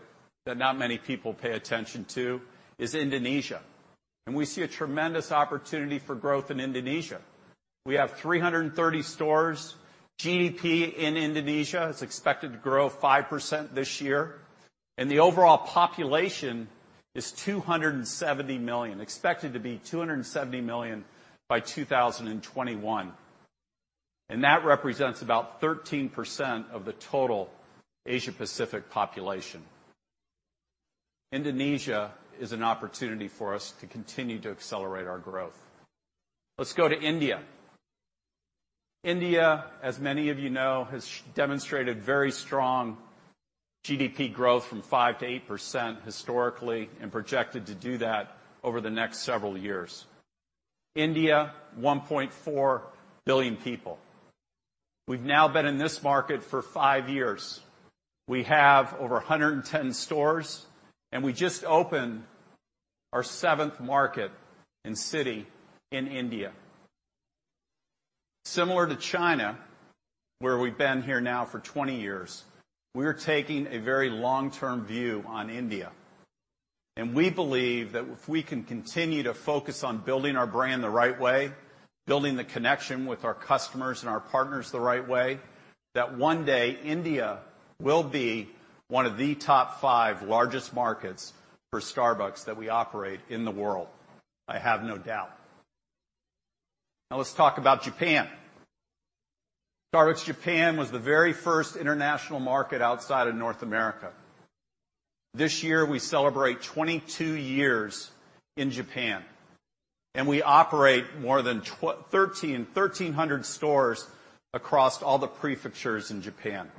that not many people pay attention to is Indonesia. We see a tremendous opportunity for growth in Indonesia. We have 330 stores. GDP in Indonesia is expected to grow 5% this year. The overall population is 270 million, expected to be 270 million by 2021. That represents about 13% of the total Asia-Pacific population. Indonesia is an opportunity for us to continue to accelerate our growth. Let's go to India. India, as many of you know, has demonstrated very strong GDP growth from 5%-8% historically, projected to do that over the next several years. India, 1.4 billion people. We've now been in this market for five years. We have over 110 stores. We just opened our seventh market and city in India. Similar to China, where we've been here now for 20 years, we're taking a very long-term view on India. We believe that if we can continue to focus on building our brand the right way, building the connection with our customers and our partners the right way, that one day India will be one of the top five largest markets for Starbucks that we operate in the world. I have no doubt. Let's talk about Japan. Starbucks Japan was the very first international market outside of North America. This year, we celebrate 22 years in Japan. We operate more than 1,300 stores across all the prefectures in Japan.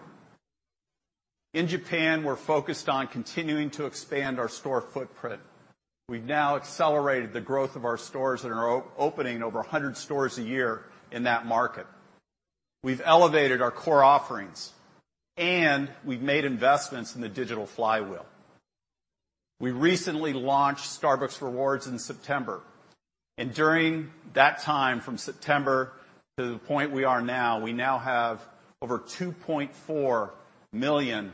In Japan, we're focused on continuing to expand our store footprint. We've now accelerated the growth of our stores, opening over 100 stores a year in that market. We've elevated our core offerings, we've made investments in the digital flywheel. We recently launched Starbucks Rewards in September, during that time, from September to the point we are now, we now have over 2.4 million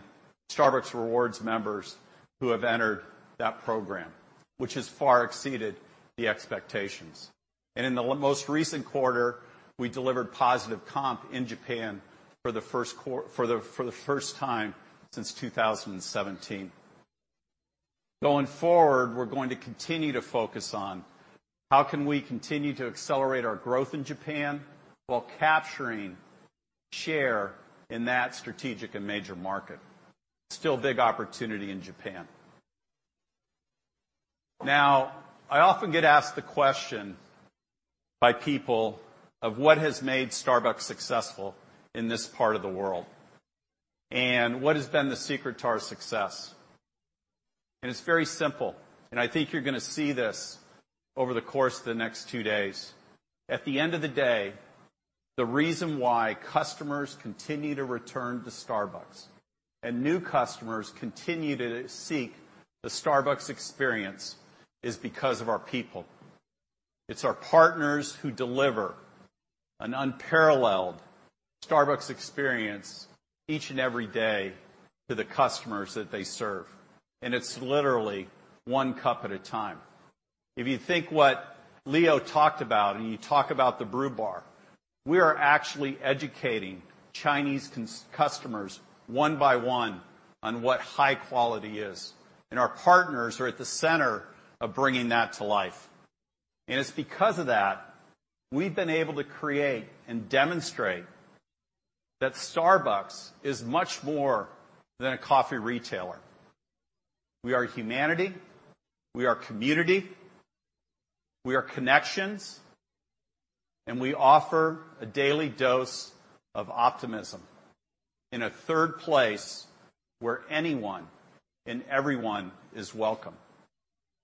Starbucks Rewards members who have entered that program, which has far exceeded the expectations. In the most recent quarter, we delivered positive comp in Japan for the first time since 2017. Going forward, we're going to continue to focus on how can we continue to accelerate our growth in Japan while capturing share in that strategic and major market. Still big opportunity in Japan. I often get asked the question by people of what has made Starbucks successful in this part of the world, and what has been the secret to our success. It's very simple, and I think you're going to see this over the course of the next two days. At the end of the day, the reason why customers continue to return to Starbucks and new customers continue to seek the Starbucks experience is because of our people. It's our partners who deliver an unparalleled Starbucks experience each and every day to the customers that they serve, and it's literally one cup at a time. If you think what Leo talked about, and you talk about the Brew Bar, we are actually educating Chinese customers one by one on what high quality is, and our partners are at the center of bringing that to life. It's because of that, we've been able to create and demonstrate that Starbucks is much more than a coffee retailer. We are humanity, we are community, we are connections, and we offer a daily dose of optimism in a third place where anyone and everyone is welcome.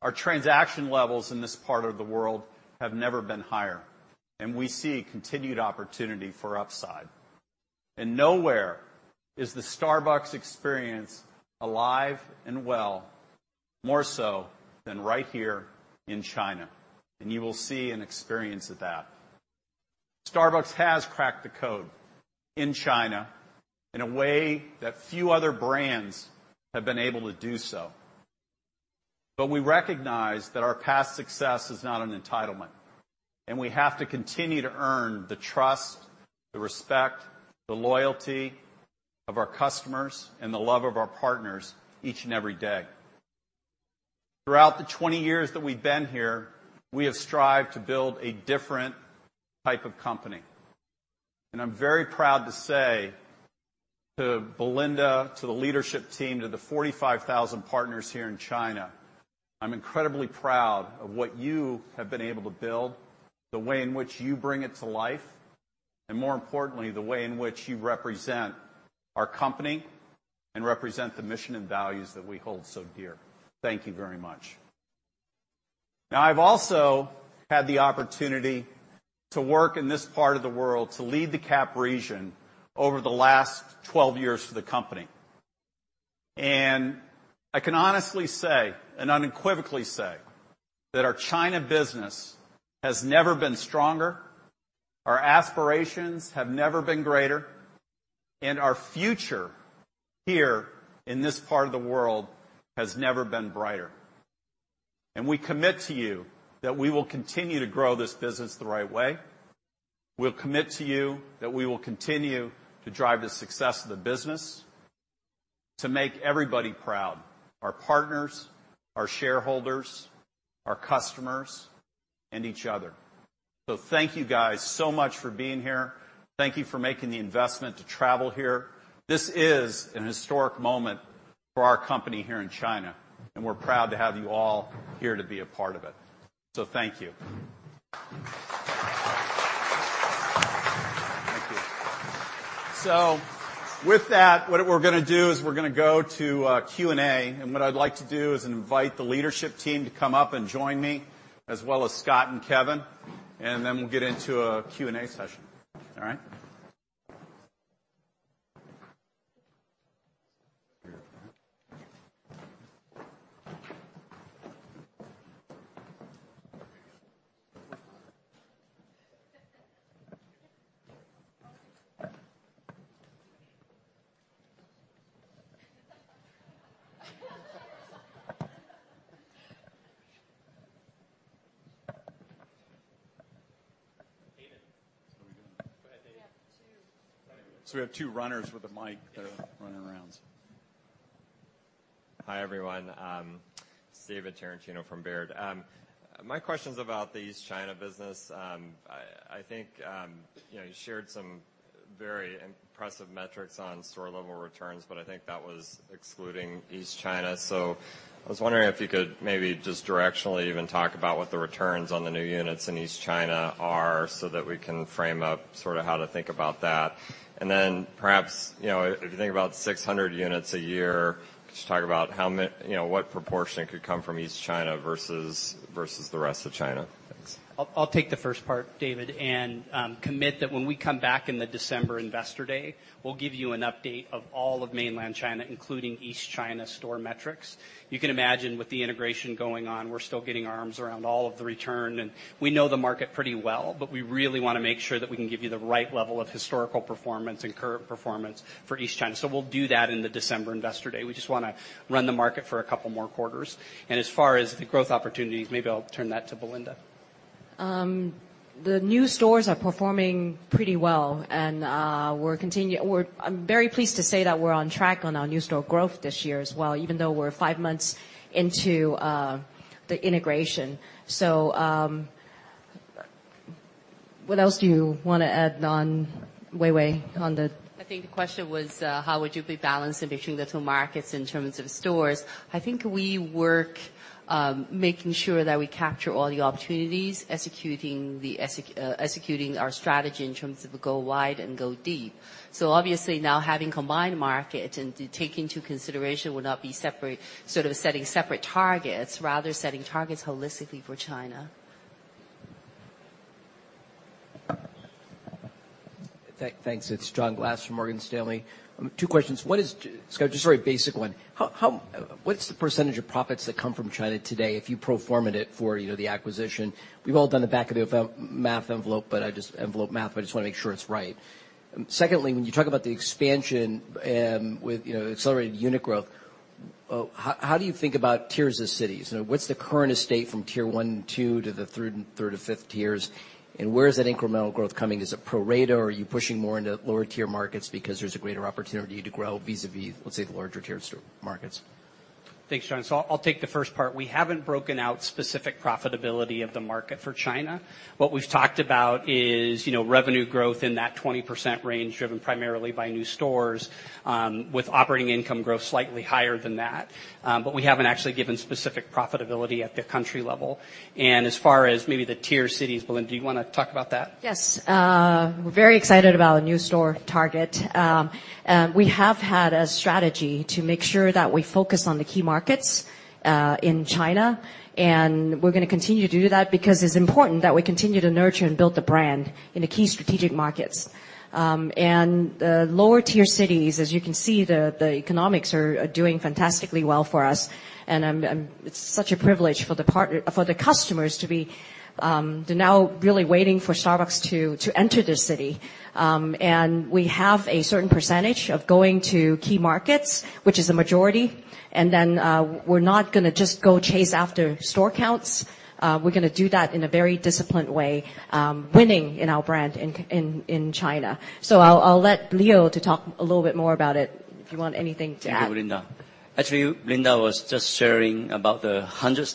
Our transaction levels in this part of the world have never been higher, and we see continued opportunity for upside. Nowhere is the Starbucks experience alive and well, more so than right here in China, and you will see and experience that. Starbucks has cracked the code in China in a way that few other brands have been able to do so. We recognize that our past success is not an entitlement, and we have to continue to earn the trust, the respect, the loyalty of our customers, and the love of our partners each and every day. Throughout the 20 years that we've been here, we have strived to build a different type of company. I'm very proud to say to Belinda, to the leadership team, to the 45,000 partners here in China, I'm incredibly proud of what you have been able to build, the way in which you bring it to life, and more importantly, the way in which you represent our company and represent the mission and values that we hold so dear. Thank you very much. I've also had the opportunity to work in this part of the world, to lead the CAP region over the last 12 years for the company. I can honestly say and unequivocally say that our China business has never been stronger, our aspirations have never been greater, and our future here in this part of the world has never been brighter. We commit to you that we will continue to grow this business the right way. We'll commit to you that we will continue to drive the success of the business to make everybody proud, our partners, our shareholders, our customers, and each other. Thank you guys so much for being here. Thank you for making the investment to travel here. This is an historic moment For our company here in China, we're proud to have you all here to be a part of it. Thank you. Thank you. With that, what we're going to do is we're going to go to Q&A, what I'd like to do is invite the leadership team to come up and join me, as well as Scott and Kevin, then we'll get into a Q&A session. All right? David. How are we doing? Go ahead, David. We have two. We have two runners with a mic that are running around. Hi, everyone. It's David Tarantino from Baird. My question's about the East China business. You shared some very impressive metrics on store-level returns, but I think that was excluding East China. I was wondering if you could maybe just directionally even talk about what the returns on the new units in East China are so that we can frame up how to think about that. Perhaps, if you think about 600 units a year, could you talk about what proportion could come from East China versus the rest of China? Thanks. I'll take the first part, David, and commit that when we come back in the December Investor Day, we'll give you an update of all of mainland China, including East China store metrics. You can imagine with the integration going on, we're still getting our arms around all of the return, and we know the market pretty well, but we really want to make sure that we can give you the right level of historical performance and current performance for East China. We'll do that in the December Investor Day. We just want to run the market for a couple more quarters. As far as the growth opportunities, maybe I'll turn that to Belinda. The new stores are performing pretty well. I'm very pleased to say that we're on track on our new store growth this year as well, even though we're five months into the integration. What else do you want to add on, Wei Wei, on the- I think the question was, how would you be balancing between the two markets in terms of stores? I think we work, making sure that we capture all the opportunities, executing our strategy in terms of go wide and go deep. Obviously now having combined market and to take into consideration will not be separate, sort of setting separate targets, rather setting targets holistically for China. Thanks. It's John Glass from Morgan Stanley. Two questions. Scott, just a very basic one. What's the % of profits that come from China today if you pro forma'd it for the acquisition? We've all done the back of the envelope math, but I just want to make sure it's right. Secondly, when you talk about the expansion, with accelerated unit growth, how do you think about tiers of cities? What's the current estate from tier 1 and 2 to the 3 to 5 tiers, and where is that incremental growth coming? Is it pro rata, or are you pushing more into lower-tier markets because there's a greater opportunity to grow vis-à-vis, let's say, the larger-tier markets? Thanks, John. I'll take the first part. We haven't broken out specific profitability of the market for China. What we've talked about is revenue growth in that 20% range driven primarily by new stores, with operating income growth slightly higher than that. We haven't actually given specific profitability at the country level. As far as maybe the tier cities, Belinda, do you want to talk about that? Yes. We're very excited about our new store target. We have had a strategy to make sure that we focus on the key markets, in China, and we're going to continue to do that because it's important that we continue to nurture and build the brand in the key strategic markets. The lower-tier cities, as you can see, the economics are doing fantastically well for us. It's such a privilege for the customers to now really waiting for Starbucks to enter their city. We have a certain percentage of going to key markets, which is the majority, and then we're not going to just go chase after store counts. We're going to do that in a very disciplined way, winning in our brand in China. I'll let Leo to talk a little bit more about it, if you want anything to add. Thank you, Belinda. Actually, Belinda was just sharing about the 100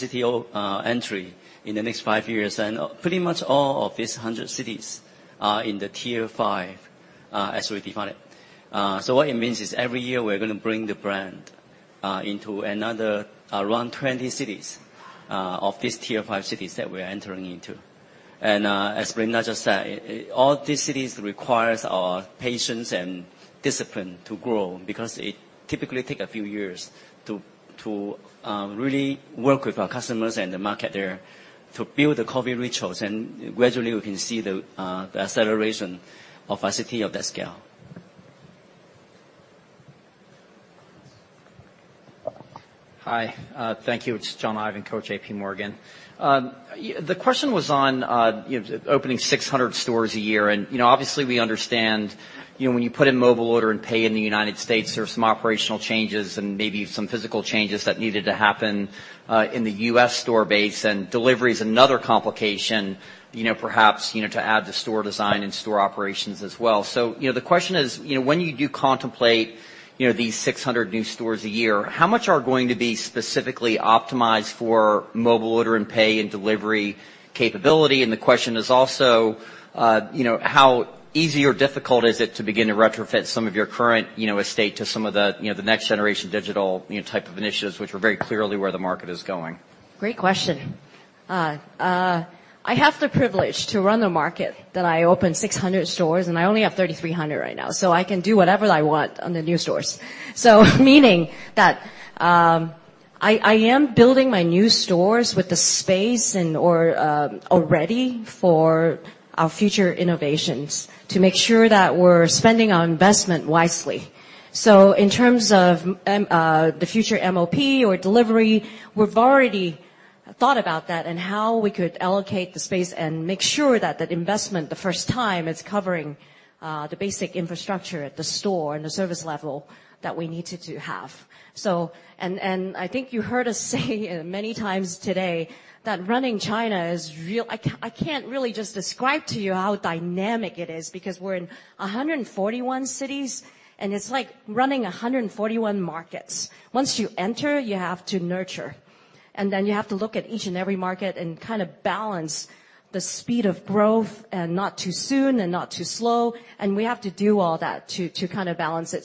city entry in the next five years, and pretty much all of these 100 cities are in the tier 5 as we define it. What it means is every year, we're going to bring the brand into another around 20 cities of these tier 5 cities that we're entering into. As Belinda just said, all these cities requires our patience and discipline to grow because it typically take a few years to really work with our customers and the market there to build the coffee rituals, and gradually we can see the acceleration of a city of that scale. Hi. Thank you. It's John Ivankoe, JPMorgan. The question was on opening 600 stores a year and obviously we understand, when you put in mobile order and pay in the U.S., there's some operational changes and maybe some physical changes that needed to happen, in the U.S. store base and delivery is another complication, perhaps, to add to store design and store operations as well. The question is, when you do contemplate these 600 new stores a year, how much are going to be specifically optimized for mobile order and pay and delivery capability? The question is also, how easy or difficult is it to begin to retrofit some of your current estate to some of the next generation digital type of initiatives, which are very clearly where the market is going? Great question. I have the privilege to run a market that I opened 600 stores in, and I only have 3,300 right now, so I can do whatever I want on the new stores. Meaning that I am building my new stores with the space and/or already for our future innovations to make sure that we're spending our investment wisely. In terms of the future MOP or delivery, we've already thought about that and how we could allocate the space and make sure that that investment, the first time, it's covering the basic infrastructure at the store and the service level that we needed to have. I think you heard us say many times today that running China is I can't really just describe to you how dynamic it is, because we're in 141 cities, and it's like running 141 markets. Once you enter, you have to nurture, then you have to look at each and every market and kind of balance the speed of growth and not too soon and not too slow, we have to do all that to kind of balance it.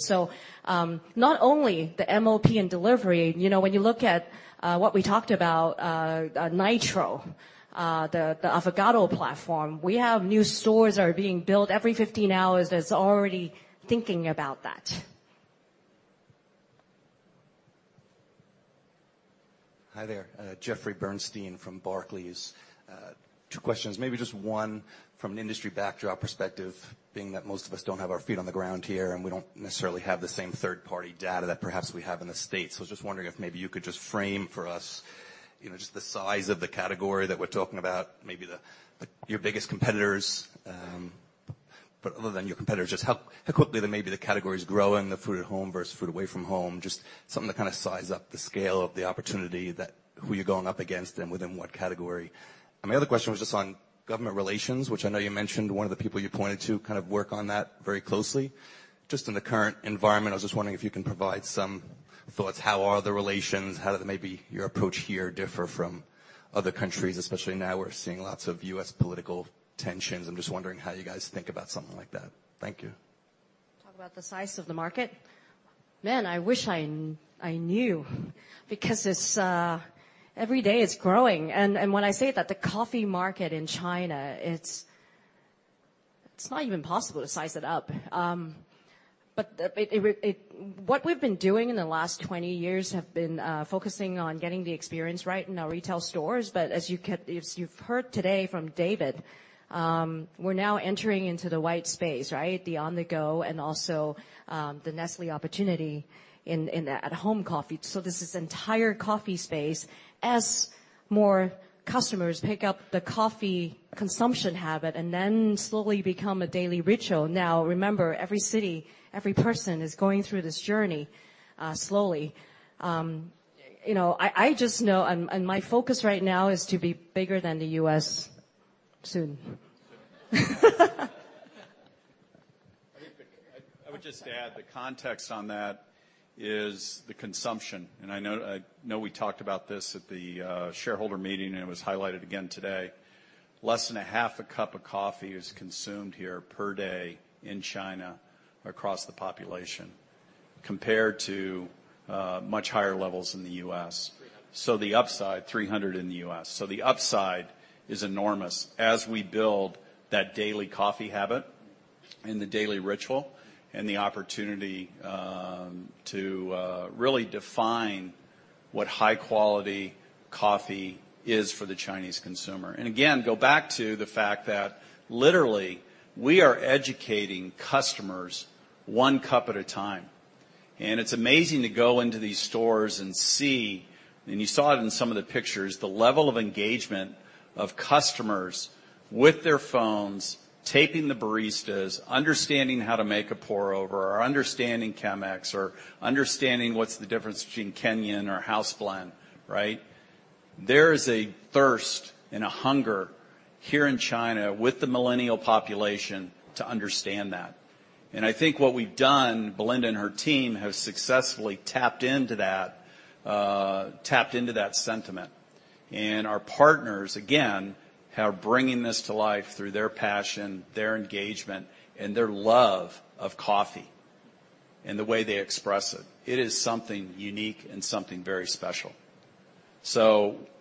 Not only the MOP and delivery. When you look at what we talked about, Nitro, the Affogato platform, we have new stores that are being built every 15 hours, that's already thinking about that. Hi there. Jeffrey Bernstein from Barclays. Two questions, maybe just one from an industry backdrop perspective, being that most of us don't have our feet on the ground here, and we don't necessarily have the same third-party data that perhaps we have in the U.S. I was just wondering if maybe you could just frame for us just the size of the category that we're talking about, maybe your biggest competitors. Other than your competitors, just how quickly that maybe the category's growing, the food at home versus food away from home, just something to kind of size up the scale of the opportunity that who you're going up against and within what category. My other question was just on government relations, which I know you mentioned one of the people you pointed to kind of work on that very closely. Just in the current environment, I was just wondering if you can provide some thoughts. How are the relations? How does maybe your approach here differ from other countries? Especially now we're seeing lots of U.S. political tensions. I'm just wondering how you guys think about something like that. Thank you. Talk about the size of the market. Man, I wish I knew because every day it's growing. When I say that the coffee market in China, it's not even possible to size it up. What we've been doing in the last 20 years have been focusing on getting the experience right in our retail stores. As you've heard today from David, we're now entering into the white space, right? The on-the-go and also, the Nestlé opportunity in at home coffee. There's this entire coffee space as more customers pick up the coffee consumption habit and then slowly become a daily ritual. Now remember, every city, every person is going through this journey slowly. I just know and my focus right now is to be bigger than the U.S. soon. I would just add the context on that is the consumption. I know we talked about this at the shareholder meeting, and it was highlighted again today. Less than a half a cup of coffee is consumed here per day in China across the population, compared to much higher levels in the U.S. 300. The upside, 300 in the U.S. The upside is enormous as we build that daily coffee habit and the daily ritual and the opportunity to really define what high-quality coffee is for the Chinese consumer. Again, go back to the fact that literally, we are educating customers one cup at a time. It's amazing to go into these stores and see, and you saw it in some of the pictures, the level of engagement of customers with their phones, taping the baristas, understanding how to make a pour over, or understanding Chemex, or understanding what's the difference between Kenyan or house blend, right? There is a thirst and a hunger here in China with the millennial population to understand that. I think what we've done, Belinda and her team have successfully tapped into that sentiment. Our partners, again, are bringing this to life through their passion, their engagement, and their love of coffee and the way they express it. It is something unique and something very special.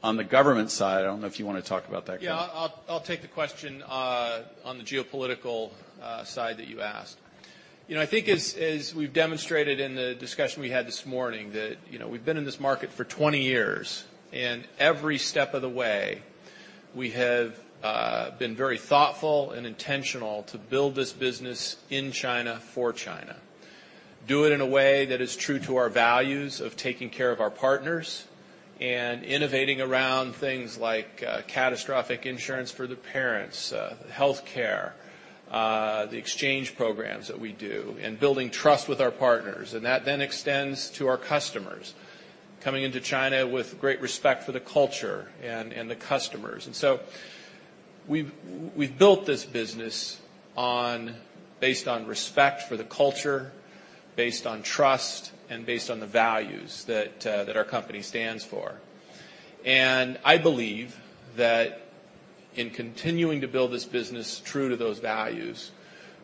On the government side, I don't know if you want to talk about that, Kevin. Yeah. I'll take the question on the geopolitical side that you asked. I think as we've demonstrated in the discussion we had this morning that we've been in this market for 20 years, every step of the way, we have been very thoughtful and intentional to build this business in China for China. Do it in a way that is true to our values of taking care of our partners and innovating around things like catastrophic insurance for the parents, healthcare, the exchange programs that we do, and building trust with our partners. That then extends to our customers. Coming into China with great respect for the culture and the customers. So we've built this business based on respect for the culture, based on trust, and based on the values that our company stands for. I believe that in continuing to build this business true to those values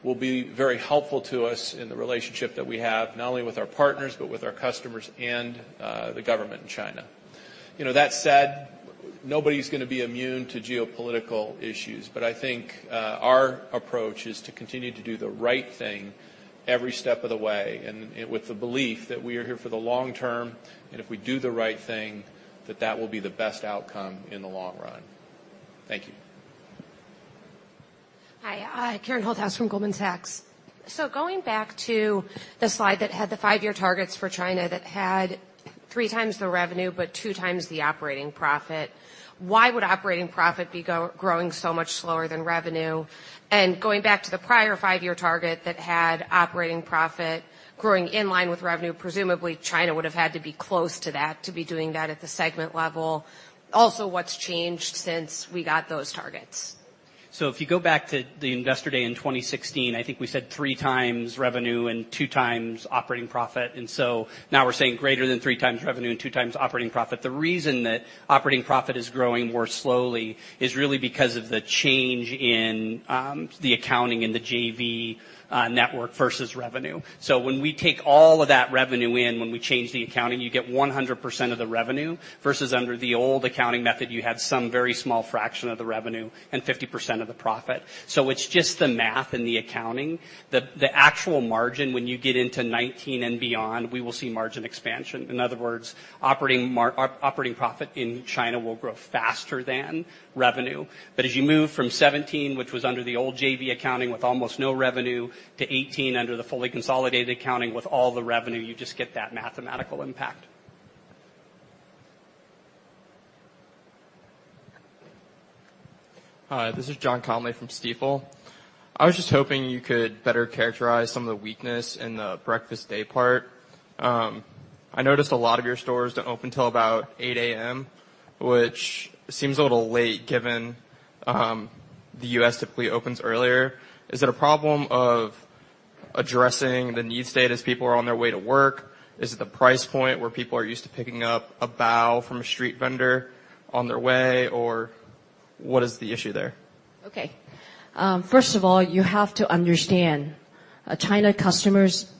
will be very helpful to us in the relationship that we have, not only with our partners, but with our customers and the government in China. That said, nobody's going to be immune to geopolitical issues, I think our approach is to continue to do the right thing every step of the way, with the belief that we are here for the long term, and if we do the right thing, that will be the best outcome in the long run. Thank you. Hi, Karen Holthouse from Goldman Sachs. Going back to the slide that had the 5-year targets for China that had 3 times the revenue but 2 times the operating profit, why would operating profit be growing so much slower than revenue? Going back to the prior 5-year target that had operating profit growing in line with revenue, presumably China would have had to be close to that to be doing that at the segment level. Also, what's changed since we got those targets? If you go back to the Investor Day in 2016, I think we said 3 times revenue and 2 times operating profit. Now we're saying greater than 3 times revenue and 2 times operating profit. The reason that operating profit is growing more slowly is really because of the change in the accounting in the JV network versus revenue. When we take all of that revenue in, when we change the accounting, you get 100% of the revenue versus under the old accounting method, you had some very small fraction of the revenue and 50% of the profit. It's just the math and the accounting. The actual margin, when you get into 2019 and beyond, we will see margin expansion. In other words, operating profit in China will grow faster than revenue. As you move from 2017, which was under the old JV accounting with almost no revenue, to 2018, under the fully consolidated accounting with all the revenue, you just get that mathematical impact. Hi, this is John Conley from Stifel. I was just hoping you could better characterize some of the weakness in the breakfast day part. I noticed a lot of your stores don't open till about 8:00 A.M., which seems a little late given the U.S. typically opens earlier. Is it a problem of addressing the need state as people are on their way to work? Is it the price point where people are used to picking up a bao from a street vendor on their way? What is the issue there? First of all, you have to understand, China customers'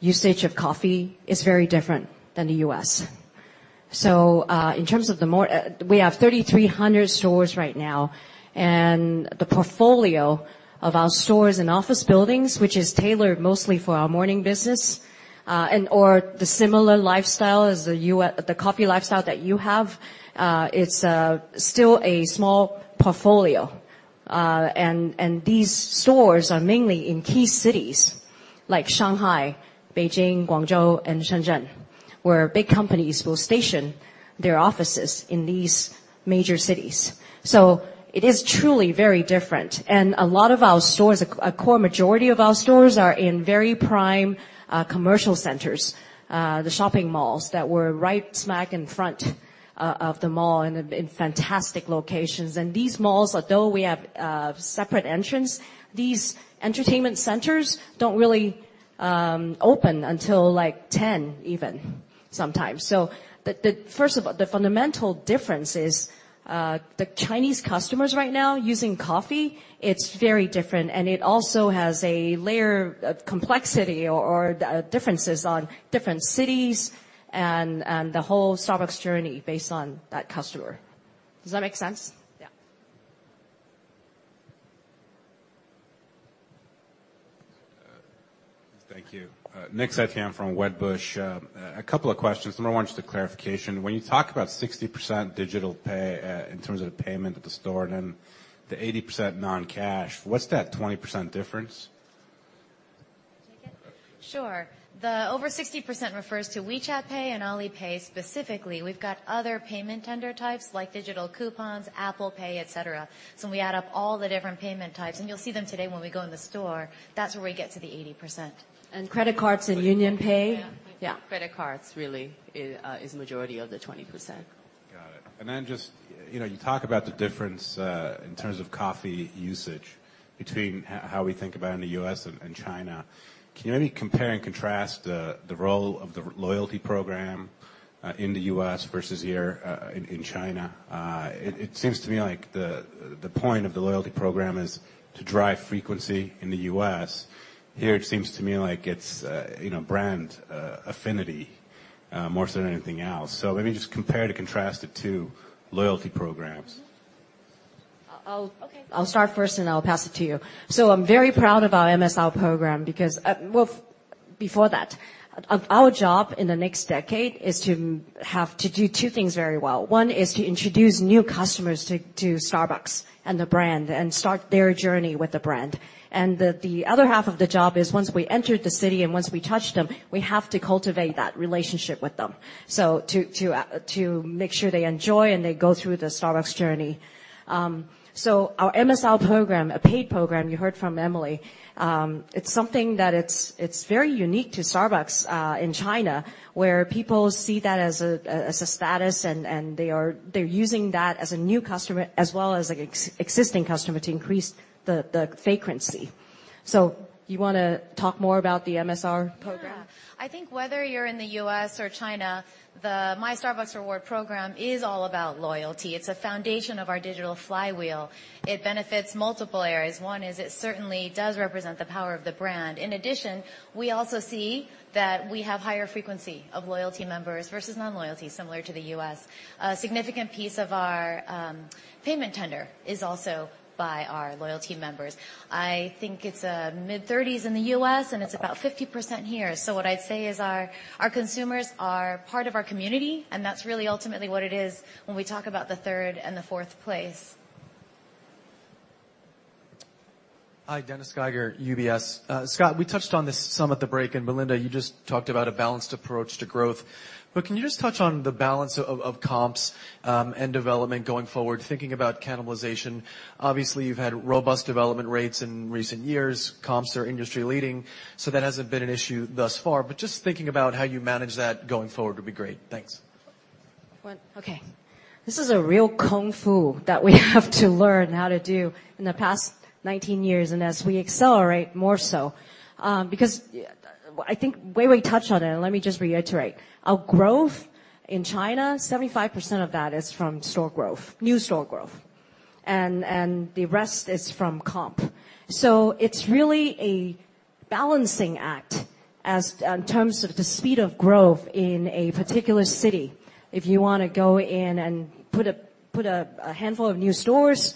usage of coffee is very different than the U.S. In terms of the more-- We have 3,300 stores right now, and the portfolio of our stores and office buildings, which is tailored mostly for our morning business, and/or the similar lifestyle as the coffee lifestyle that you have, it's still a small portfolio. These stores are mainly in key cities like Shanghai, Beijing, Guangzhou, and Shenzhen, where big companies will station their offices in these major cities. It is truly very different. A lot of our stores, a core majority of our stores are in very prime commercial centers, the shopping malls that were right smack in front of the mall and in fantastic locations. These malls, although we have separate entrance, these entertainment centers don't really open until 10:00 even, sometimes. First of all, the fundamental difference is, the Chinese customers right now using coffee, it's very different and it also has a layer of complexity or differences on different cities and the whole Starbucks journey based on that customer. Does that make sense? Yeah. Thank you. Nick Setyan from Wedbush. A couple of questions. Number one, just a clarification. When you talk about 60% digital pay in terms of the payment at the store and then the 80% non-cash, what's that 20% difference? Take it. Sure. The over 60% refers to WeChat Pay and Alipay specifically. We've got other payment tender types like digital coupons, Apple Pay, et cetera. We add up all the different payment types, and you'll see them today when we go in the store. That's where we get to the 80%. Credit cards and UnionPay. Yeah. Yeah. Credit cards really is majority of the 20%. Got it. You talk about the difference in terms of coffee usage between how we think about in the U.S. and China. Can you maybe compare and contrast the role of the loyalty program in the U.S. versus here in China? It seems to me like the point of the loyalty program is to drive frequency in the U.S. Here, it seems to me like it's brand affinity more so than anything else. Maybe just compare to contrast the two loyalty programs. I'll- Okay. I'll start first, and I'll pass it to you. I'm very proud of our MSR program because. Well, before that. Our job in the next decade is to have to do 2 things very well. One is to introduce new customers to Starbucks and the brand and start their journey with the brand. The other half of the job is once we entered the city and once we touched them, we have to cultivate that relationship with them, to make sure they enjoy and they go through the Starbucks journey. Our MSR program, a paid program, you heard from Emily, it's something that it's very unique to Starbucks in China, where people see that as a status and they're using that as a new customer as well as existing customer to increase the frequency. You want to talk more about the MSR program? Yeah. I think whether you're in the U.S. or China, the My Starbucks Rewards program is all about loyalty. It's a foundation of our digital flywheel. It benefits multiple areas. One is it certainly does represent the power of the brand. In addition, we also see that we have higher frequency of loyalty members versus non-loyalty, similar to the U.S. A significant piece of our payment tender is also by our loyalty members. I think it's mid-30s in the U.S., and it's about 50% here. What I'd say is our consumers are part of our community, and that's really ultimately what it is when we talk about the third and the fourth place. Hi, Dennis Geiger, UBS. Scott, we touched on this some at the break. Belinda, you just talked about a balanced approach to growth, can you just touch on the balance of comps and development going forward, thinking about cannibalization? Obviously, you've had robust development rates in recent years. Comps are industry leading, that hasn't been an issue thus far. Just thinking about how you manage that going forward would be great. Thanks. This is a real kung fu that we have to learn how to do in the past 19 years, and as we accelerate more so. I think Weiwei touched on it, and let me just reiterate. Our growth in China, 75% of that is from store growth, new store growth, and the rest is from comp. It's really a balancing act in terms of the speed of growth in a particular city. If you want to go in and put a handful of new stores,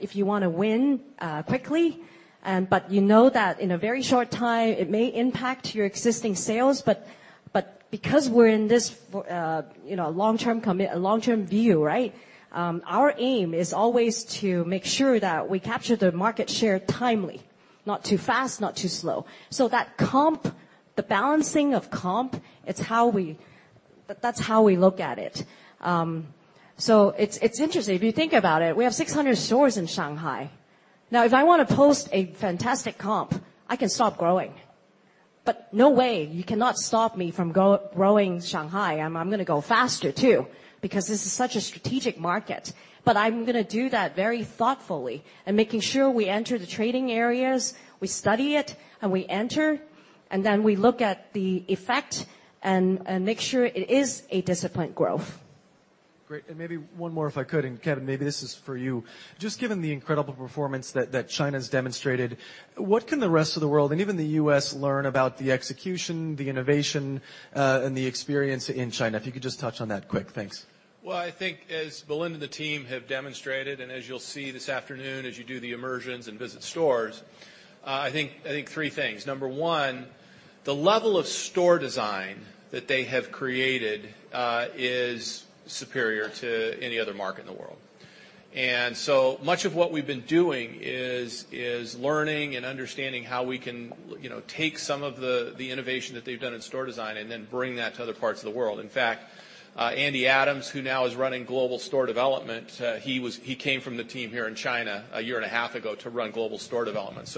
if you want to win quickly, you know that in a very short time it may impact your existing sales, because we're in this long-term view, our aim is always to make sure that we capture the market share timely, not too fast, not too slow. That comp, the balancing of comp, that's how we look at it. It's interesting. If you think about it, we have 600 stores in Shanghai. Now, if I want to post a fantastic comp, I can stop growing. No way, you cannot stop me from growing Shanghai. I'm going to go faster, too, because this is such a strategic market. I'm going to do that very thoughtfully and making sure we enter the trading areas, we study it, and we enter, and then we look at the effect and make sure it is a disciplined growth. Great. Maybe one more if I could. Kevin, maybe this is for you. Just given the incredible performance that China's demonstrated, what can the rest of the world, and even the U.S., learn about the execution, the innovation, and the experience in China? If you could just touch on that quick. Thanks. Well, I think as Belinda and the team have demonstrated, as you'll see this afternoon as you do the immersions and visit stores, I think three things. Number 1, the level of store design that they have created, is superior to any other market in the world. So much of what we've been doing is learning and understanding how we can take some of the innovation that they've done in store design and then bring that to other parts of the world. In fact, Andy Adams, who now is running global store development, he came from the team here in China a year and a half ago to run global store development.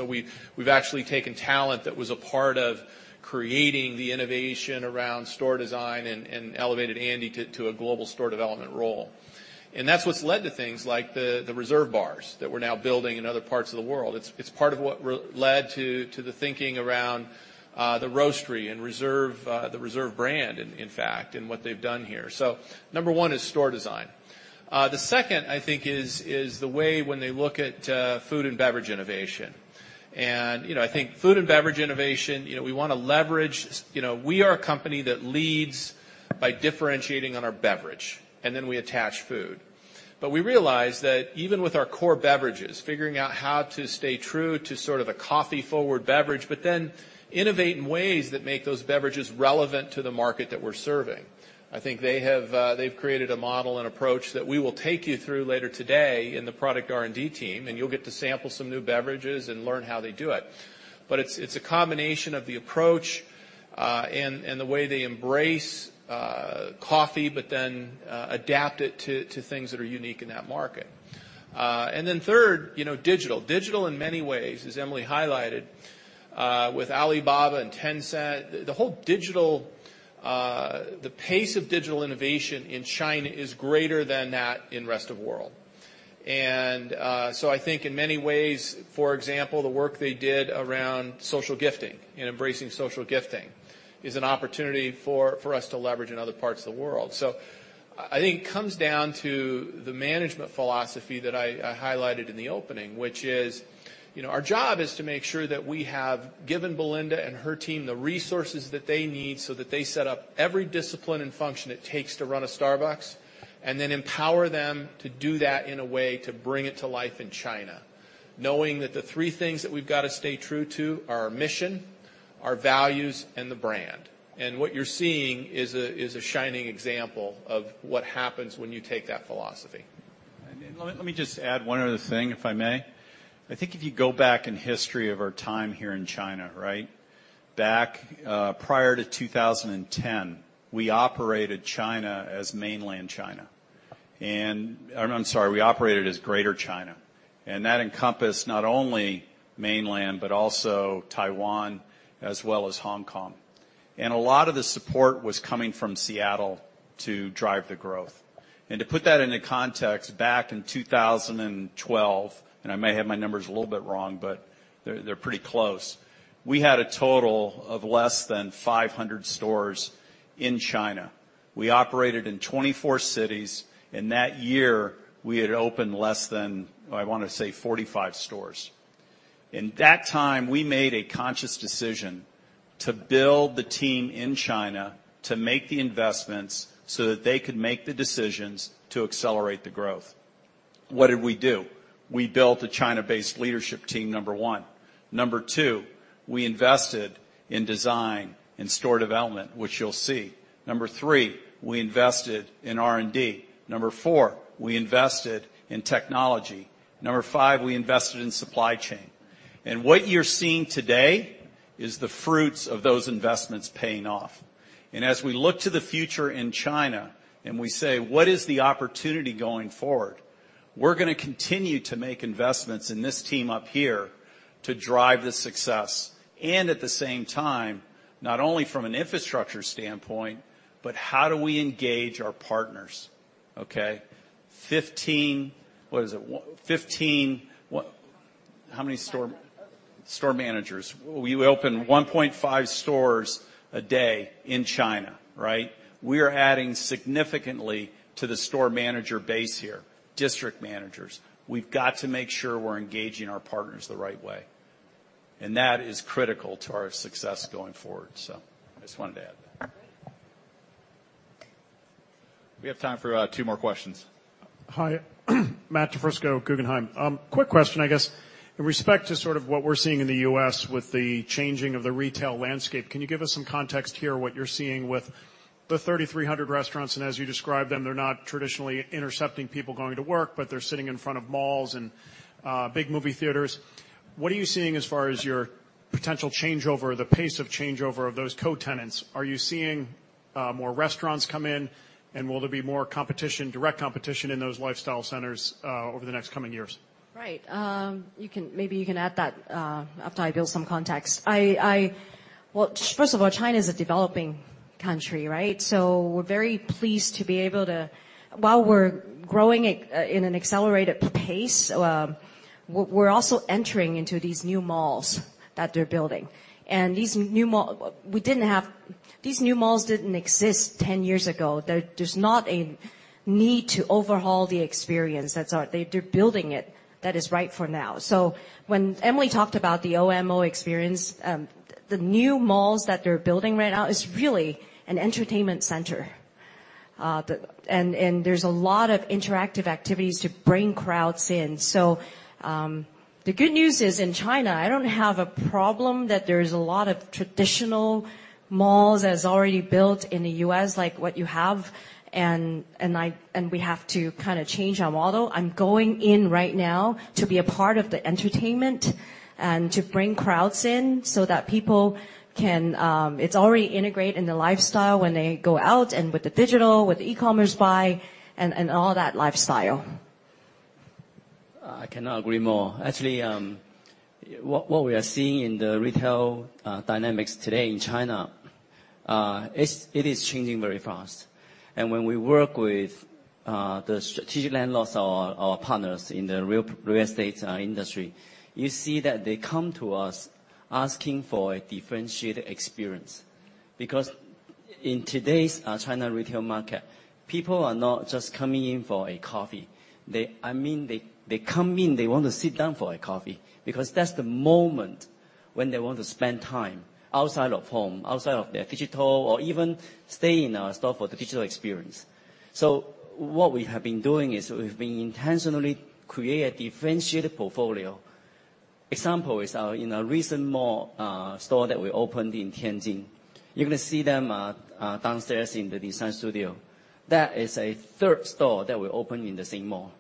We've actually taken talent that was a part of creating the innovation around store design and elevated Andy to a global store development role. That's what's led to things like the Reserve Bars that we're now building in other parts of the world. It's part of what led to the thinking around the Roastery and the Reserve brand, in fact, and what they've done here. Number one is store design. The second, I think, is the way when they look at food and beverage innovation. I think food and beverage innovation, we want to leverage. We are a company that leads by differentiating on our beverage, and then we attach food. We realize that even with our core beverages, figuring out how to stay true to a coffee-forward beverage, but then innovate in ways that make those beverages relevant to the market that we're serving. I think they've created a model and approach that we will take you through later today in the product R&D team, and you'll get to sample some new beverages and learn how they do it. It's a combination of the approach, and the way they embrace coffee, but then adapt it to things that are unique in that market. Then third, digital. Digital in many ways, as Emily highlighted, with Alibaba and Tencent, the pace of digital innovation in China is greater than that in rest of world. I think in many ways, for example, the work they did around social gifting and embracing social gifting is an opportunity for us to leverage in other parts of the world. I think it comes down to the management philosophy that I highlighted in the opening, which is our job is to make sure that we have given Belinda and her team the resources that they need so that they set up every discipline and function it takes to run a Starbucks, and then empower them to do that in a way to bring it to life in China, knowing that the three things that we've got to stay true to are our mission, our values, and the brand. What you're seeing is a shining example of what happens when you take that philosophy. Let me just add one other thing, if I may. I think if you go back in history of our time here in China. Back prior to 2010, we operated China as mainland China. I'm sorry, we operated as Greater China, and that encompassed not only mainland, but also Taiwan as well as Hong Kong. A lot of the support was coming from Seattle to drive the growth. To put that into context, back in 2012, and I may have my numbers a little bit wrong, but they're pretty close, we had a total of less than 500 stores in China. We operated in 24 cities. In that year, we had opened less than, I want to say, 45 stores. In that time, we made a conscious decision to build the team in China, to make the investments so that they could make the decisions to accelerate the growth. What did we do? We built a China-based leadership team, number one. Number two, we invested in design and store development, which you'll see. Number three, we invested in R&D. Number four, we invested in technology. Number five, we invested in supply chain. What you're seeing today is the fruits of those investments paying off. As we look to the future in China, and we say, "What is the opportunity going forward?" We're going to continue to make investments in this team up here to drive the success. At the same time, not only from an infrastructure standpoint, but how do we engage our partners? Okay. 15. What is it? 15 How many store- Store managers store managers. We open 1.5 stores a day in China. Right? We are adding significantly to the store manager base here, district managers. We've got to make sure we're engaging our partners the right way, and that is critical to our success going forward. I just wanted to add that. Great. We have time for two more questions. Hi. Matthew DiFrisco, Guggenheim. Quick question, I guess. In respect to sort of what we're seeing in the U.S. with the changing of the retail landscape, can you give us some context here what you're seeing with the 3,300 restaurants? As you described them, they're not traditionally intercepting people going to work, but they're sitting in front of malls and big movie theaters. What are you seeing as far as your potential changeover, the pace of changeover of those co-tenants? Are you seeing more restaurants come in, and will there be more competition, direct competition in those lifestyle centers over the next coming years? Right. Maybe you can add that after I build some context. First of all, China is a developing country, right? We're very pleased to be able to-- While we're growing in an accelerated pace, we're also entering into these new malls that they're building. These new malls didn't exist 10 years ago. There's not a need to overhaul the experience. They're building it. That is right for now. When Emily talked about the OMO experience, the new malls that they're building right now is really an entertainment center. There's a lot of interactive activities to bring crowds in. The good news is, in China, I don't have a problem that there is a lot of traditional malls as already built in the U.S. like what you have, and we have to kind of change our model. I'm going in right now to be a part of the entertainment and to bring crowds in so that It's already integrated in the lifestyle when they go out and with the digital, with e-commerce buy, and all that lifestyle. I cannot agree more. Actually, what we are seeing in the retail dynamics today in China, it is changing very fast. When we work with the strategic landlords or partners in the real estate industry, you see that they come to us asking for a differentiated experience. In today's China retail market, people are not just coming in for a coffee. They come in, they want to sit down for a coffee, because that's the moment when they want to spend time outside of home, outside of their digital, or even stay in our store for the digital experience. What we have been doing is we've been intentionally create a differentiated portfolio. Example is in a recent mall store that we opened in Tianjin. You're going to see them downstairs in the Design Studio. That is a third store that we opened in the same mall.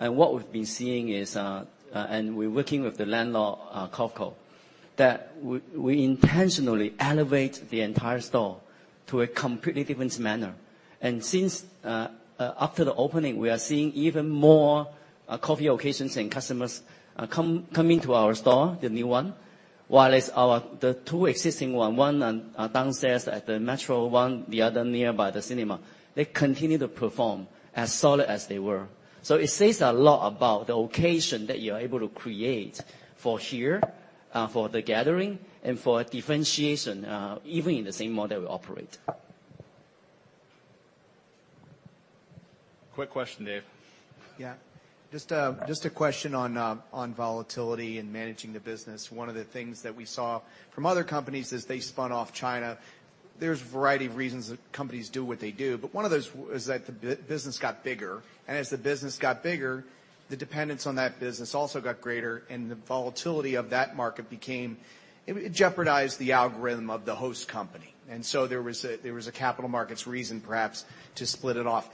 What we've been seeing is, we're working with the landlord, COFCO, that we intentionally elevate the entire store to a completely different manner. Since after the opening, we are seeing even more coffee occasions and customers coming to our store, the new one, while the two existing one downstairs at the metro, one the other nearby the cinema. They continue to perform as solid as they were. It says a lot about the occasion that you are able to create for here, for the gathering, and for differentiation even in the same model we operate. Quick question, Dave. Yeah. Just a question on volatility and managing the business. One of the things that we saw from other companies as they spun off China, there's a variety of reasons that companies do what they do. One of those is that the business got bigger, and as the business got bigger, the dependence on that business also got greater, and the volatility of that market became. It jeopardized the algorithm of the host company. There was a capital markets reason, perhaps, to split it off.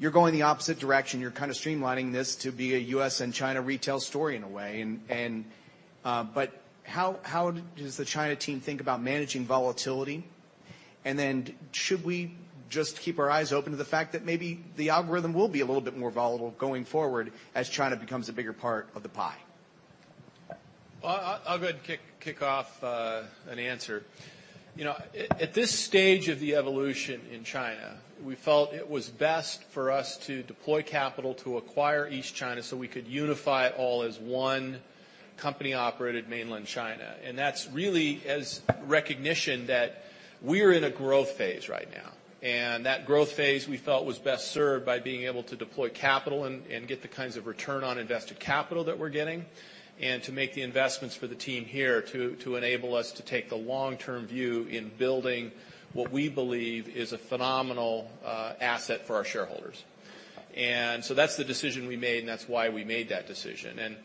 You're going the opposite direction. You're kind of streamlining this to be a U.S. and China retail story in a way. How does the China team think about managing volatility? Should we just keep our eyes open to the fact that maybe the algorithm will be a little bit more volatile going forward as China becomes a bigger part of the pie? Well, I'll go ahead and kick off an answer. At this stage of the evolution in China, we felt it was best for us to deploy capital to acquire East China so we could unify it all as one company operated mainland China. That's really as recognition that we're in a growth phase right now. That growth phase, we felt was best served by being able to deploy capital and get the kinds of return on invested capital that we're getting, and to make the investments for the team here to enable us to take the long-term view in building what we believe is a phenomenal asset for our shareholders. That's the decision we made, and that's why we made that decision.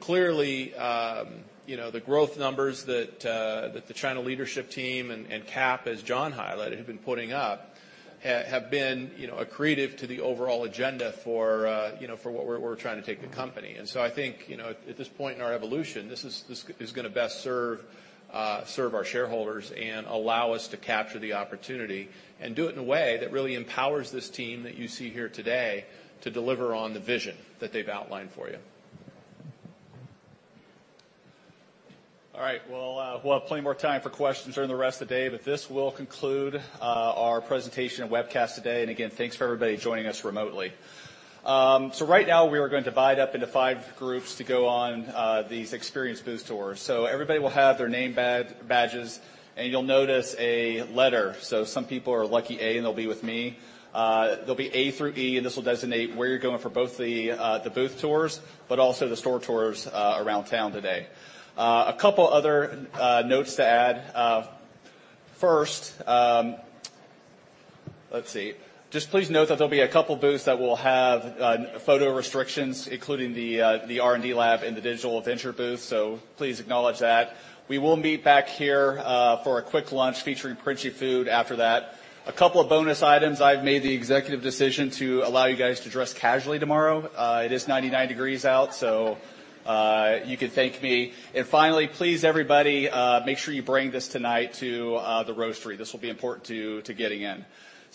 Clearly, the growth numbers that the China leadership team and Cap, as John highlighted, have been putting up have been accretive to the overall agenda for where we're trying to take the company. I think, at this point in our evolution, this is going to best serve our shareholders and allow us to capture the opportunity and do it in a way that really empowers this team that you see here today to deliver on the vision that they've outlined for you. All right. Well, we'll have plenty more time for questions during the rest of the day, but this will conclude our presentation and webcast today. Again, thanks for everybody joining us remotely. Right now we are going to divide up into five groups to go on these experience booth tours. Everybody will have their name badges, and you'll notice a letter. Some people are lucky A, and they'll be with me. There'll be A through E, and this will designate where you're going for both the booth tours, but also the store tours around town today. A couple other notes to add. First, let's see. Just please note that there'll be a couple booths that will have photo restrictions, including the R&D lab and the digital adventure booth. Please acknowledge that. We will meet back here for a quick lunch featuring Princi food after that. A couple of bonus items. I've made the executive decision to allow you guys to dress casually tomorrow. It is 99 degrees out, so you can thank me. Finally, please, everybody, make sure you bring this tonight to the Roastery. This will be important to getting in.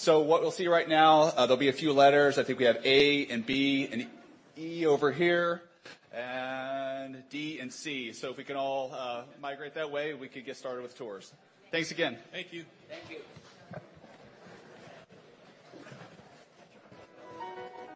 What we'll see right now, there'll be a few letters. I think we have A and B and E over here and D and C. If we can all migrate that way, we could get started with tours. Thanks again. Thank you. Thank you.